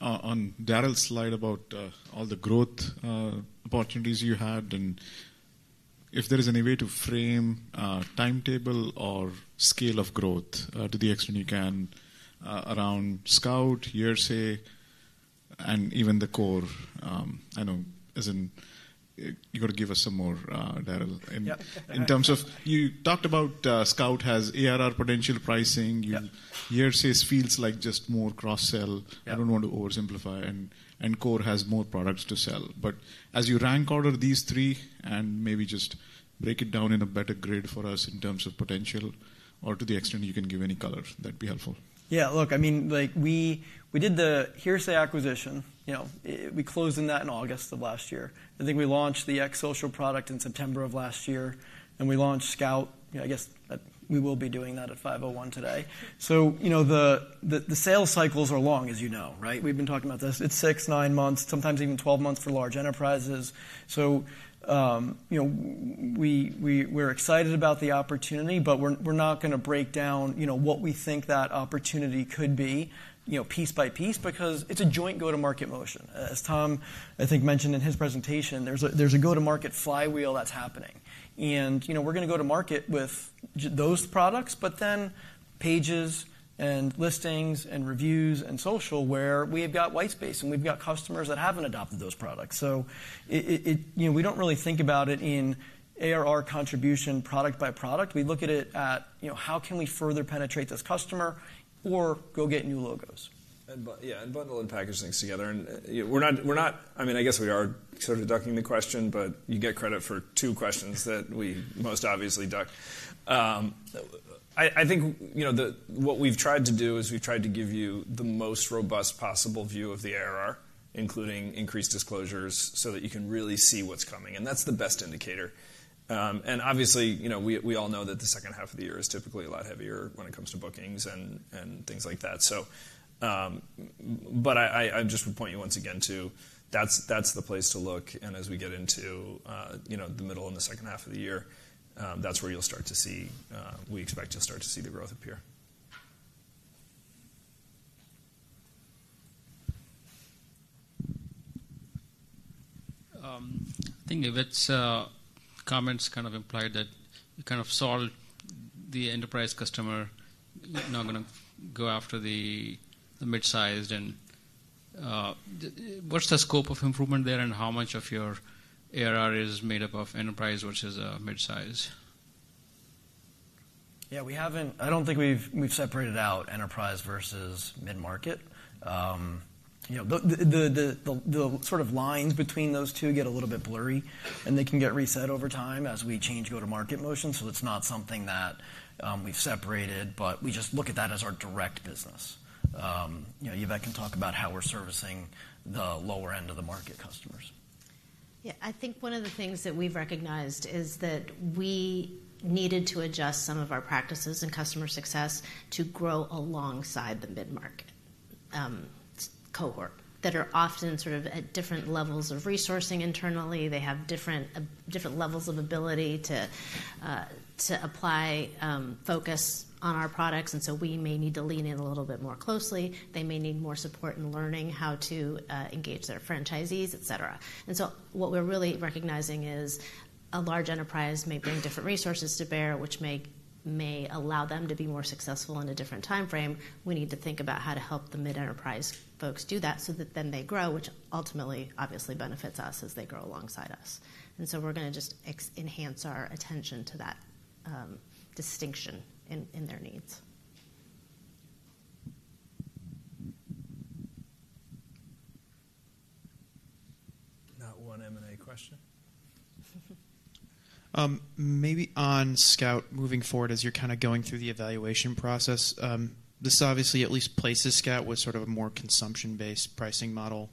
On Darryl's slide about all the growth opportunities you had, and if there is any way to frame timetable or scale of growth to the extent you can around Scout, Hearsay Systems, and even the Core, I know as in you got to give us some more, Darryl, in terms of you talked about Scout has ARR potential pricing. Hearsay Systems feels like just more cross-sell. I don't want to oversimplify. And Core has more products to sell. As you rank order these three and maybe just break it down in a better grid for us in terms of potential or to the extent you can give any color, that'd be helpful. Yeah. Look, I mean, we did the Hearsay Systems acquisition. We closed that in August of last year. I think we launched the Yext Social product in September of last year, and we launched Scout. I guess we will be doing that at 5:01 today. The sales cycles are long, as you know, right? We've been talking about this. It's six, nine months, sometimes even 12 months for large enterprises. We're excited about the opportunity, but we're not going to break down what we think that opportunity could be piece by piece because it's a joint go-to-market motion. As Tom, I think, mentioned in his presentation, there's a go-to-market flywheel that's happening. We are going to go to market with those products, but then Pages and Listings and Reviews and Social where we have got white space and we have got customers that have not adopted those products. We do not really think about it in ARR contribution product by product. We look at it at how can we further penetrate this customer or go get new logos. Yeah, and bundle and package things together. I mean, I guess we are sort of ducking the question, but you get credit for two questions that we most obviously duck. I think what we have tried to do is we have tried to give you the most robust possible view of the ARR, including increased disclosures so that you can really see what is coming. That is the best indicator. Obviously, we all know that the second half of the year is typically a lot heavier when it comes to bookings and things like that. I just would point you once again to that's the place to look. As we get into the middle and the second half of the year, that's where you'll start to see, we expect you'll start to see the growth appear. I think Yvette's comments kind of implied that you kind of solved the enterprise customer, not going to go after the mid-sized. What's the scope of improvement there and how much of your ARR is made up of enterprise versus a mid-size? Yeah, we haven't. I don't think we've separated out enterprise versus mid-market. The sort of lines between those two get a little bit blurry, and they can get reset over time as we change go-to-market motion. It is not something that we've separated, but we just look at that as our direct business. Yvette can talk about how we're servicing the lower end of the market customers. Yeah, I think one of the things that we've recognized is that we needed to adjust some of our practices and customer success to grow alongside the mid-market cohort that are often sort of at different levels of resourcing internally. They have different levels of ability to apply focus on our products. You know, we may need to lean in a little bit more closely. They may need more support in learning how to engage their franchisees, etc. What we're really recognizing is a large enterprise may bring different resources to bear, which may allow them to be more successful in a different timeframe. We need to think about how to help the mid-enterprise folks do that so that then they grow, which ultimately obviously benefits us as they grow alongside us. We are going to just enhance our attention to that distinction in their needs. Not one M&A question. Maybe on Scout moving forward, as you're kind of going through the evaluation process, this obviously at least places Scout with sort of a more consumption-based pricing model,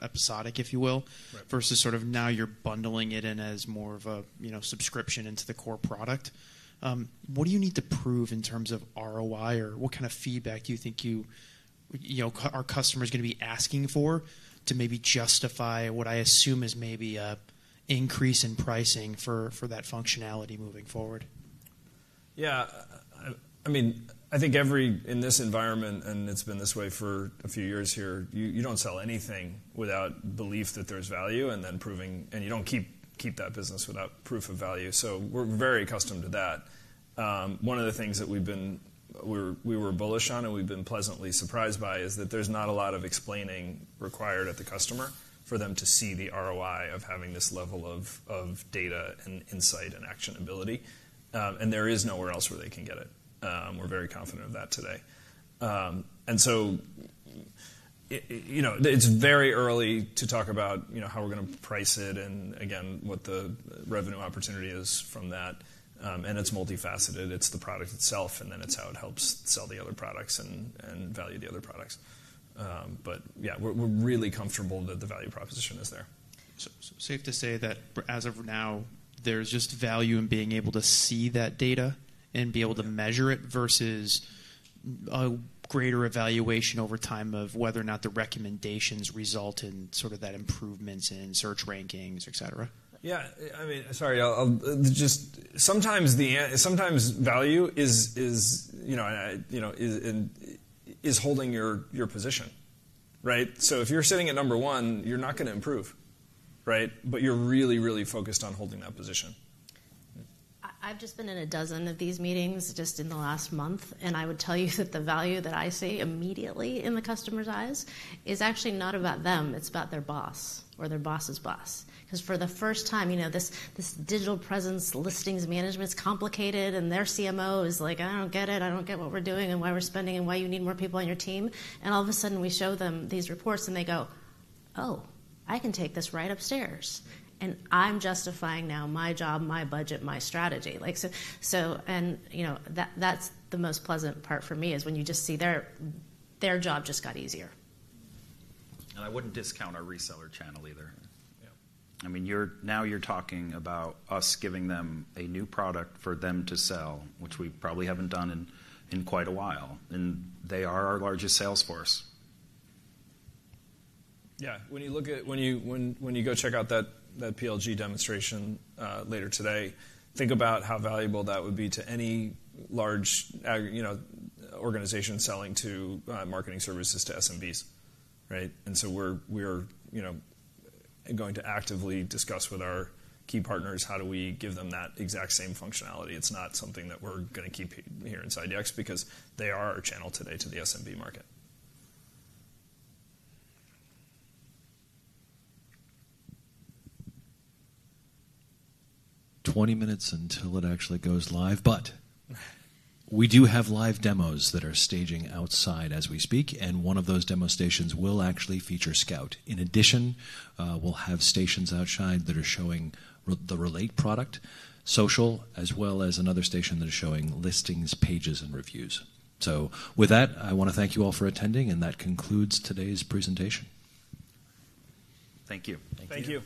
episodic, if you will, versus sort of now you're bundling it in as more of a subscription into the core product. What do you need to prove in terms of ROI, or what kind of feedback do you think our customer is going to be asking for to maybe justify what I assume is maybe an increase in pricing for that functionality moving forward? Yeah. I mean, I think in this environment, and it's been this way for a few years here, you don't sell anything without belief that there's value and then proving, and you don't keep that business without proof of value. We're very accustomed to that. One of the things that we were bullish on and we've been pleasantly surprised by is that there's not a lot of explaining required at the customer for them to see the ROI of having this level of data and insight and actionability. There is nowhere else where they can get it. We're very confident of that today. It is very early to talk about how we're going to price it and, again, what the revenue opportunity is from that. It is multifaceted. It's the product itself, and then it's how it helps sell the other products and value the other products. Yeah, we're really comfortable that the value proposition is there. Safe to say that as of now, there's just value in being able to see that data and be able to measure it versus a greater evaluation over time of whether or not the recommendations result in sort of that improvements in search rankings, etc. Yeah. I mean, sorry, just sometimes value is holding your position, right? So if you're sitting at number one, you're not going to improve, right? But you're really, really focused on holding that position. I've just been in a dozen of these meetings just in the last month, and I would tell you that the value that I see immediately in the customer's eyes is actually not about them. It's about their boss or their boss's boss. Because for the first time, this digital presence listings management is complicated, and their CMO is like, "I don't get it. I don't get what we're doing and why we're spending and why you need more people on your team." All of a sudden, we show them these reports and they go, "Oh, I can take this right upstairs." I'm justifying now my job, my budget, my strategy. That's the most pleasant part for me, when you just see their job just got easier. I wouldn't discount our reseller channel either. I mean, now you're talking about us giving them a new product for them to sell, which we probably haven't done in quite a while. They are our largest sales force. Yeah. When you go check out that PLG demonstration later today, think about how valuable that would be to any large organization selling to marketing services to SMBs, right? We are going to actively discuss with our key partners how do we give them that exact same functionality. It is not something that we are going to keep here inside Yext because they are our channel today to the SMB market. 20 minutes until it actually goes live, but we do have live demos that are staging outside as we speak. One of those demo stations will actually feature Scout. In addition, we will have stations outside that are showing the Relate product, Social, as well as another station that is showing Listings, Pages, and Reviews. With that, I want to thank you all for attending, and that concludes today's presentation. Thank you. Thank you.